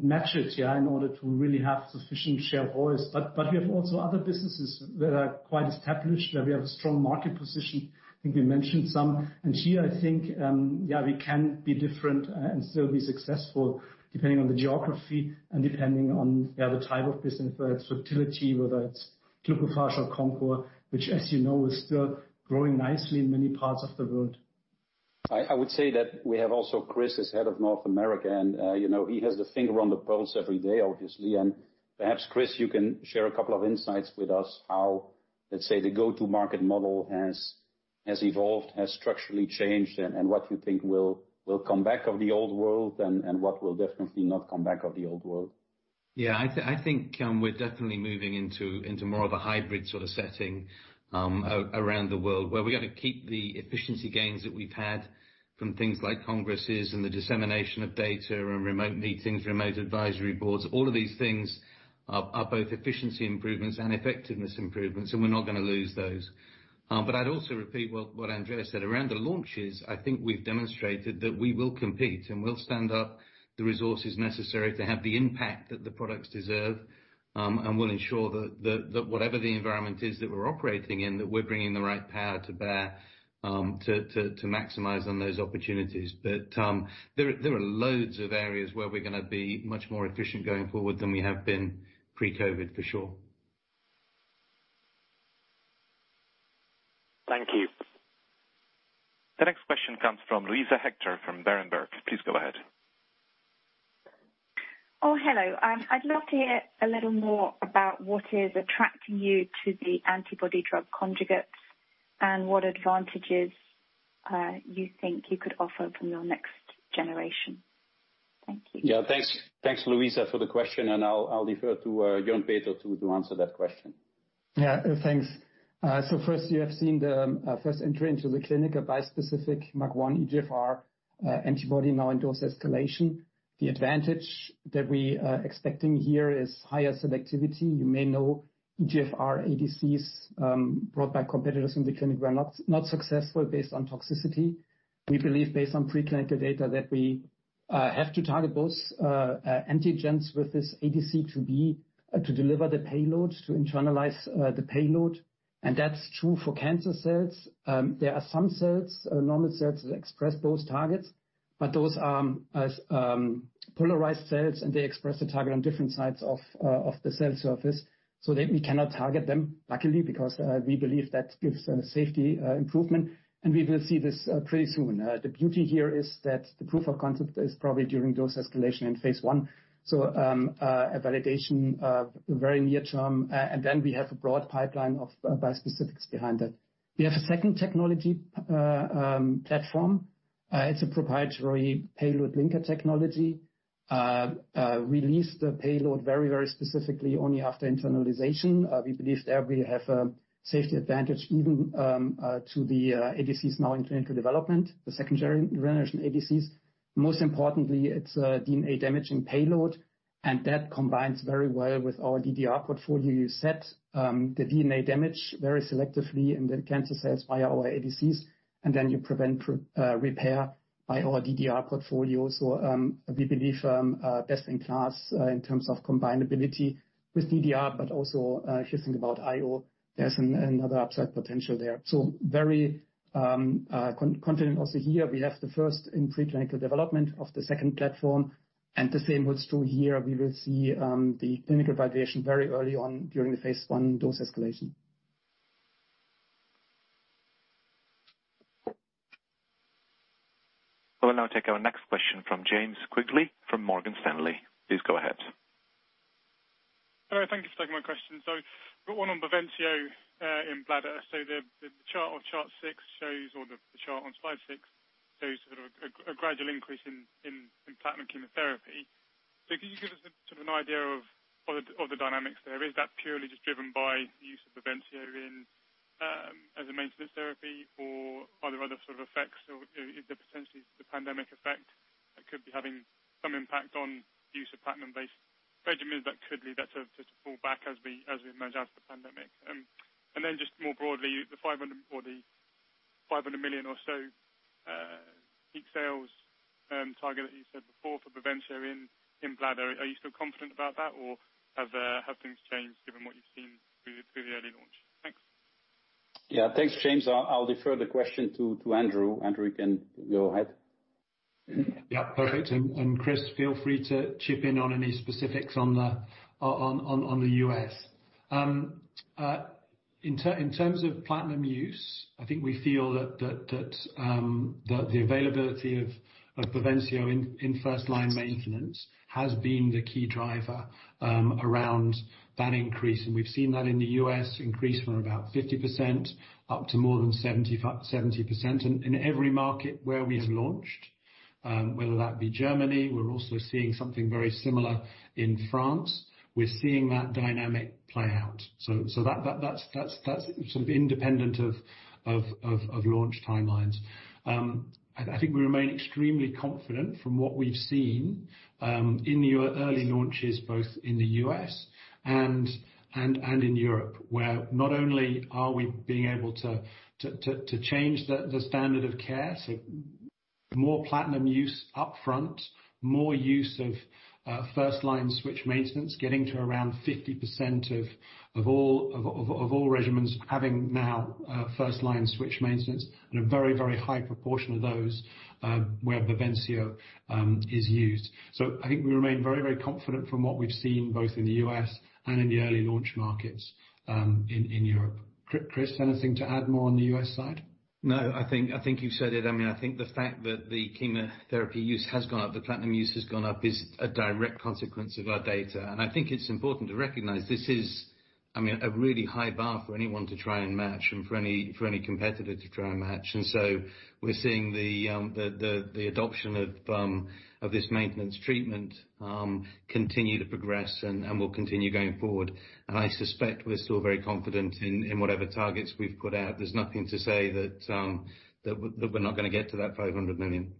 match it in order to really have sufficient share of voice. We have also other businesses that are quite established, where we have a strong market position. I think we mentioned some. Here, I think we can be different and still be successful depending on the geography and depending on the type of business, whether it's fertility, whether it's Glucophage or Concor, which as you know, is still growing nicely in many parts of the world. I would say that we have also Chris as Head of North America, and he has the finger on the pulse every day, obviously. Perhaps, Chris, you can share a couple of insights with us how, let's say, the go-to market model has evolved, has structurally changed, and what you think will come back of the old world and what will definitely not come back of the old world. I think we're definitely moving into more of a hybrid sort of setting around the world, where we're going to keep the efficiency gains that we've had from things like congresses and the dissemination of data and remote meetings, remote advisory boards. All of these things are both efficiency improvements and effectiveness improvements, and we're not going to lose those. I'd also repeat what Andreas said. Around the launches, I think we've demonstrated that we will compete, and we'll stand up the resources necessary to have the impact that the products deserve, and we'll ensure that whatever the environment is that we're operating in, that we're bringing the right power to bear to maximize on those opportunities. There are loads of areas where we're going to be much more efficient going forward than we have been pre-COVID, for sure. Thank you. The next question comes from Luisa Hector from Berenberg. Please go ahead. Oh, hello. I'd love to hear a little more about what is attracting you to the antibody-drug conjugates and what advantages you think you could offer from your next generation. Thank you. Yeah, thanks, Luisa, for the question. I'll defer to Jörn-Peter to answer that question. Yeah. Thanks. First, you have seen the first entry into the clinic, a bispecific M1231 EGFR antibody, now in dose escalation. The advantage that we are expecting here is higher selectivity. You may know EGFR ADCs brought by competitors in the clinic were not successful based on toxicity. We believe based on pre-clinical data that we have to target both antigens with this ADC to deliver the payload, to internalize the payload. That's true for cancer cells. There are some cells, normal cells, that express both targets, but those are polarized cells, they express the target on different sides of the cell surface so that we cannot target them, luckily, because we believe that gives a safety improvement, and we will see this pretty soon. The beauty here is that the proof of concept is probably during dose escalation in phase I, so a validation very near term, and then we have a broad pipeline of bispecifics behind it. We have a second technology platform. It's a proprietary payload linker technology. Release the payload very specifically only after internalization. We believe there we have a safety advantage even to the ADCs now into end development, the second-generation ADCs. Most importantly, its DNA damaging payload. That combines very well with our DDR portfolio. You set the DNA damage very selectively in the cancer cells via our ADCs. Then you prevent repair by our DDR portfolio. We believe best in class in terms of combinability with DDR. Also if you think about IO, there's another upside potential there. Very confident also here. We have the first in preclinical development of the second platform. The same holds true here. We will see the clinical validation very early on during the phase I dose escalation. We will now take our next question from James Quigley from Morgan Stanley. Please go ahead. All right. Thank you for taking my question. I've got one on BAVENCIO in bladder. The chart on slide six shows sort of a gradual increase in platinum chemotherapy. Could you give us sort of an idea of the dynamics there? Is that purely just driven by use of BAVENCIO as a maintenance therapy, or are there other sort of effects, or is there potentially the pandemic effect that could be having some impact on use of platinum-based regimens that could lead that to fall back as we emerge out of the pandemic? Just more broadly, the 500 million or so peak sales target that you said before for BAVENCIO in bladder, are you still confident about that, or have things changed given what you've seen through the early launch? Thanks. Yeah. Thanks, James. I'll defer the question to Andrew. Andrew, you can go ahead. Yeah. Perfect. Chris, feel free to chip in on any specifics on the U.S. In terms of platinum use, I think we feel that the availability of BAVENCIO in first-line maintenance has been the key driver around that increase. We've seen that in the U.S. increase from about 50% up to more than 70%. In every market where we have launched, whether that be Germany, we're also seeing something very similar in France. We're seeing that dynamic play out. That's sort of independent of launch timelines. I think we remain extremely confident from what we've seen in the early launches, both in the U.S. and in Europe, where not only are we being able to change the standard of care, so more platinum use upfront, more use of first-line switch maintenance, getting to around 50% of all regimens having now first-line switch maintenance and a very high proportion of those where BAVENCIO is used. I think we remain very confident from what we've seen both in the U.S. and in the early launch markets in Europe. Chris, anything to add more on the U.S. side? No, I think you've said it. I think the fact that the chemotherapy use has gone up, the platinum use has gone up is a direct consequence of our data. I think it's important to recognize this is a really high bar for anyone to try and match and for any competitor to try and match. We're seeing the adoption of this maintenance treatment continue to progress and will continue going forward. I suspect we're still very confident in whatever targets we've put out. There's nothing to say that we're not going to get to that 500 million.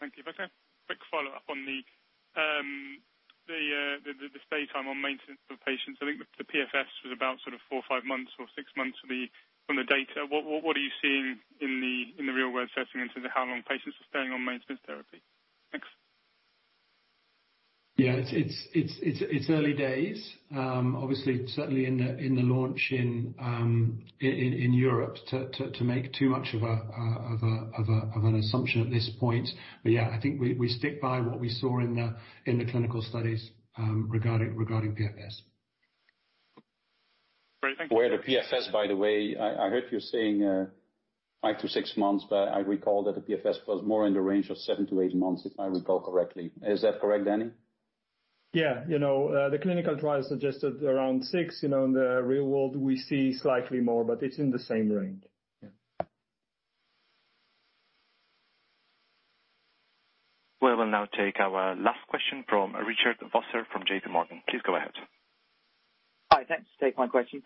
Thank you. If I could have a quick follow-up on the stay time on maintenance for patients. I think the PFS was about sort of four or five months or six months from the data. What are you seeing in the real-world setting in terms of how long patients are staying on maintenance therapy? Thanks. Yeah. It's early days. Obviously, certainly in the launch in Europe to make too much of an assumption at this point. Yeah, I think we stick by what we saw in the clinical studies regarding PFS. Great. Thank you. Where the PFS, by the way, I heard you saying five to six months, but I recall that the PFS was more in the range of seven to eight months, if I recall correctly. Is that correct, Danny? Yeah. The clinical trial suggested around six. In the real world, we see slightly more, but it's in the same range. Yeah. We will now take our last question from Richard Vosser from JPMorgan. Please go ahead. Hi. Thanks for taking my question.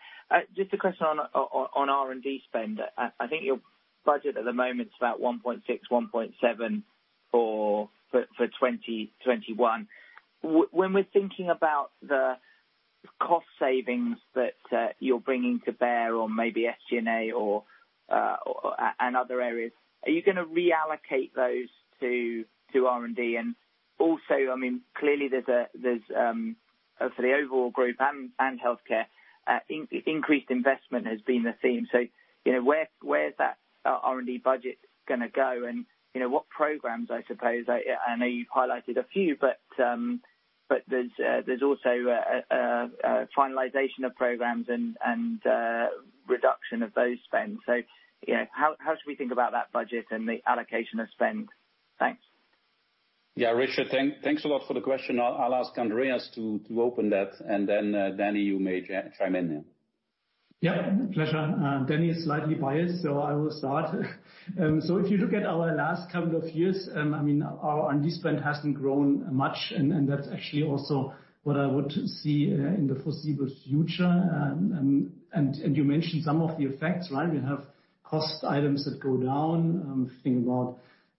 Just a question on R&D spend. I think your budget at the moment is about 1.6, 1.7 for 2021. When we're thinking about the cost savings that you're bringing to bear on maybe SG&A and other areas, are you going to reallocate those to R&D? Clearly there's, for the overall group and healthcare, increased investment has been the theme. Where's that R&D budget going to go, and what programs, I suppose? I know you've highlighted a few, there's also a finalization of programs and reduction of those spends. How should we think about that budget and the allocation of spend? Thanks. Yeah. Richard, thanks a lot for the question. I'll ask Andreas to open that, and then Danny, you may chime in there. Yeah, pleasure. Danny is slightly biased, I will start. If you look at our last couple of years, our R&D spend hasn't grown much, and that's actually also what I would see in the foreseeable future. You mentioned some of the effects, right? We have cost items that go down, think about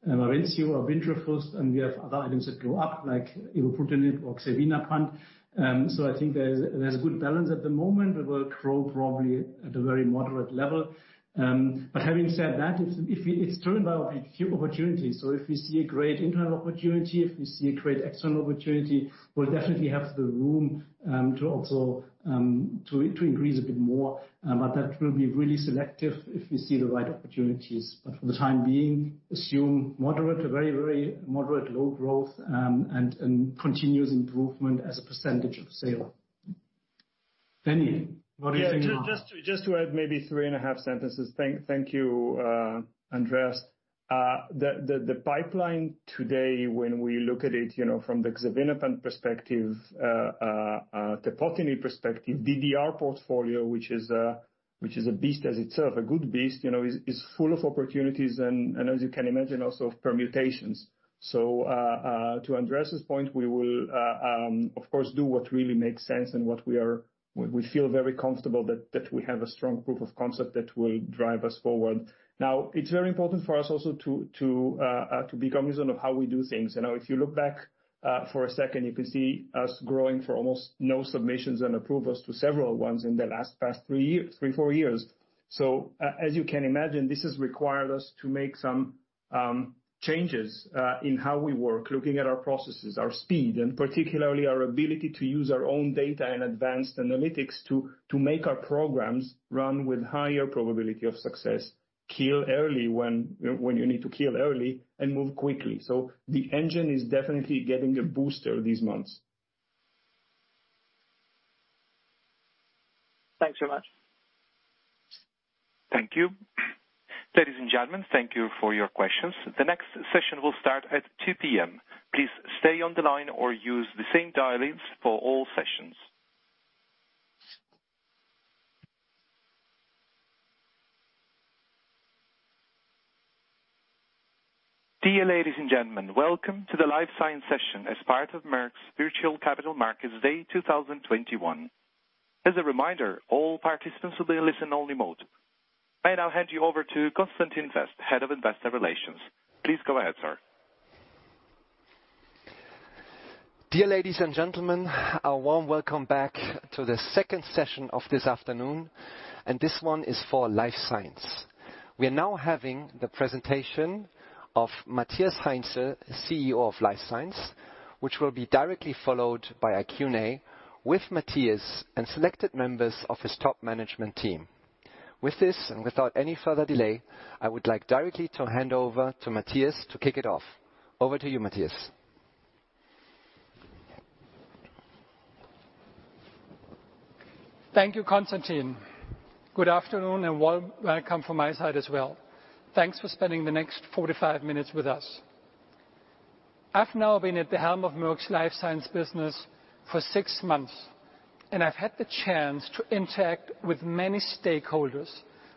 LORENZO or VINCAFROST, and we have other items that go up, like evobrutinib or xevinapant. I think there's a good balance at the moment that will grow probably at a very moderate level. Having said that, it's driven by a few opportunities. If we see a great internal opportunity, if we see a great external opportunity, we'll definitely have the room to increase a bit more. That will be really selective if we see the right opportunities. For the time being, assume moderate to very moderate low growth, and continuous improvement as a percentage of sales. Danny, what do you think? Yeah, just to add maybe three and a half sentences. Thank you, Andreas. The pipeline today, when we look at it from the xevinapant perspective, tepotinib perspective, DDR portfolio, which is a beast as itself, a good beast, is full of opportunities and as you can imagine, also of permutations. To address this point, we will of course do what really makes sense and what we feel very comfortable that we have a strong proof of concept that will drive us forward. Now, it is very important for us also to be cognizant of how we do things. If you look back for a second, you can see us growing for almost no submissions and approvals to several ones in the last past three, four years. As you can imagine, this has required us to make some changes in how we work, looking at our processes, our speed, and particularly our ability to use our own data and advanced analytics to make our programs run with higher probability of success. Kill early when you need to kill early and move quickly. The engine is definitely getting a booster these months. Thanks so much. Thank you. Ladies and gentlemen, thank you for your questions. The next session will start at 2:00 P.M. Please stay on the line or use the same dial-ins for all sessions. Dear ladies and gentlemen, welcome to the Life Science session as part of Merck's Virtual Capital Markets Day 2021. As a reminder, all participants will be in listen only mode. I now hand you over to Constantin Fest, Head of Investor Relations. Please go ahead, sir. Dear ladies and gentlemen, a warm welcome back to the second session of this afternoon. This one is for Life Science. We are now having the presentation of Matthias Heinzel, CEO of Life Science, which will be directly followed by a Q&A with Matthias and selected members of his top management team. With this, without any further delay, I would like directly to hand over to Matthias to kick it off. Over to you, Matthias. Thank you, Constantin. Good afternoon and welcome from my side as well. Thanks for spending the next 45 minutes with us. I've now been at the helm of Merck's Life Science business for six months, and I've had the chance to interact with many stakeholders,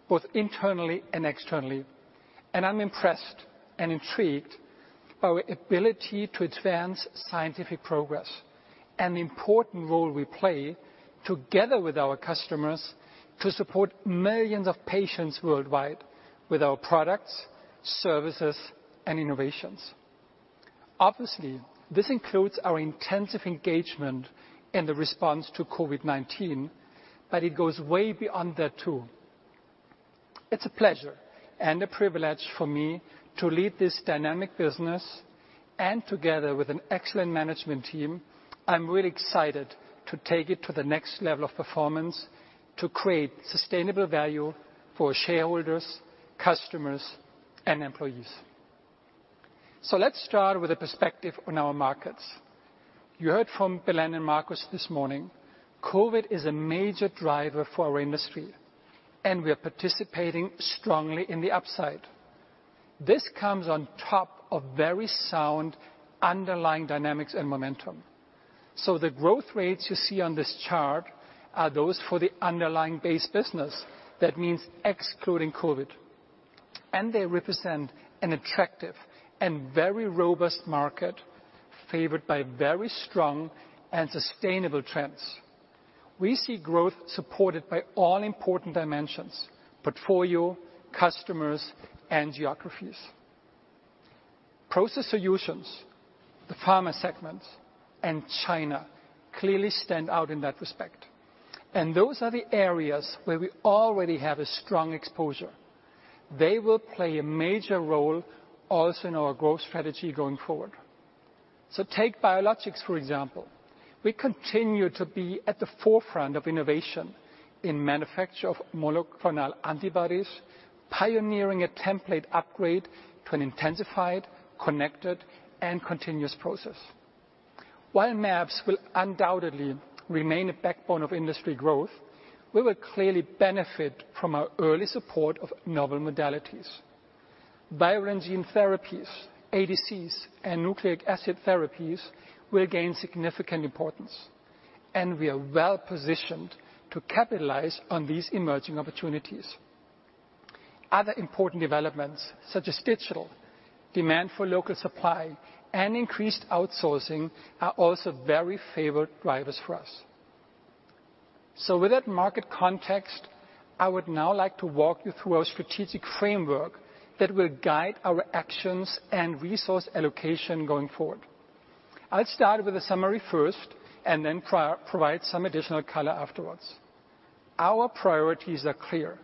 both internally and externally. I'm impressed and intrigued by our ability to advance scientific progress and the important role we play together with our customers to support millions of patients worldwide with our products, services, and innovations. Obviously, this includes our intensive engagement in the response to COVID-19, but it goes way beyond that, too. It's a pleasure and a privilege for me to lead this dynamic business, and together with an excellent management team, I'm really excited to take it to the next level of performance to create sustainable value for shareholders, customers, and employees. Let's start with a perspective on our markets. You heard from Belén and Marcus this morning. COVID is a major driver for our industry, and we are participating strongly in the upside. This comes on top of very sound underlying dynamics and momentum. The growth rates you see on this chart are those for the underlying base business. That means excluding COVID. They represent an attractive and very robust market favored by very strong and sustainable trends. We see growth supported by all important dimensions, portfolio, customers, and geographies. Process Solutions, the pharma segment, and China clearly stand out in that respect. Those are the areas where we already have a strong exposure. They will play a major role also in our growth strategy going forward. Take biologics, for example. We continue to be at the forefront of innovation in manufacture of monoclonal antibodies, pioneering a template upgrade to an intensified, connected, and continuous process. While mAbs will undoubtedly remain a backbone of industry growth, we will clearly benefit from our early support of novel modalities Biogene therapies, ADCs, and nucleic acid therapies will gain significant importance. We are well-positioned to capitalize on these emerging opportunities. Other important developments, such as digital demand for local supply and increased outsourcing, are also very favored drivers for us. With that market context, I would now like to walk you through our strategic framework that will guide our actions and resource allocation going forward. I'll start with a summary first. Then provide some additional color afterwards. Our priorities are clear.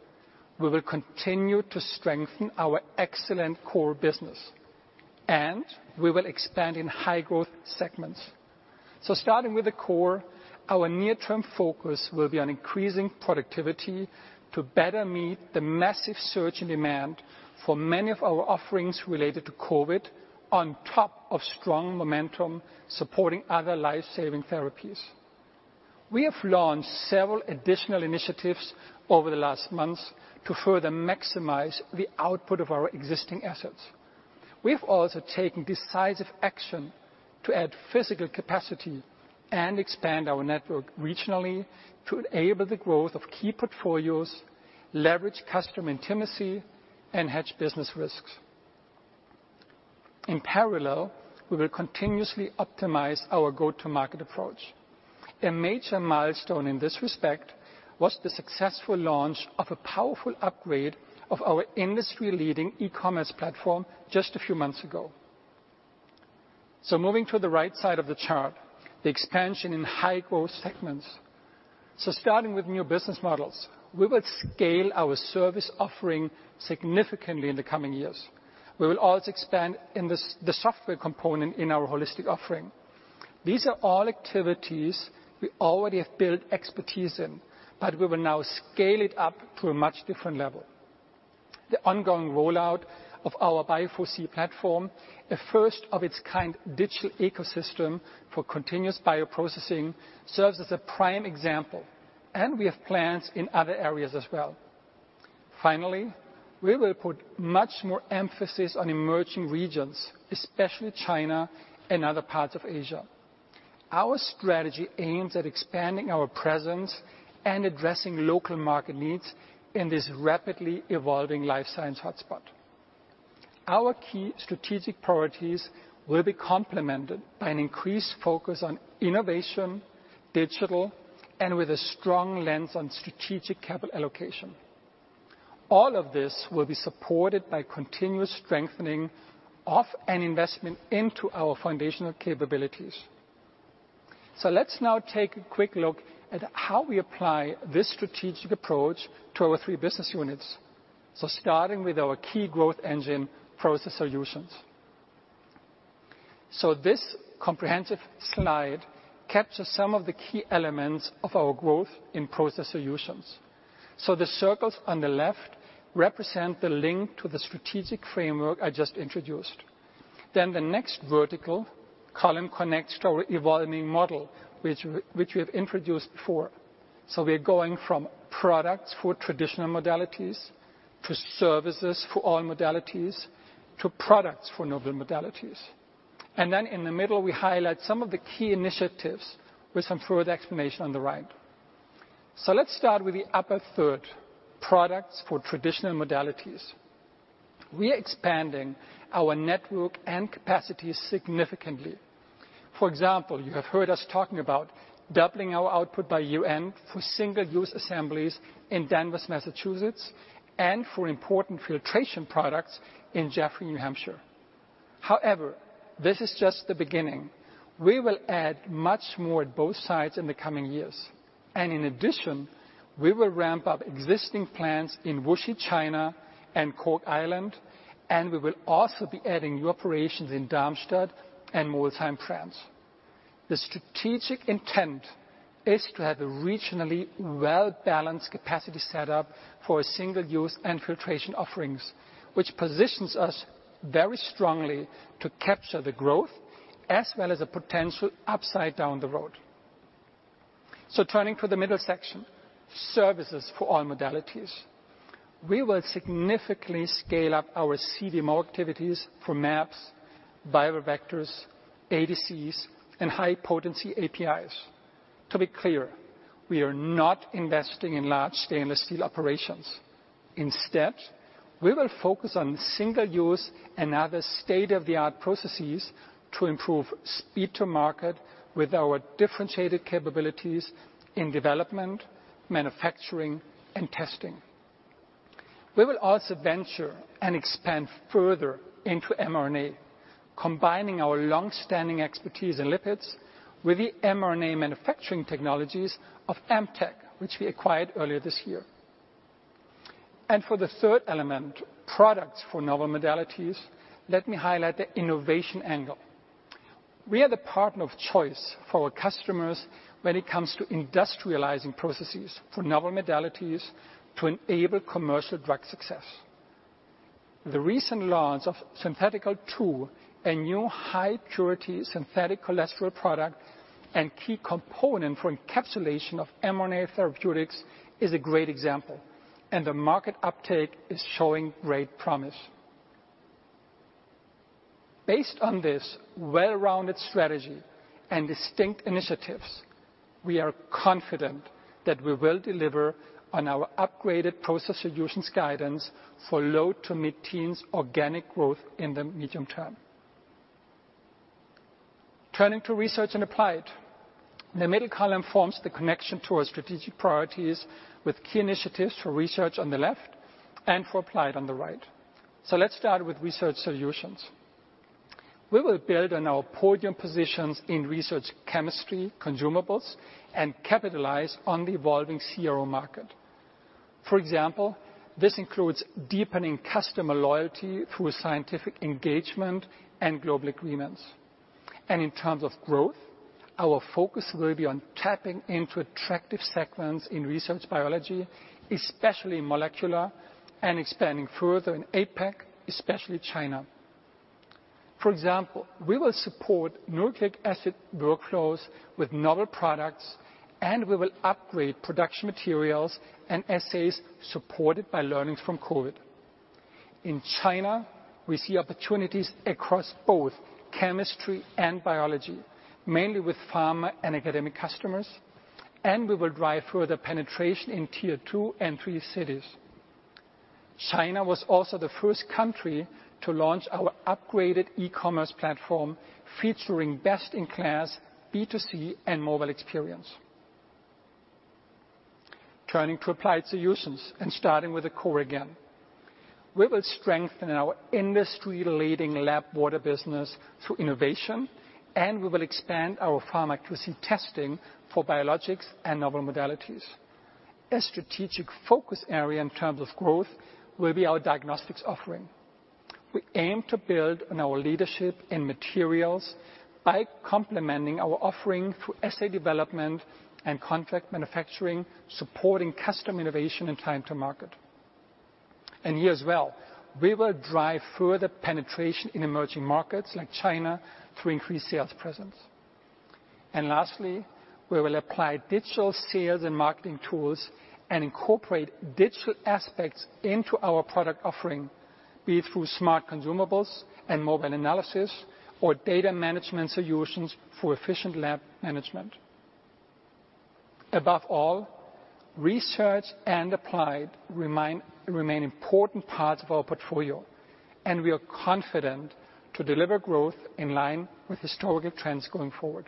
We will continue to strengthen our excellent core business. We will expand in high-growth segments. Starting with the core, our near-term focus will be on increasing productivity to better meet the massive surge in demand for many of our offerings related to COVID, on top of strong momentum supporting other life-saving therapies. We have launched several additional initiatives over the last months to further maximize the output of our existing assets. We've also taken decisive action to add physical capacity and expand our network regionally to enable the growth of key portfolios, leverage customer intimacy, and hedge business risks. In parallel, we will continuously optimize our go-to-market approach. A major milestone in this respect was the successful launch of a powerful upgrade of our industry-leading e-commerce platform just a few months ago. Moving to the right side of the chart, the expansion in high-growth segments. Starting with new business models, we will scale our service offering significantly in the coming years. We will also expand in the software component in our holistic offering. These are all activities we already have built expertise in, but we will now scale it up to a much different level. The ongoing rollout of our Bio4C platform, a first-of-its-kind digital ecosystem for continuous bioprocessing, serves as a prime example. We have plans in other areas as well. Finally, we will put much more emphasis on emerging regions, especially China and other parts of Asia. Our strategy aims at expanding our presence and addressing local market needs in this rapidly evolving life science hotspot. Our key strategic priorities will be complemented by an increased focus on innovation, digital, and with a strong lens on strategic capital allocation. All of this will be supported by continuous strengthening of an investment into our foundational capabilities. Let's now take a quick look at how we apply this strategic approach to our three business units. Starting with our key growth engine, Process Solutions. This comprehensive slide captures some of the key elements of our growth in Process Solutions. The circles on the left represent the link to the strategic framework I just introduced. The next vertical column connects to our evolving model, which we have introduced before. We are going from products for traditional modalities, to services for all modalities, to products for novel modalities. In the middle, we highlight some of the key initiatives with some further explanation on the right. Let's start with the upper third, products for traditional modalities. We are expanding our network and capacity significantly. For example, you have heard us talking about doubling our output by then for single-use assemblies in Danvers, Massachusetts, and for important filtration products in Jaffrey, New Hampshire. However, this is just the beginning. We will add much more at both sites in the coming years. In addition, we will ramp up existing plants in Wuxi, China and Cork, Ireland, and we will also be adding new operations in Darmstadt and Molsheim in France. The strategic intent is to have a regionally well-balanced capacity set up for single-use and filtration offerings, which positions us very strongly to capture the growth, as well as a potential upside down the road. Turning to the middle section, services for all modalities. We will significantly scale up our CDMO activities for mAbs, viral vectors, ADCs, and high-potency APIs. To be clear, we are not investing in large stainless steel operations. Instead, we will focus on single-use and other state-of-the-art processes to improve speed to market with our differentiated capabilities in development, manufacturing, and testing. We will also venture and expand further into mRNA, combining our long-standing expertise in lipids with the mRNA manufacturing technologies of AmpTec, which we acquired earlier this year. For the third element, products for novel modalities, let me highlight the innovation angle. We are the partner of choice for our customers when it comes to industrializing processes for novel modalities to enable commercial drug success. The recent launch of SyntheChol 2, a new high-purity synthetic cholesterol product and key component for encapsulation of mRNA therapeutics, is a great example, and the market uptake is showing great promise. Based on this well-rounded strategy and distinct initiatives, we are confident that we will deliver on our upgraded process solutions guidance for low to mid-teens organic growth in the medium term. Turning to Research and Applied, the middle column forms the connection to our strategic priorities with key initiatives for Research on the left and for Applied on the right. Let's start with Research Solutions. We will build on our podium positions in Research Chemistry Consumables and capitalize on the evolving CRO market. For example, this includes deepening customer loyalty through scientific engagement and global agreements. In terms of growth, our focus will be on tapping into attractive segments in Research Biology, especially molecular, and expanding further in APAC, especially China. For example, we will support nucleic acid workflows with novel products, and we will upgrade production materials and assays supported by learnings from COVID. In China, we see opportunities across both chemistry and biology, mainly with pharma and academic customers, and we will drive further penetration in tier 2 and 3 cities. China was also the first country to launch our upgraded e-commerce platform, featuring best-in-class B2C and mobile experience. Turning to Applied Solutions and starting with the core again. We will strengthen our industry-leading lab water business through innovation, and we will expand our pharmacology testing for biologics and novel modalities. A strategic focus area in terms of growth will be our diagnostics offering. We aim to build on our leadership in materials by complementing our offering through assay development and contract manufacturing, supporting custom innovation and time to market. Here as well, we will drive further penetration in emerging markets like China to increase sales presence. Lastly, we will apply digital sales and marketing tools and incorporate digital aspects into our product offering, be it through smart consumables and mobile analysis or data management solutions for efficient lab management. Research and Applied remain important parts of our portfolio, and we are confident to deliver growth in line with historical trends going forward.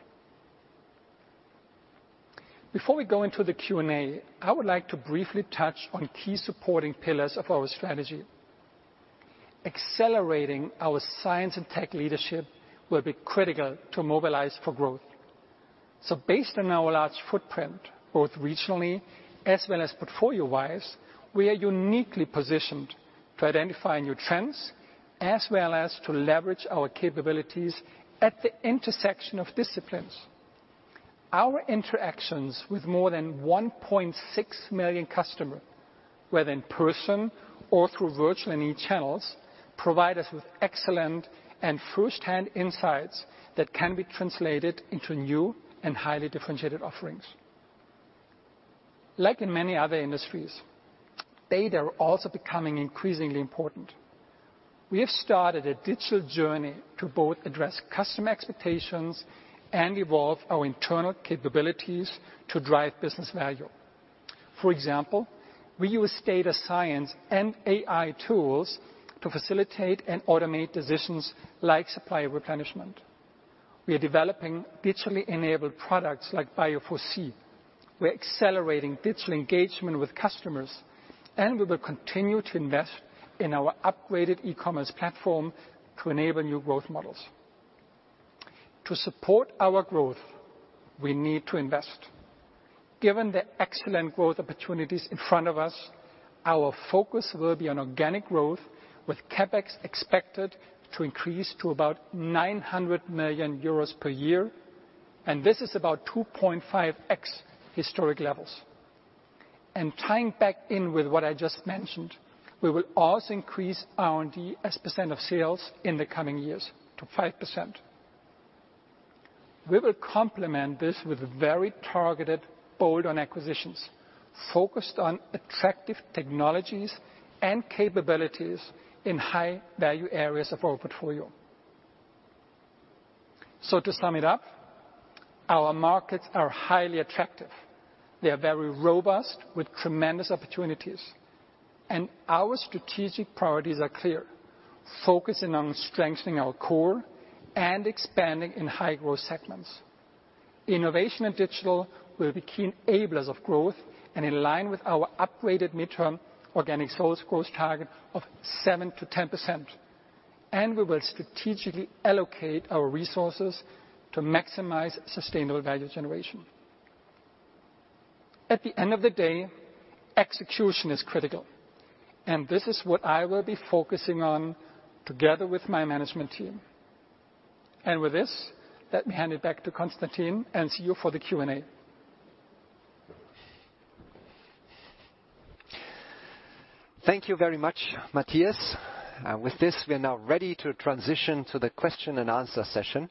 Before we go into the Q&A, I would like to briefly touch on key supporting pillars of our strategy. Accelerating our science and tech leadership will be critical to mobilize for growth. Based on our large footprint, both regionally as well as portfolio-wise, we are uniquely positioned to identify new trends as well as to leverage our capabilities at the intersection of disciplines. Our interactions with more than 1.6 million customers, whether in person or through virtual and e-channels, provide us with excellent and first-hand insights that can be translated into new and highly differentiated offerings. Like in many other industries, data are also becoming increasingly important. We have started a digital journey to both address customer expectations and evolve our internal capabilities to drive business value. For example, we use data science and AI tools to facilitate and automate decisions like supply replenishment. We are developing digitally enabled products like BioForesee. We're accelerating digital engagement with customers, and we will continue to invest in our upgraded e-commerce platform to enable new growth models. To support our growth, we need to invest. Given the excellent growth opportunities in front of us, our focus will be on organic growth with CapEx expected to increase to about €900 million per year. This is about 2.5x historic levels. Tying back in with what I just mentioned, we will also increase R&D as % of sales in the coming years to 5%. We will complement this with very targeted bolt-on acquisitions, focused on attractive technologies and capabilities in high value areas of our portfolio. To sum it up, our markets are highly attractive. They are very robust with tremendous opportunities, and our strategic priorities are clear. Focusing on strengthening our core and expanding in high growth segments. Innovation and digital will be key enablers of growth and in line with our upgraded midterm organic sales growth target of 7%-10%, and we will strategically allocate our resources to maximize sustainable value generation. At the end of the day, execution is critical, and this is what I will be focusing on together with my management team. With this, let me hand it back to Constantin and see you for the Q&A. Thank you very much, Matthias. With this, we are now ready to transition to the question and answer session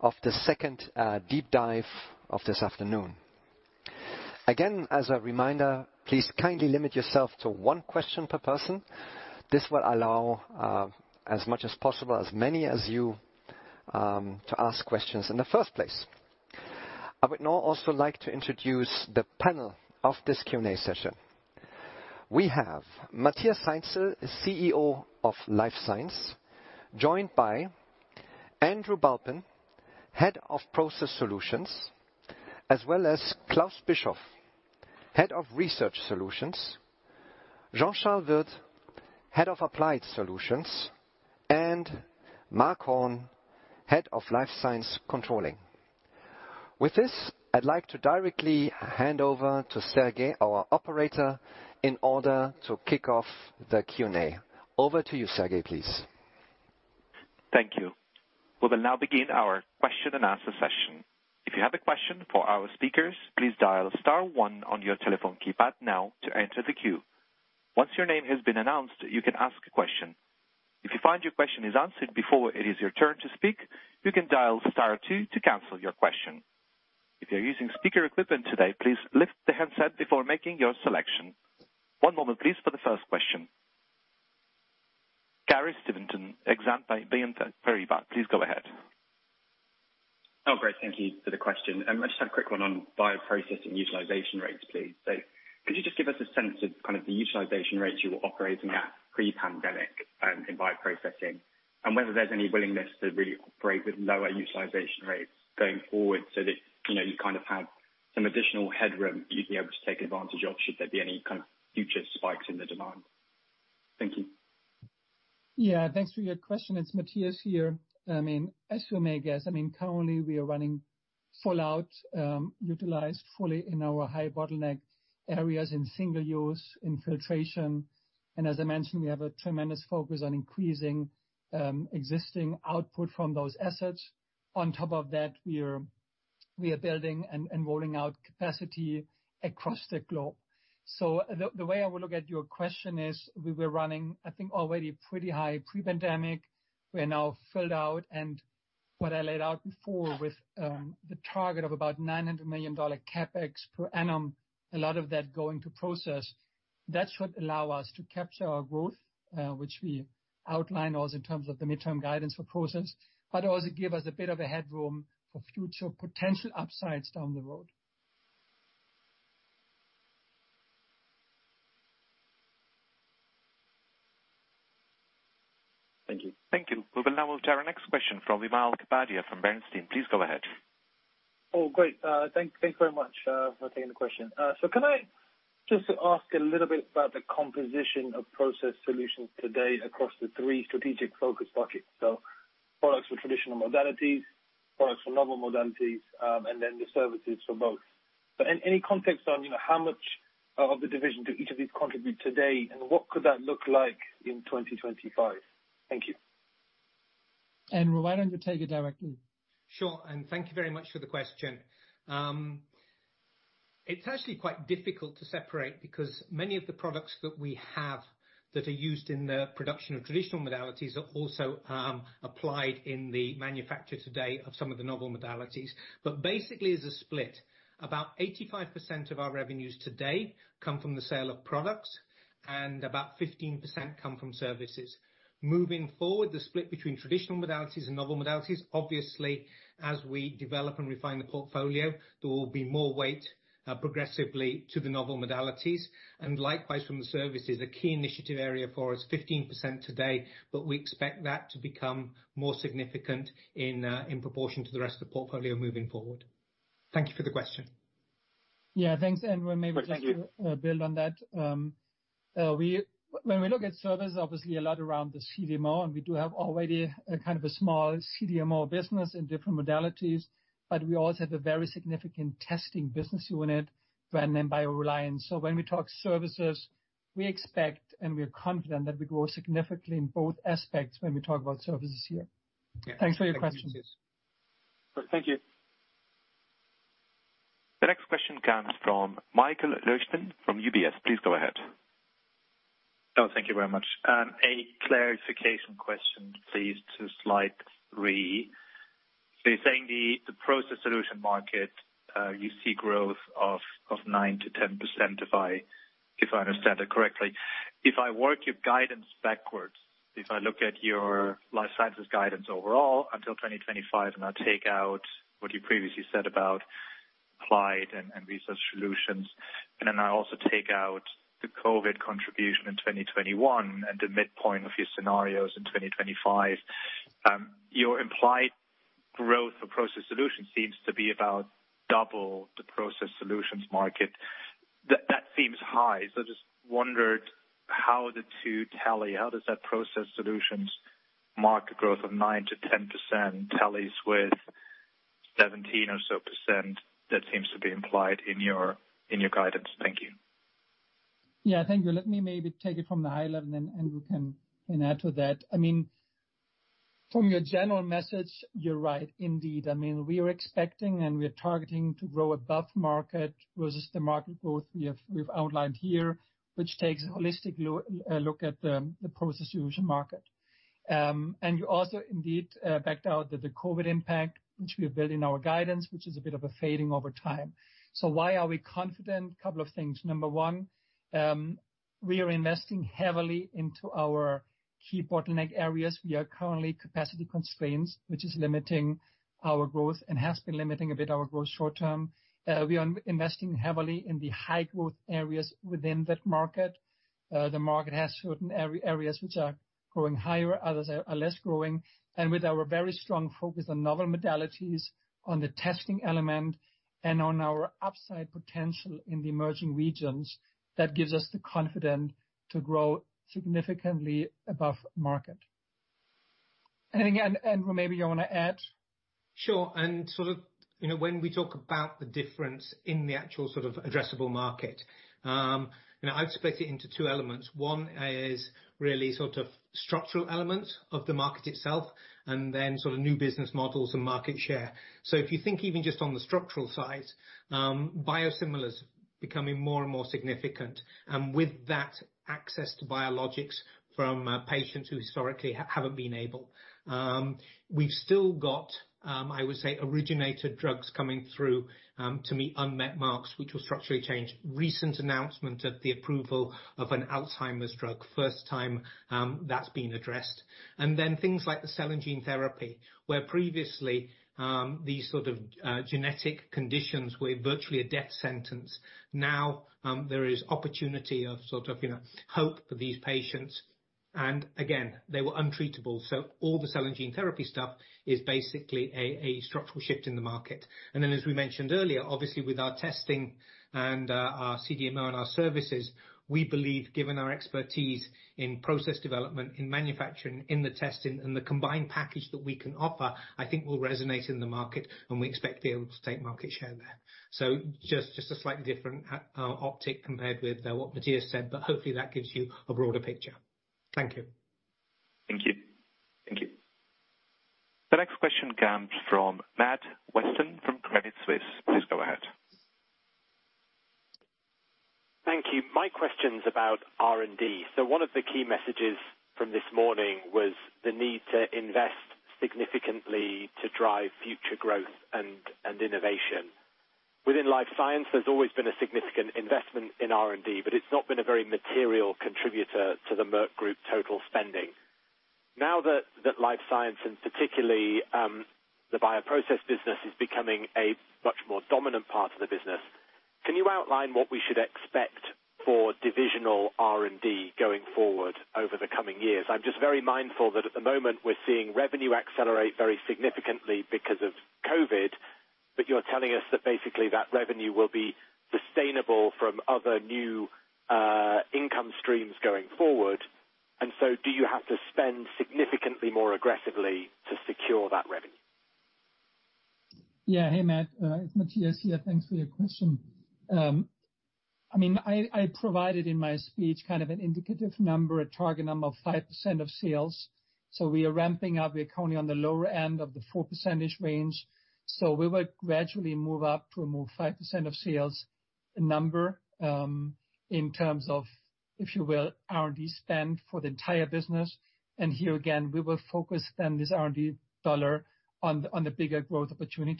of the second deep dive of this afternoon. Again, as a reminder, please kindly limit yourself to one question per person. This will allow as much as possible, as many as you, to ask questions in the first place. I would now also like to introduce the panel of this Q&A session. We have Matthias Heinzel, CEO of Life Science, joined by Andrew Bulpin, Head of Process Solutions, as well as Klaus Bischoff, If you have a question for our speakers, please dial star 1 on your telephone keypad now to enter the queue. Once your name has been announced, you can ask a question. If you find your question is answered before it is your turn to speak, you can dial star 2 to cancel your question. If you're using speaker equipment today, please lift the handset before making your selection. One moment please for the first question. Gary Steventon,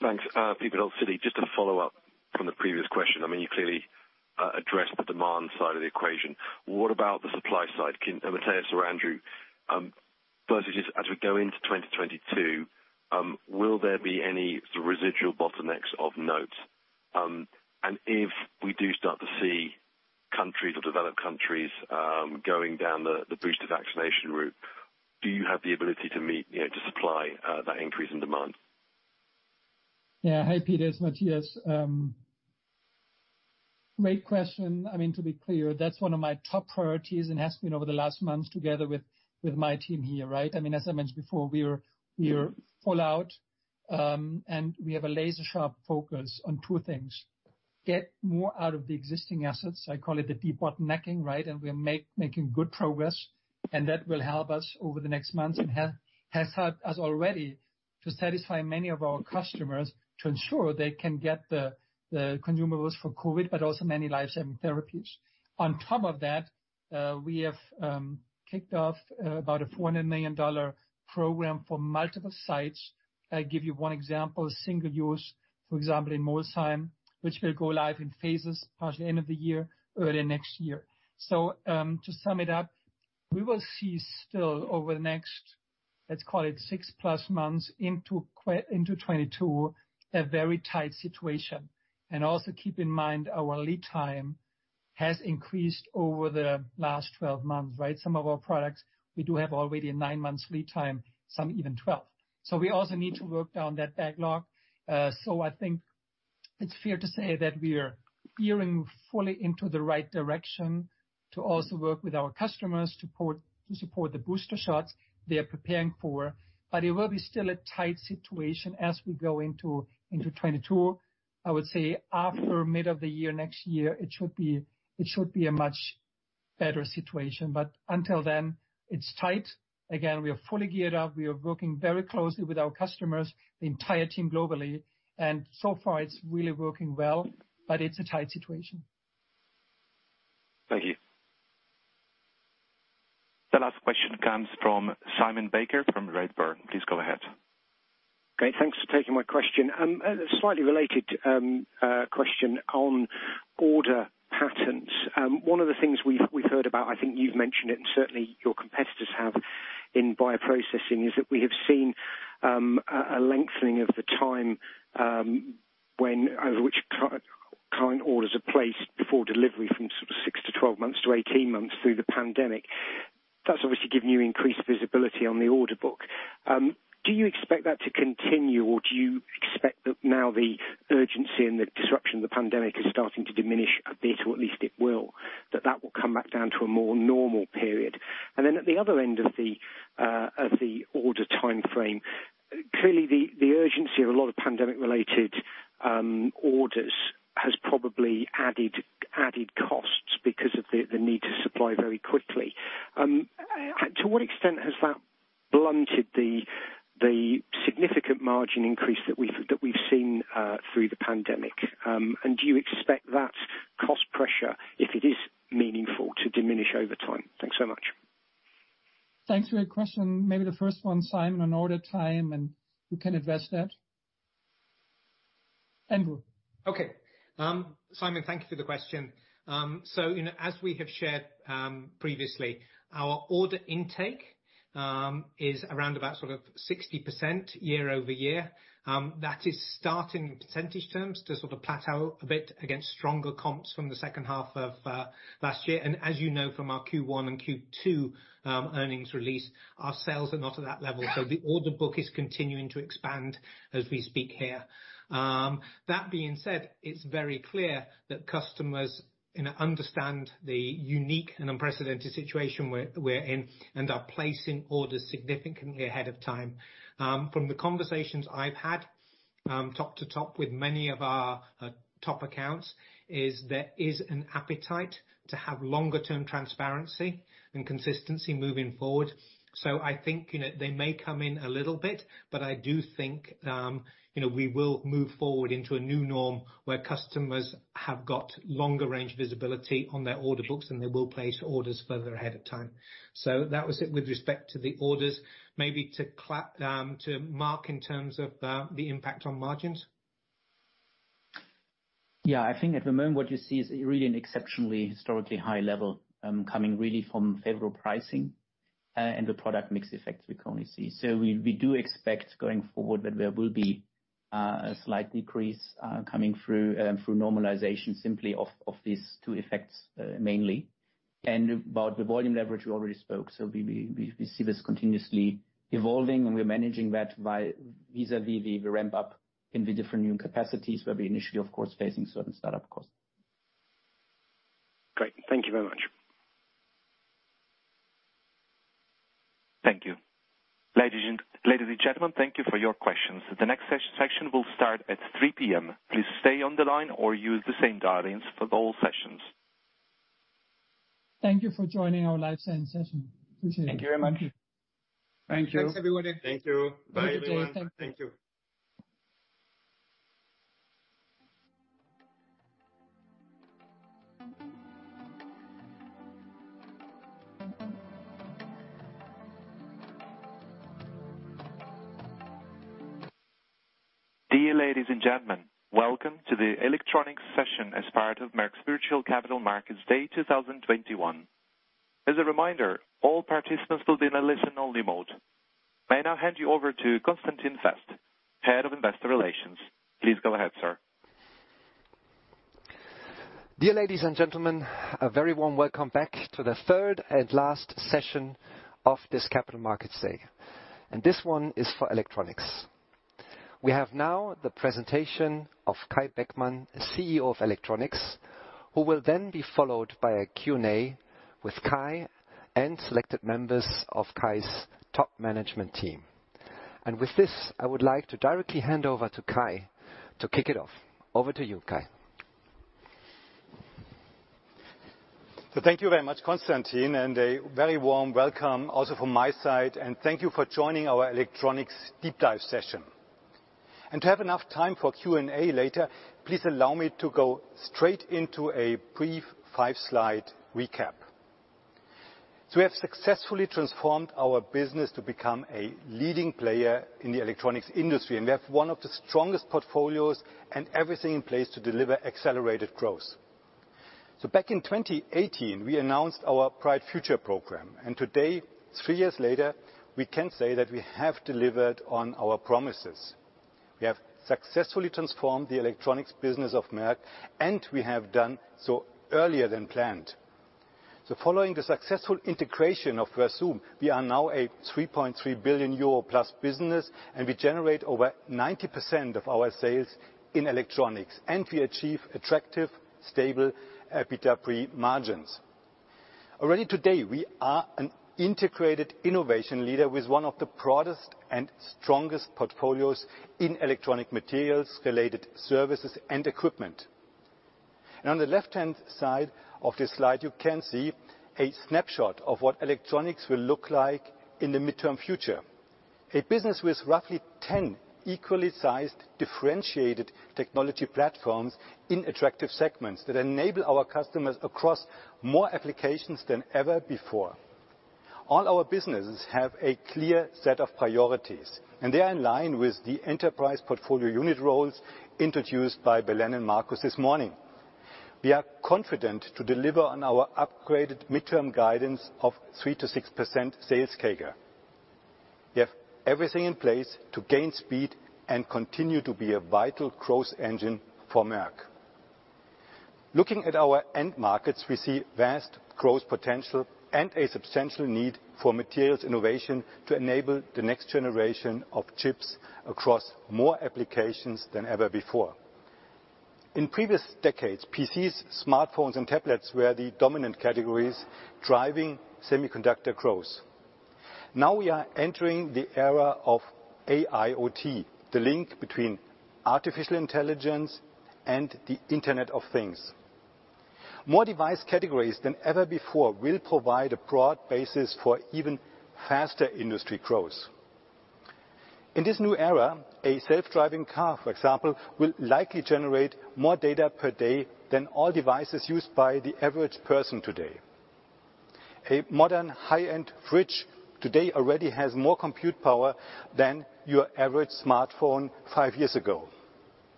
Exane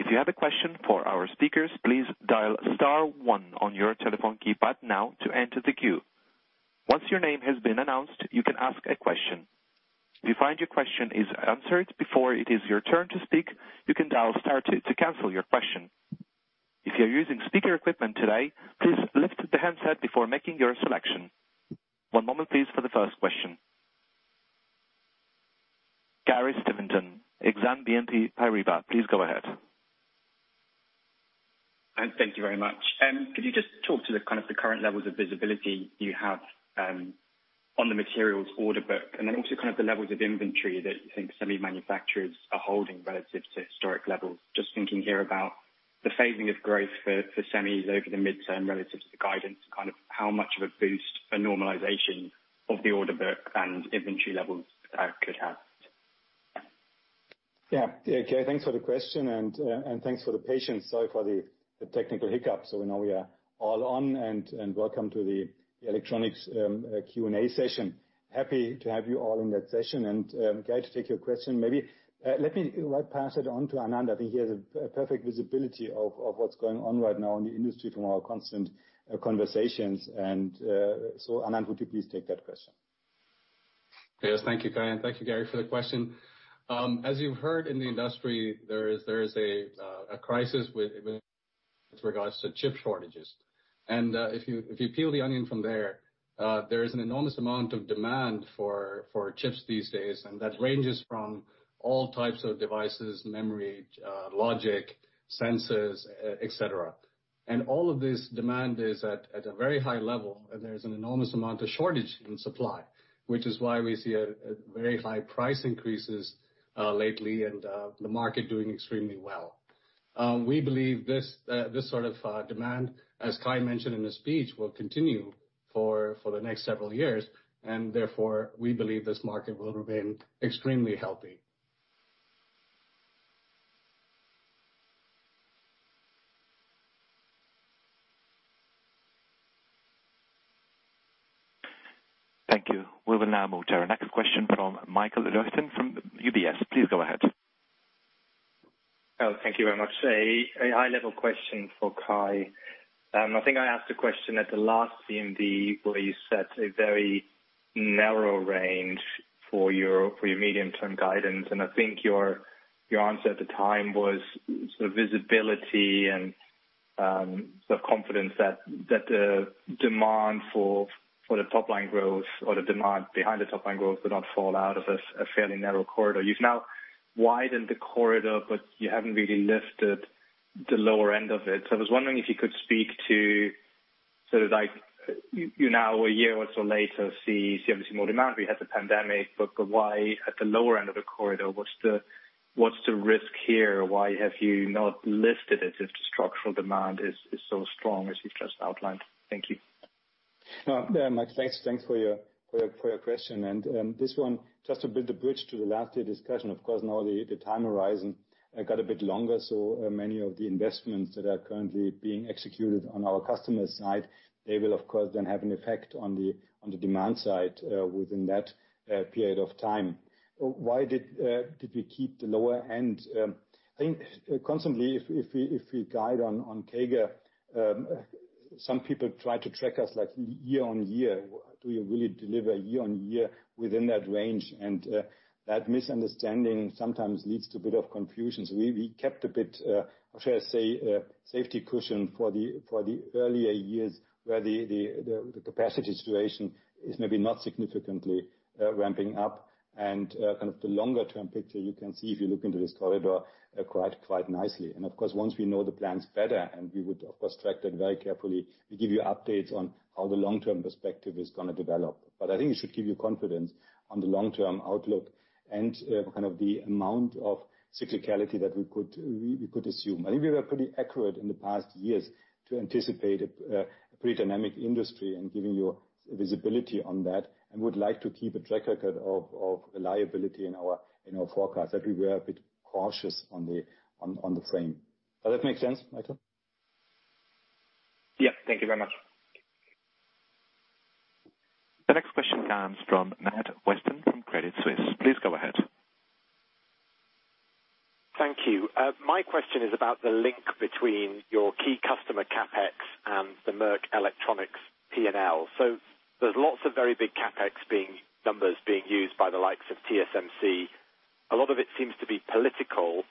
BNP Paribas, please go ahead. Thank you very much. Could you just talk to the current levels of visibility you have on the materials order book, and then also the levels of inventory that you think semi manufacturers are holding relative to historic levels? Just thinking here about the phasing of growth for semis over the midterm relative to the guidance, kind of how much of a boost a normalization of the order book and inventory levels could have? Yeah. Gary, thanks for the question and thanks for the patience. Sorry for the technical hiccups. We know we are all on and welcome to the Electronics Q&A session. Happy to have you all in that session. Gary, to take your question, maybe let me pass it on to Anand. I think he has a perfect visibility of what's going on right now in the industry from our constant conversations. Anand, would you please take that question? Thank you, Kai, and thank you, Gary, for the question. As you've heard in the industry, there is a crisis with regards to chip shortages. If you peel the onion from there is an enormous amount of demand for chips these days, and that ranges from all types of devices, memory, logic, sensors, et cetera. All of this demand is at a very high level, and there's an enormous amount of shortage in supply, which is why we see very high price increases lately and the market doing extremely well. We believe this sort of demand, as Kai mentioned in his speech, will continue for the next several years, and therefore, we believe this market will remain extremely healthy. Thank you. We will now move to our next question from Michael Leuchten from UBS. Please go ahead. Oh, thank you very much. A high-level question for Kai. I think I asked a question at the last CMD where you set a very narrow range for your medium-term guidance, and I think your answer at the time was the visibility and the confidence that the demand for the top-line growth or the demand behind the top-line growth would not fall out of a fairly narrow corridor. You've now widened the corridor, but you haven't really lifted the lower end of it. I was wondering if you could speak to, you're now a year or so later, see obviously more demand. We had the pandemic, why at the lower end of the corridor? What's the risk here? Why have you not lifted it if the structural demand is so strong, as you've just outlined? Thank you. No. Mike, thanks for your question. This one, just to build a bridge to the last year discussion, of course, now the time horizon got a bit longer. Many of the investments that are currently being executed on our customer side, they will, of course, then have an effect on the demand side within that period of time. Why did we keep the lower end? I think constantly if we guide on CAGR, some people try to track us year on year. Do we really deliver year on year within that range? That misunderstanding sometimes leads to a bit of confusion. We kept a bit, how should I say, safety cushion for the earlier years where the capacity situation is maybe not significantly ramping up. The longer-term picture you can see if you look into this corridor quite nicely. Of course, once we know the plans better, and we would of course track that very carefully, we give you updates on how the long-term perspective is going to develop. I think it should give you confidence on the long-term outlook and the amount of cyclicality that we could assume. I think we were pretty accurate in the past years to anticipate a pretty dynamic industry and giving you visibility on that, and would like to keep a track record of reliability in our forecast that we were a bit cautious on the frame. Does that make sense, Michael? Yeah. Thank you very much. The next question comes from Matthew Weston from Credit Suisse. Please go ahead. Thank you. My question is about the link between your key customer CapEx and the Merck Electronics P&L. There's lots of very big CapEx numbers being used by the likes of TSMC. A lot of it seems to be political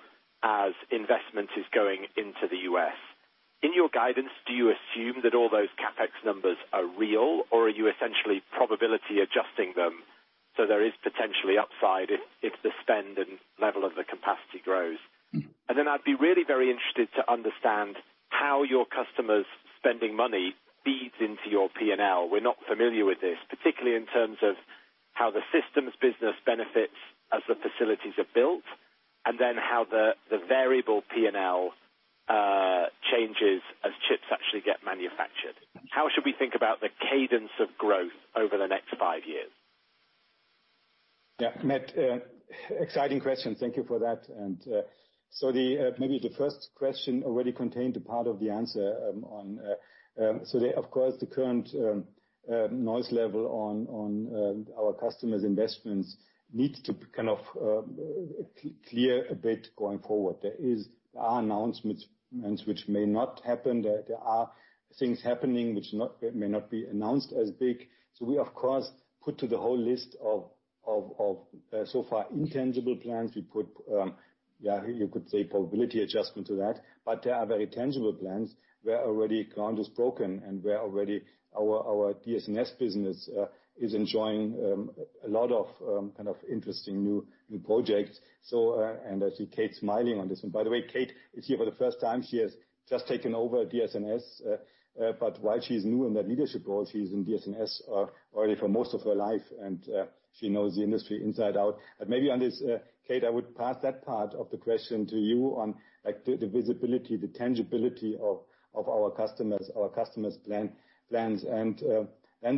as investment is going into the U.S. In your guidance, do you assume that all those CapEx numbers are real, or are you essentially probability adjusting them so there is potentially upside if the spend and level of the capacity grows? I'd be really very interested to understand how your customers spending money feeds into your P&L. We're not familiar with this, particularly in terms of how the systems business benefits as the facilities are built, and then how the variable P&L changes. We think about the cadence of growth over the next five years. Yeah, Matt, exciting question. Thank you for that. Maybe the first question already contained a part of the answer. Of course, the current noise level on our customers' investments need to kind of clear a bit going forward. There are announcements which may not happen. There are things happening which may not be announced as big. We, of course, put to the whole list of so far intangible plans. We put, you could say, probability adjustment to that. There are very tangible plans where already ground is broken and where already our DS&S business is enjoying a lot of interesting new projects. I see Kate smiling on this. By the way, Kate is here for the first time. She has just taken over DS&S. While she's new in that leadership role, she's in DS&S already for most of her life, and she knows the industry inside out. Maybe on this, Kate, I would pass that part of the question to you on the visibility, the tangibility of our customers' plans, and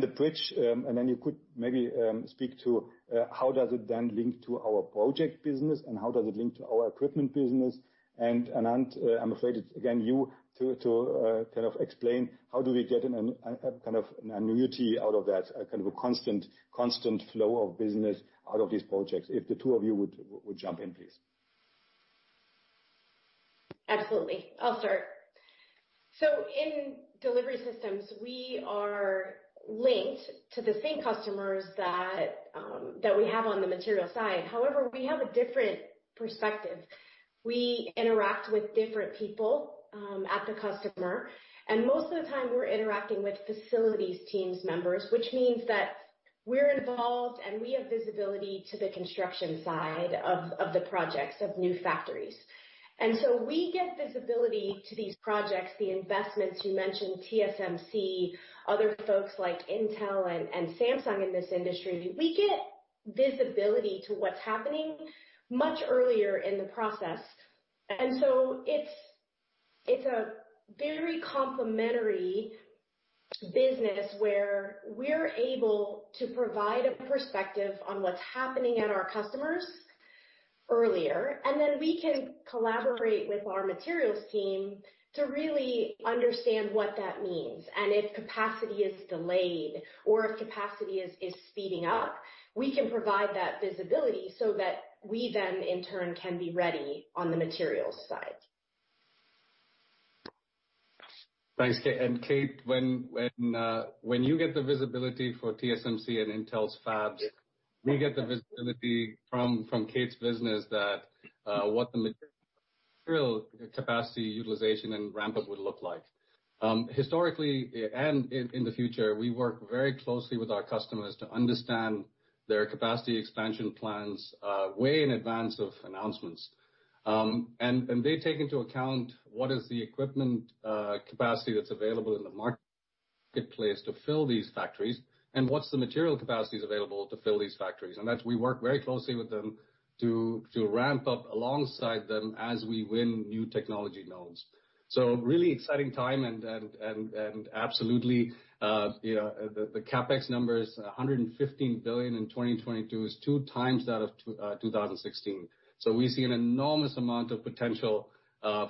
the bridge. Then you could maybe speak to how does it then link to our project business, and how does it link to our equipment business. Arndt, I'm afraid it's again you to kind of explain how do we get an annuity out of that, a constant flow of business out of these projects. If the two of you would jump in, please. Absolutely. I'll start. In delivery systems, we are linked to the same customers that we have on the material side. However, we have a different perspective. We interact with different people at the customer, and most of the time we're interacting with facilities teams members, which means that we're involved and we have visibility to the construction side of the projects of new factories. We get visibility to these projects, the investments you mentioned, TSMC, other folks like Intel and Samsung in this industry. We get visibility to what's happening much earlier in the process. It's a very complementary business where we're able to provide a perspective on what's happening at our customers earlier, and then we can collaborate with our materials team to really understand what that means. If capacity is delayed or if capacity is speeding up, we can provide that visibility so that we then, in turn, can be ready on the materials side. Thanks, Kate. Kate, when you get the visibility for TSMC and Intel's fabs, we get the visibility from Kate's business that what the material capacity utilization and ramp-up would look like. Historically and in the future, we work very closely with our customers to understand their capacity expansion plans way in advance of announcements. They take into account what is the equipment capacity that's available in the marketplace to fill these factories, and what's the material capacities available to fill these factories. That we work very closely with them to ramp up alongside them as we win new technology nodes. Really exciting time, and absolutely, the CapEx numbers, 115 billion in 2022, is two times that of 2016. We see an enormous amount of potential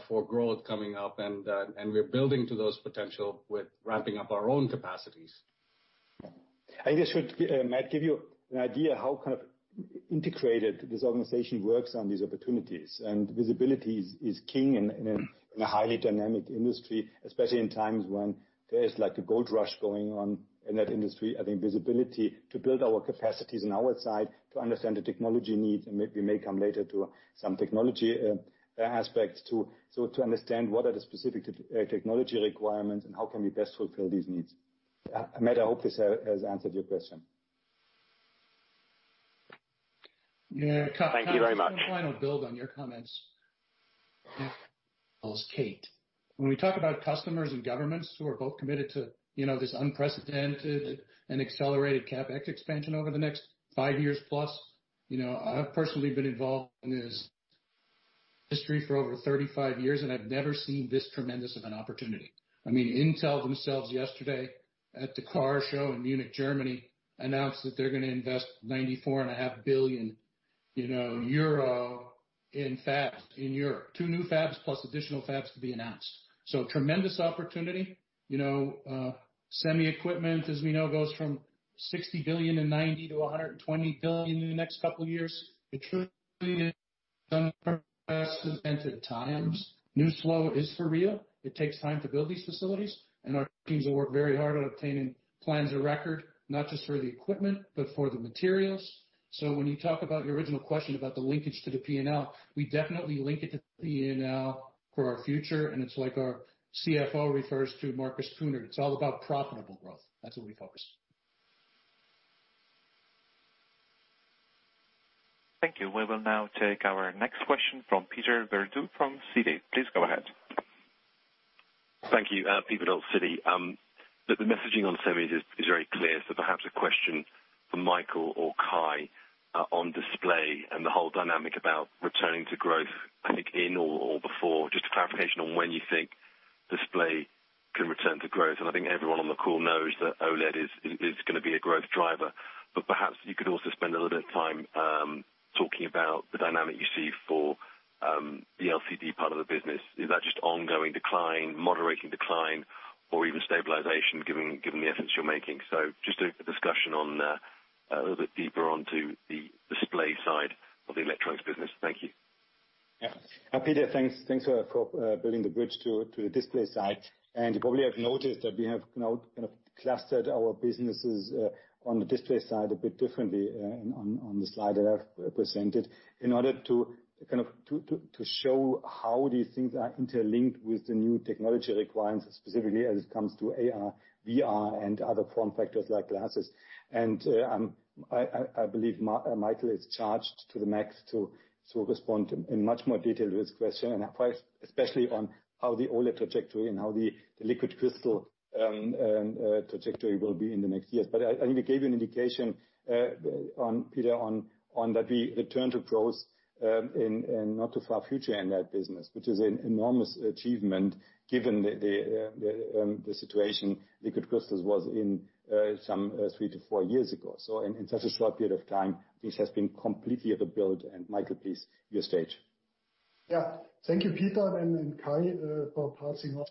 for growth coming up, and we're building to those potential with ramping up our own capacities. I guess, Matt, give you an idea how kind of integrated this organization works on these opportunities. Visibility is king in a highly dynamic industry, especially in times when there is like a gold rush going on in that industry. I think visibility to build our capacities on our side to understand the technology needs, and we may come later to some technology aspects to understand what are the specific technology requirements and how can we best fulfill these needs. Matt, I hope this has answered your question. Yeah. Thank you very much. One final build on your comments, as well as Kate. When we talk about customers and governments who are both committed to this unprecedented and accelerated CapEx expansion over the next five years plus, I've personally been involved in this industry for over 35 years, and I've never seen this tremendous of an opportunity. Intel themselves yesterday at the car show in Munich, Germany, announced that they're going to invest 94.5 billion in fabs in Europe. two new fabs plus additional fabs to be announced. Tremendous opportunity. Semi equipment, as we know, goes from 60 billion and 90 billion to 120 billion in the next couple of years. The truth is unprecedented times. New flow is for real. It takes time to build these facilities, and our teams have worked very hard on obtaining plans of record, not just for the equipment, but for the materials. When you talk about your original question about the linkage to the P&L, we definitely link it to P&L for our future, and it's like our CFO refers to Marcus Kuhnert. It's all about profitable growth. That's what we focus. Thank you. We will now take our next question from Peter Verdult from Citi. Please go ahead. Thank you. Peter Verdult, Citi. The messaging on semi is very clear, so perhaps a question Michael or Kai on display and the whole dynamic about returning to growth, I think in or before, just a clarification on when you think display can return to growth. I think everyone on the call knows that OLED is going to be a growth driver, but perhaps you could also spend a little bit of time talking about the dynamic you see for the LCD part of the business. Is that just ongoing decline, moderating decline, or even stabilization, given the efforts you're making? Just a discussion a little bit deeper onto the display side of the electronics business. Thank you. Yeah. Peter, thanks for building the bridge to the display side. You probably have noticed that we have now clustered our businesses on the display side a bit differently on the slide that I've presented in order to show how these things are interlinked with the new technology requirements, specifically as it comes to AR, VR, and other form factors like glasses. I believe Michael is charged to the max to respond in much more detail to this question, especially on how the OLED trajectory and how the liquid crystal trajectory will be in the next years. I think I gave you an indication, Peter, on that we return to growth in not too far future in that business, which is an enormous achievement given the situation liquid crystals was in some three to four years ago. In such a short period of time, this has been completely rebuilt, and Michael, please, your stage. Thank you, Peter and Kai, for passing on.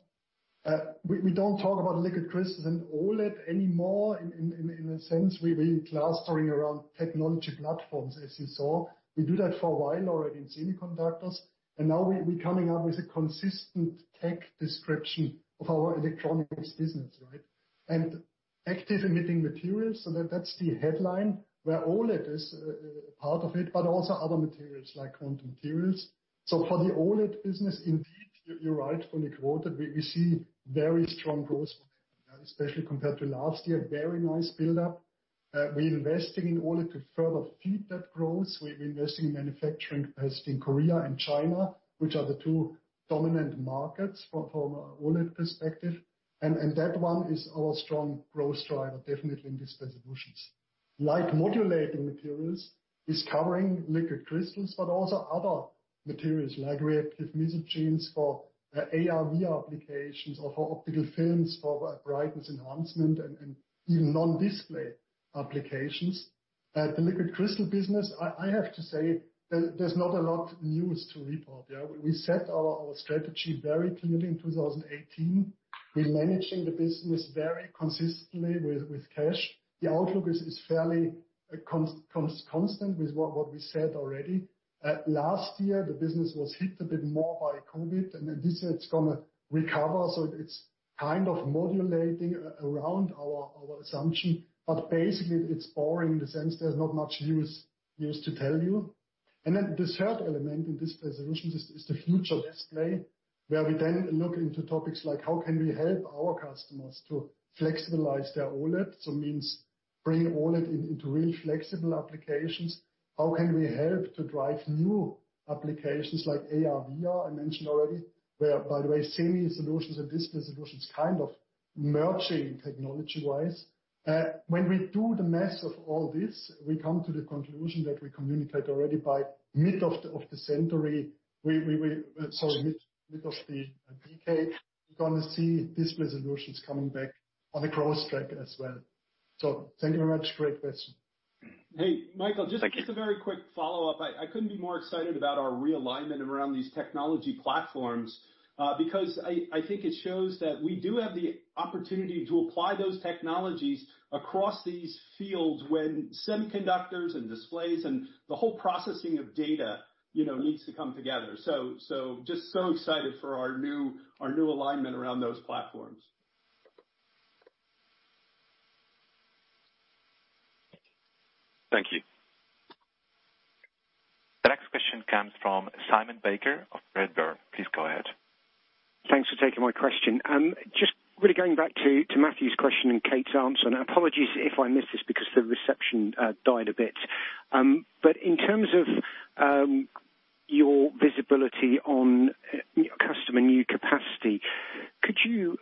We don't talk about liquid crystals and OLED anymore in a sense. We've been clustering around technology platforms, as you saw. We do that for a while already in semiconductors, and now we're coming up with a consistent tech description of our Electronics business, right? Active emitting materials, so that's the headline, where OLED is a part of it, but also other materials like quantum materials. For the OLED business, indeed, you're right when you quoted, we see very strong growth, especially compared to last year, very nice buildup. We're investing in OLED to further feed that growth. We're investing in manufacturing capacity in Korea and China, which are the two dominant markets from an OLED perspective. That one is our strong growth driver, definitely in Display Solutions. Light-modulating materials is covering liquid crystals, but also other materials, like reactive mesogens for AR/VR applications or for optical films, for brightness enhancement, and even non-display applications. The liquid crystal business, I have to say that there's not a lot news to report, yeah. We set our strategy very clearly in 2018. We're managing the business very consistently with cash. The outlook is fairly constant with what we said already. Last year, the business was hit a bit more by COVID. This year it's going to recover. It's kind of modulating around our assumption. Basically, it's boring in the sense there's not much news to tell you. Then this third element in this resolution is the future display, where we then look into topics like how can we help our customers to flexibilize their OLED. Means bring OLED into real flexible applications. How can we help to drive new applications like AR/VR, I mentioned already, where, by the way, semi solutions and Display Solutions kind of merging technology-wise. When we do the math of all this, we come to the conclusion that we communicate already by mid of the century, sorry, mid of the decade, we're going to see Display Solutions coming back on a growth track as well. Thank you very much. Great question. Hey, Michael, just a very quick follow-up. I couldn't be more excited about our realignment around these technology platforms, because I think it shows that we do have the opportunity to apply those technologies across these fields when semiconductors and displays and the whole processing of data needs to come together. Just so excited for our new alignment around those platforms. Thank you. The next question comes from Simon Baker of Redburn. Please go ahead. Thanks for taking my question. Just really going back to Matthew's question and Kate's answer, apologies if I missed this because the reception died a bit. In terms of your visibility on customer new capacity, could you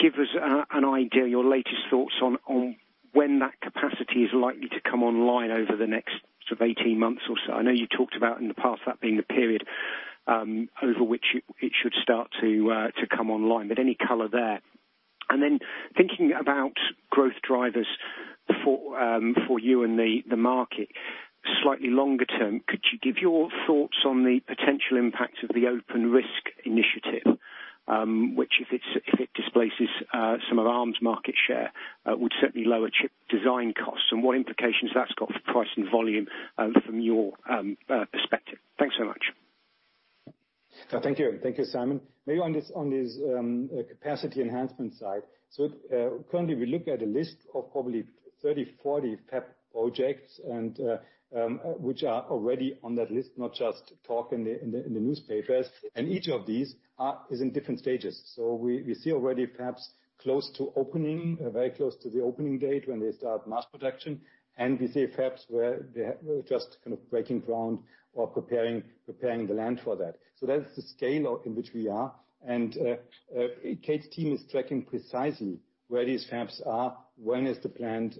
give us an idea, your latest thoughts on when that capacity is likely to come online over the next sort of 18 months or so? I know you talked about in the past that being the period over which it should start to come online, but any color there? Then thinking about growth drivers for you and the market slightly longer term, could you give your thoughts on the potential impact of the RISC-V initiative, which if it displaces some of Arm's market share, would certainly lower chip design costs and what implications that's got for price and volume from your perspective. Thanks so much. Thank you, Simon. On this capacity enhancement side. Currently, we look at a list of probably 30, 40 fab projects, which are already on that list, not just talk in the newspapers. Each of these is in different stages. We see already fabs close to opening, very close to the opening date, when they start mass production, and we see fabs where they're just kind of breaking ground or preparing the land for that. That's the scale in which we are. Kate's team is tracking precisely where these fabs are, when is the planned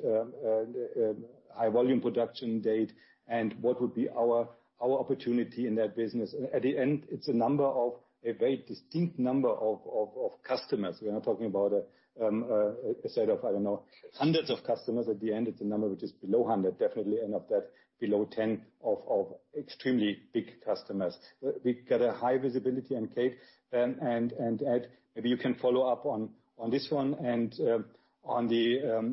high volume production date, and what would be our opportunity in that business. At the end, it's a very distinct number of customers. We are not talking about a set of, I don't know, hundreds of customers. At the end, it's a number which is below 100, definitely end of that below 10 of extremely big customers. We got a high visibility on Kate, and Ed, maybe you can follow up on this one and on the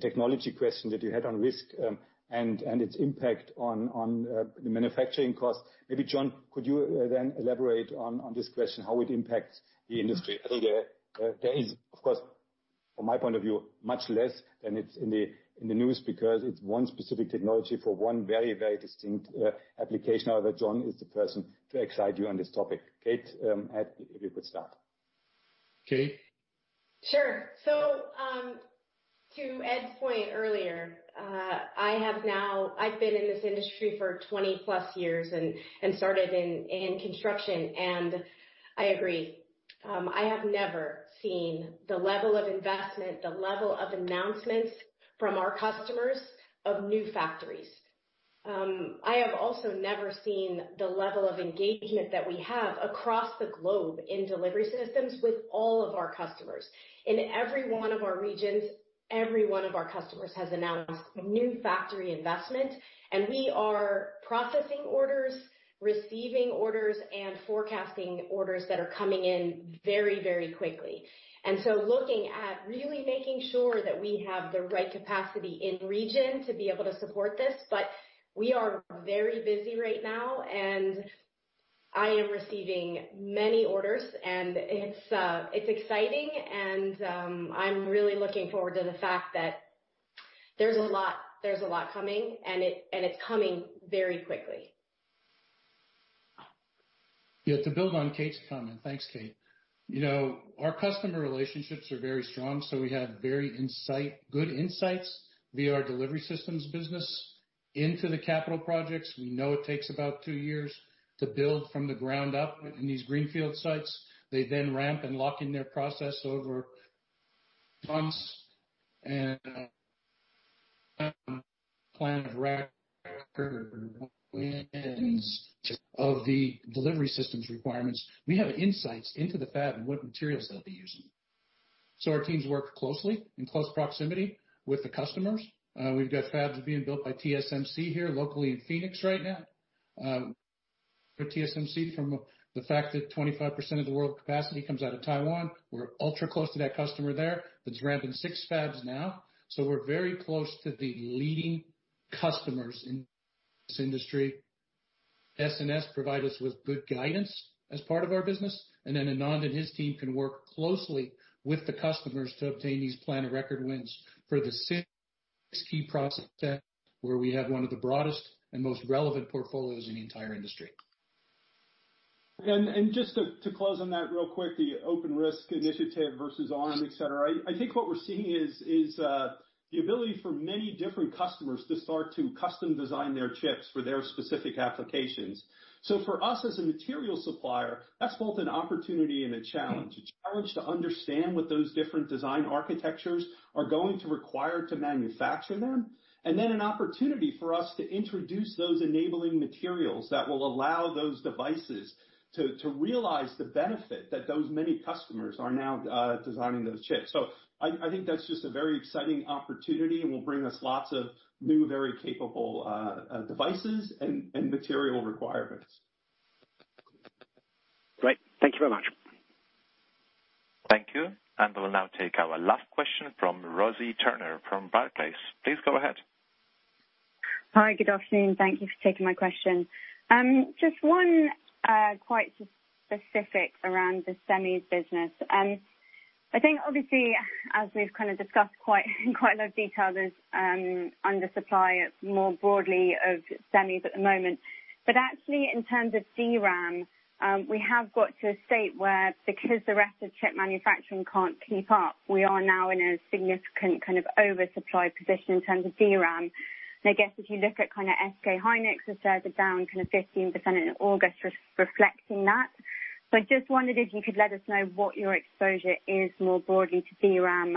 technology question that you had on RISC-V, and its impact on the manufacturing cost. Maybe John, could you then elaborate on this question, how it impacts the industry? I think there is, of course, from my point of view, much less than it's in the news because it's one specific technology for one very, very distinct application. However, John is the person to excite you on this topic. Kate, Ed, if you could start. Kate? Sure. To Ed's point earlier, I've been in this industry for 20+ years and started in construction, and I agree. I have never seen the level of investment, the level of announcements from our customers of new factories. I have also never seen the level of engagement that we have across the globe in Delivery Systems with all of our customers. In every one of our regions, every one of our customers has announced a new factory investment, and we are processing orders, receiving orders, and forecasting orders that are coming in very quickly. Looking at really making sure that we have the right capacity in region to be able to support this. We are very busy right now, and I am receiving many orders, and it's exciting, and I'm really looking forward to the fact that there's a lot coming, and it's coming very quickly. Yeah. To build on Kate's comment. Thanks, Kate. Our customer relationships are very strong, so we have very good insights via our Delivery Systems business into the capital projects. We know it takes about two years to build from the ground up in these greenfield sites. They ramp and lock in their process over months and plan record of the Delivery Systems requirements. We have insights into the fab and what materials they'll be using. Our teams work closely, in close proximity with the customers. We've got fabs being built by TSMC here locally in Phoenix right now. For TSMC, from the fact that 25% of the world capacity comes out of Taiwan, we're ultra close to that customer there, that's ramping 6 fabs now. We're very close to the leading customers in this industry. SNS provide us with good guidance as part of our business. Anand and his team can work closely with the customers to obtain these plan and record wins for the six key processes where we have one of the broadest and most relevant portfolios in the entire industry. Just to close on that real quick, the RISC-V initiative versus Arm, et cetera. I think what we're seeing is the ability for many different customers to start to custom design their chips for their specific applications. For us as a material supplier, that's both an opportunity and a challenge. A challenge to understand what those different design architectures are going to require to manufacture them, and then an opportunity for us to introduce those enabling materials that will allow those devices to realize the benefit that those many customers are now designing those chips. I think that's just a very exciting opportunity and will bring us lots of new, very capable devices and material requirements. Great. Thank you very much. Thank you. We'll now take our last question from Rosie Turner from Barclays. Please go ahead. Hi. Good afternoon. Thank you for taking my question. Just one quite specific around the semis business. I think obviously as we've kind of discussed in quite a lot of detail, there's undersupply more broadly of semis at the moment. In terms of DRAM, we have got to a state where because the rest of chip manufacturing can't keep up, we are now in a significant kind of oversupply position in terms of DRAM. If you look at SK Hynix and so, they're down 15% in August, reflecting that. I just wondered if you could let us know what your exposure is more broadly to DRAM,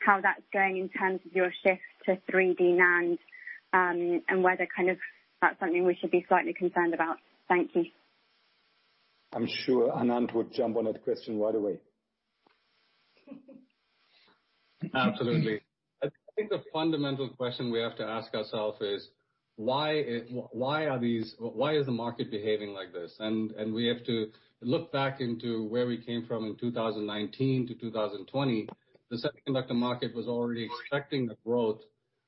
how that's going in terms of your shift to 3D NAND, and whether kind of that's something we should be slightly concerned about. Thank you. I'm sure Anand would jump on that question right away. Absolutely. I think the fundamental question we have to ask ourselves is: Why is the market behaving like this? We have to look back into where we came from in 2019 to 2020. The semiconductor market was already expecting a growth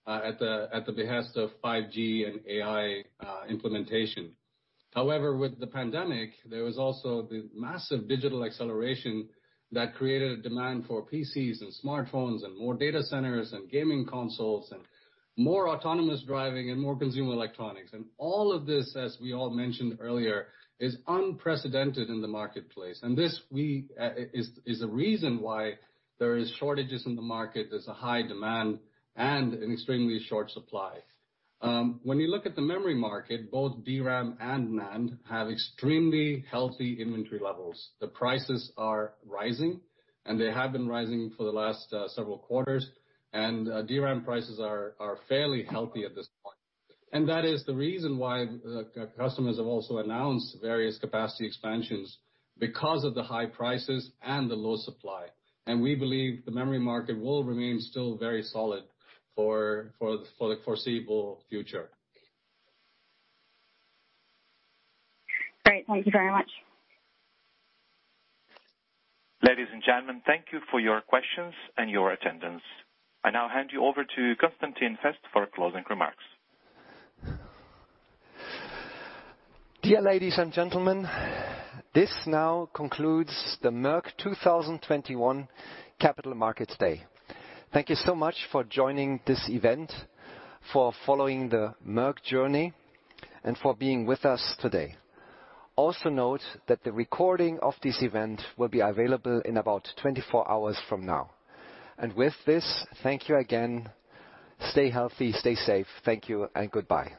at the behest of 5G and AI implementation. However, with the pandemic, there was also the massive digital acceleration that created a demand for PCs and smartphones and more data centers and gaming consoles and more autonomous driving and more consumer electronics. All of this, as we all mentioned earlier, is unprecedented in the marketplace. This is a reason why there are shortages in the market. There's a high demand and an extremely short supply. When you look at the memory market, both DRAM and NAND have extremely healthy inventory levels. The prices are rising, and they have been rising for the last several quarters. DRAM prices are fairly healthy at this point. That is the reason why customers have also announced various capacity expansions because of the high prices and the low supply. We believe the memory market will remain still very solid for the foreseeable future. Great. Thank you very much. Ladies and gentlemen, thank you for your questions and your attendance. I now hand you over to Constantin Fest for closing remarks. Dear ladies and gentlemen, this now concludes the Merck 2021 Capital Markets Day. Thank you so much for joining this event, for following the Merck journey, and for being with us today. Also note that the recording of this event will be available in about 24 hours from now. With this, thank you again. Stay healthy, stay safe. Thank you and goodbye.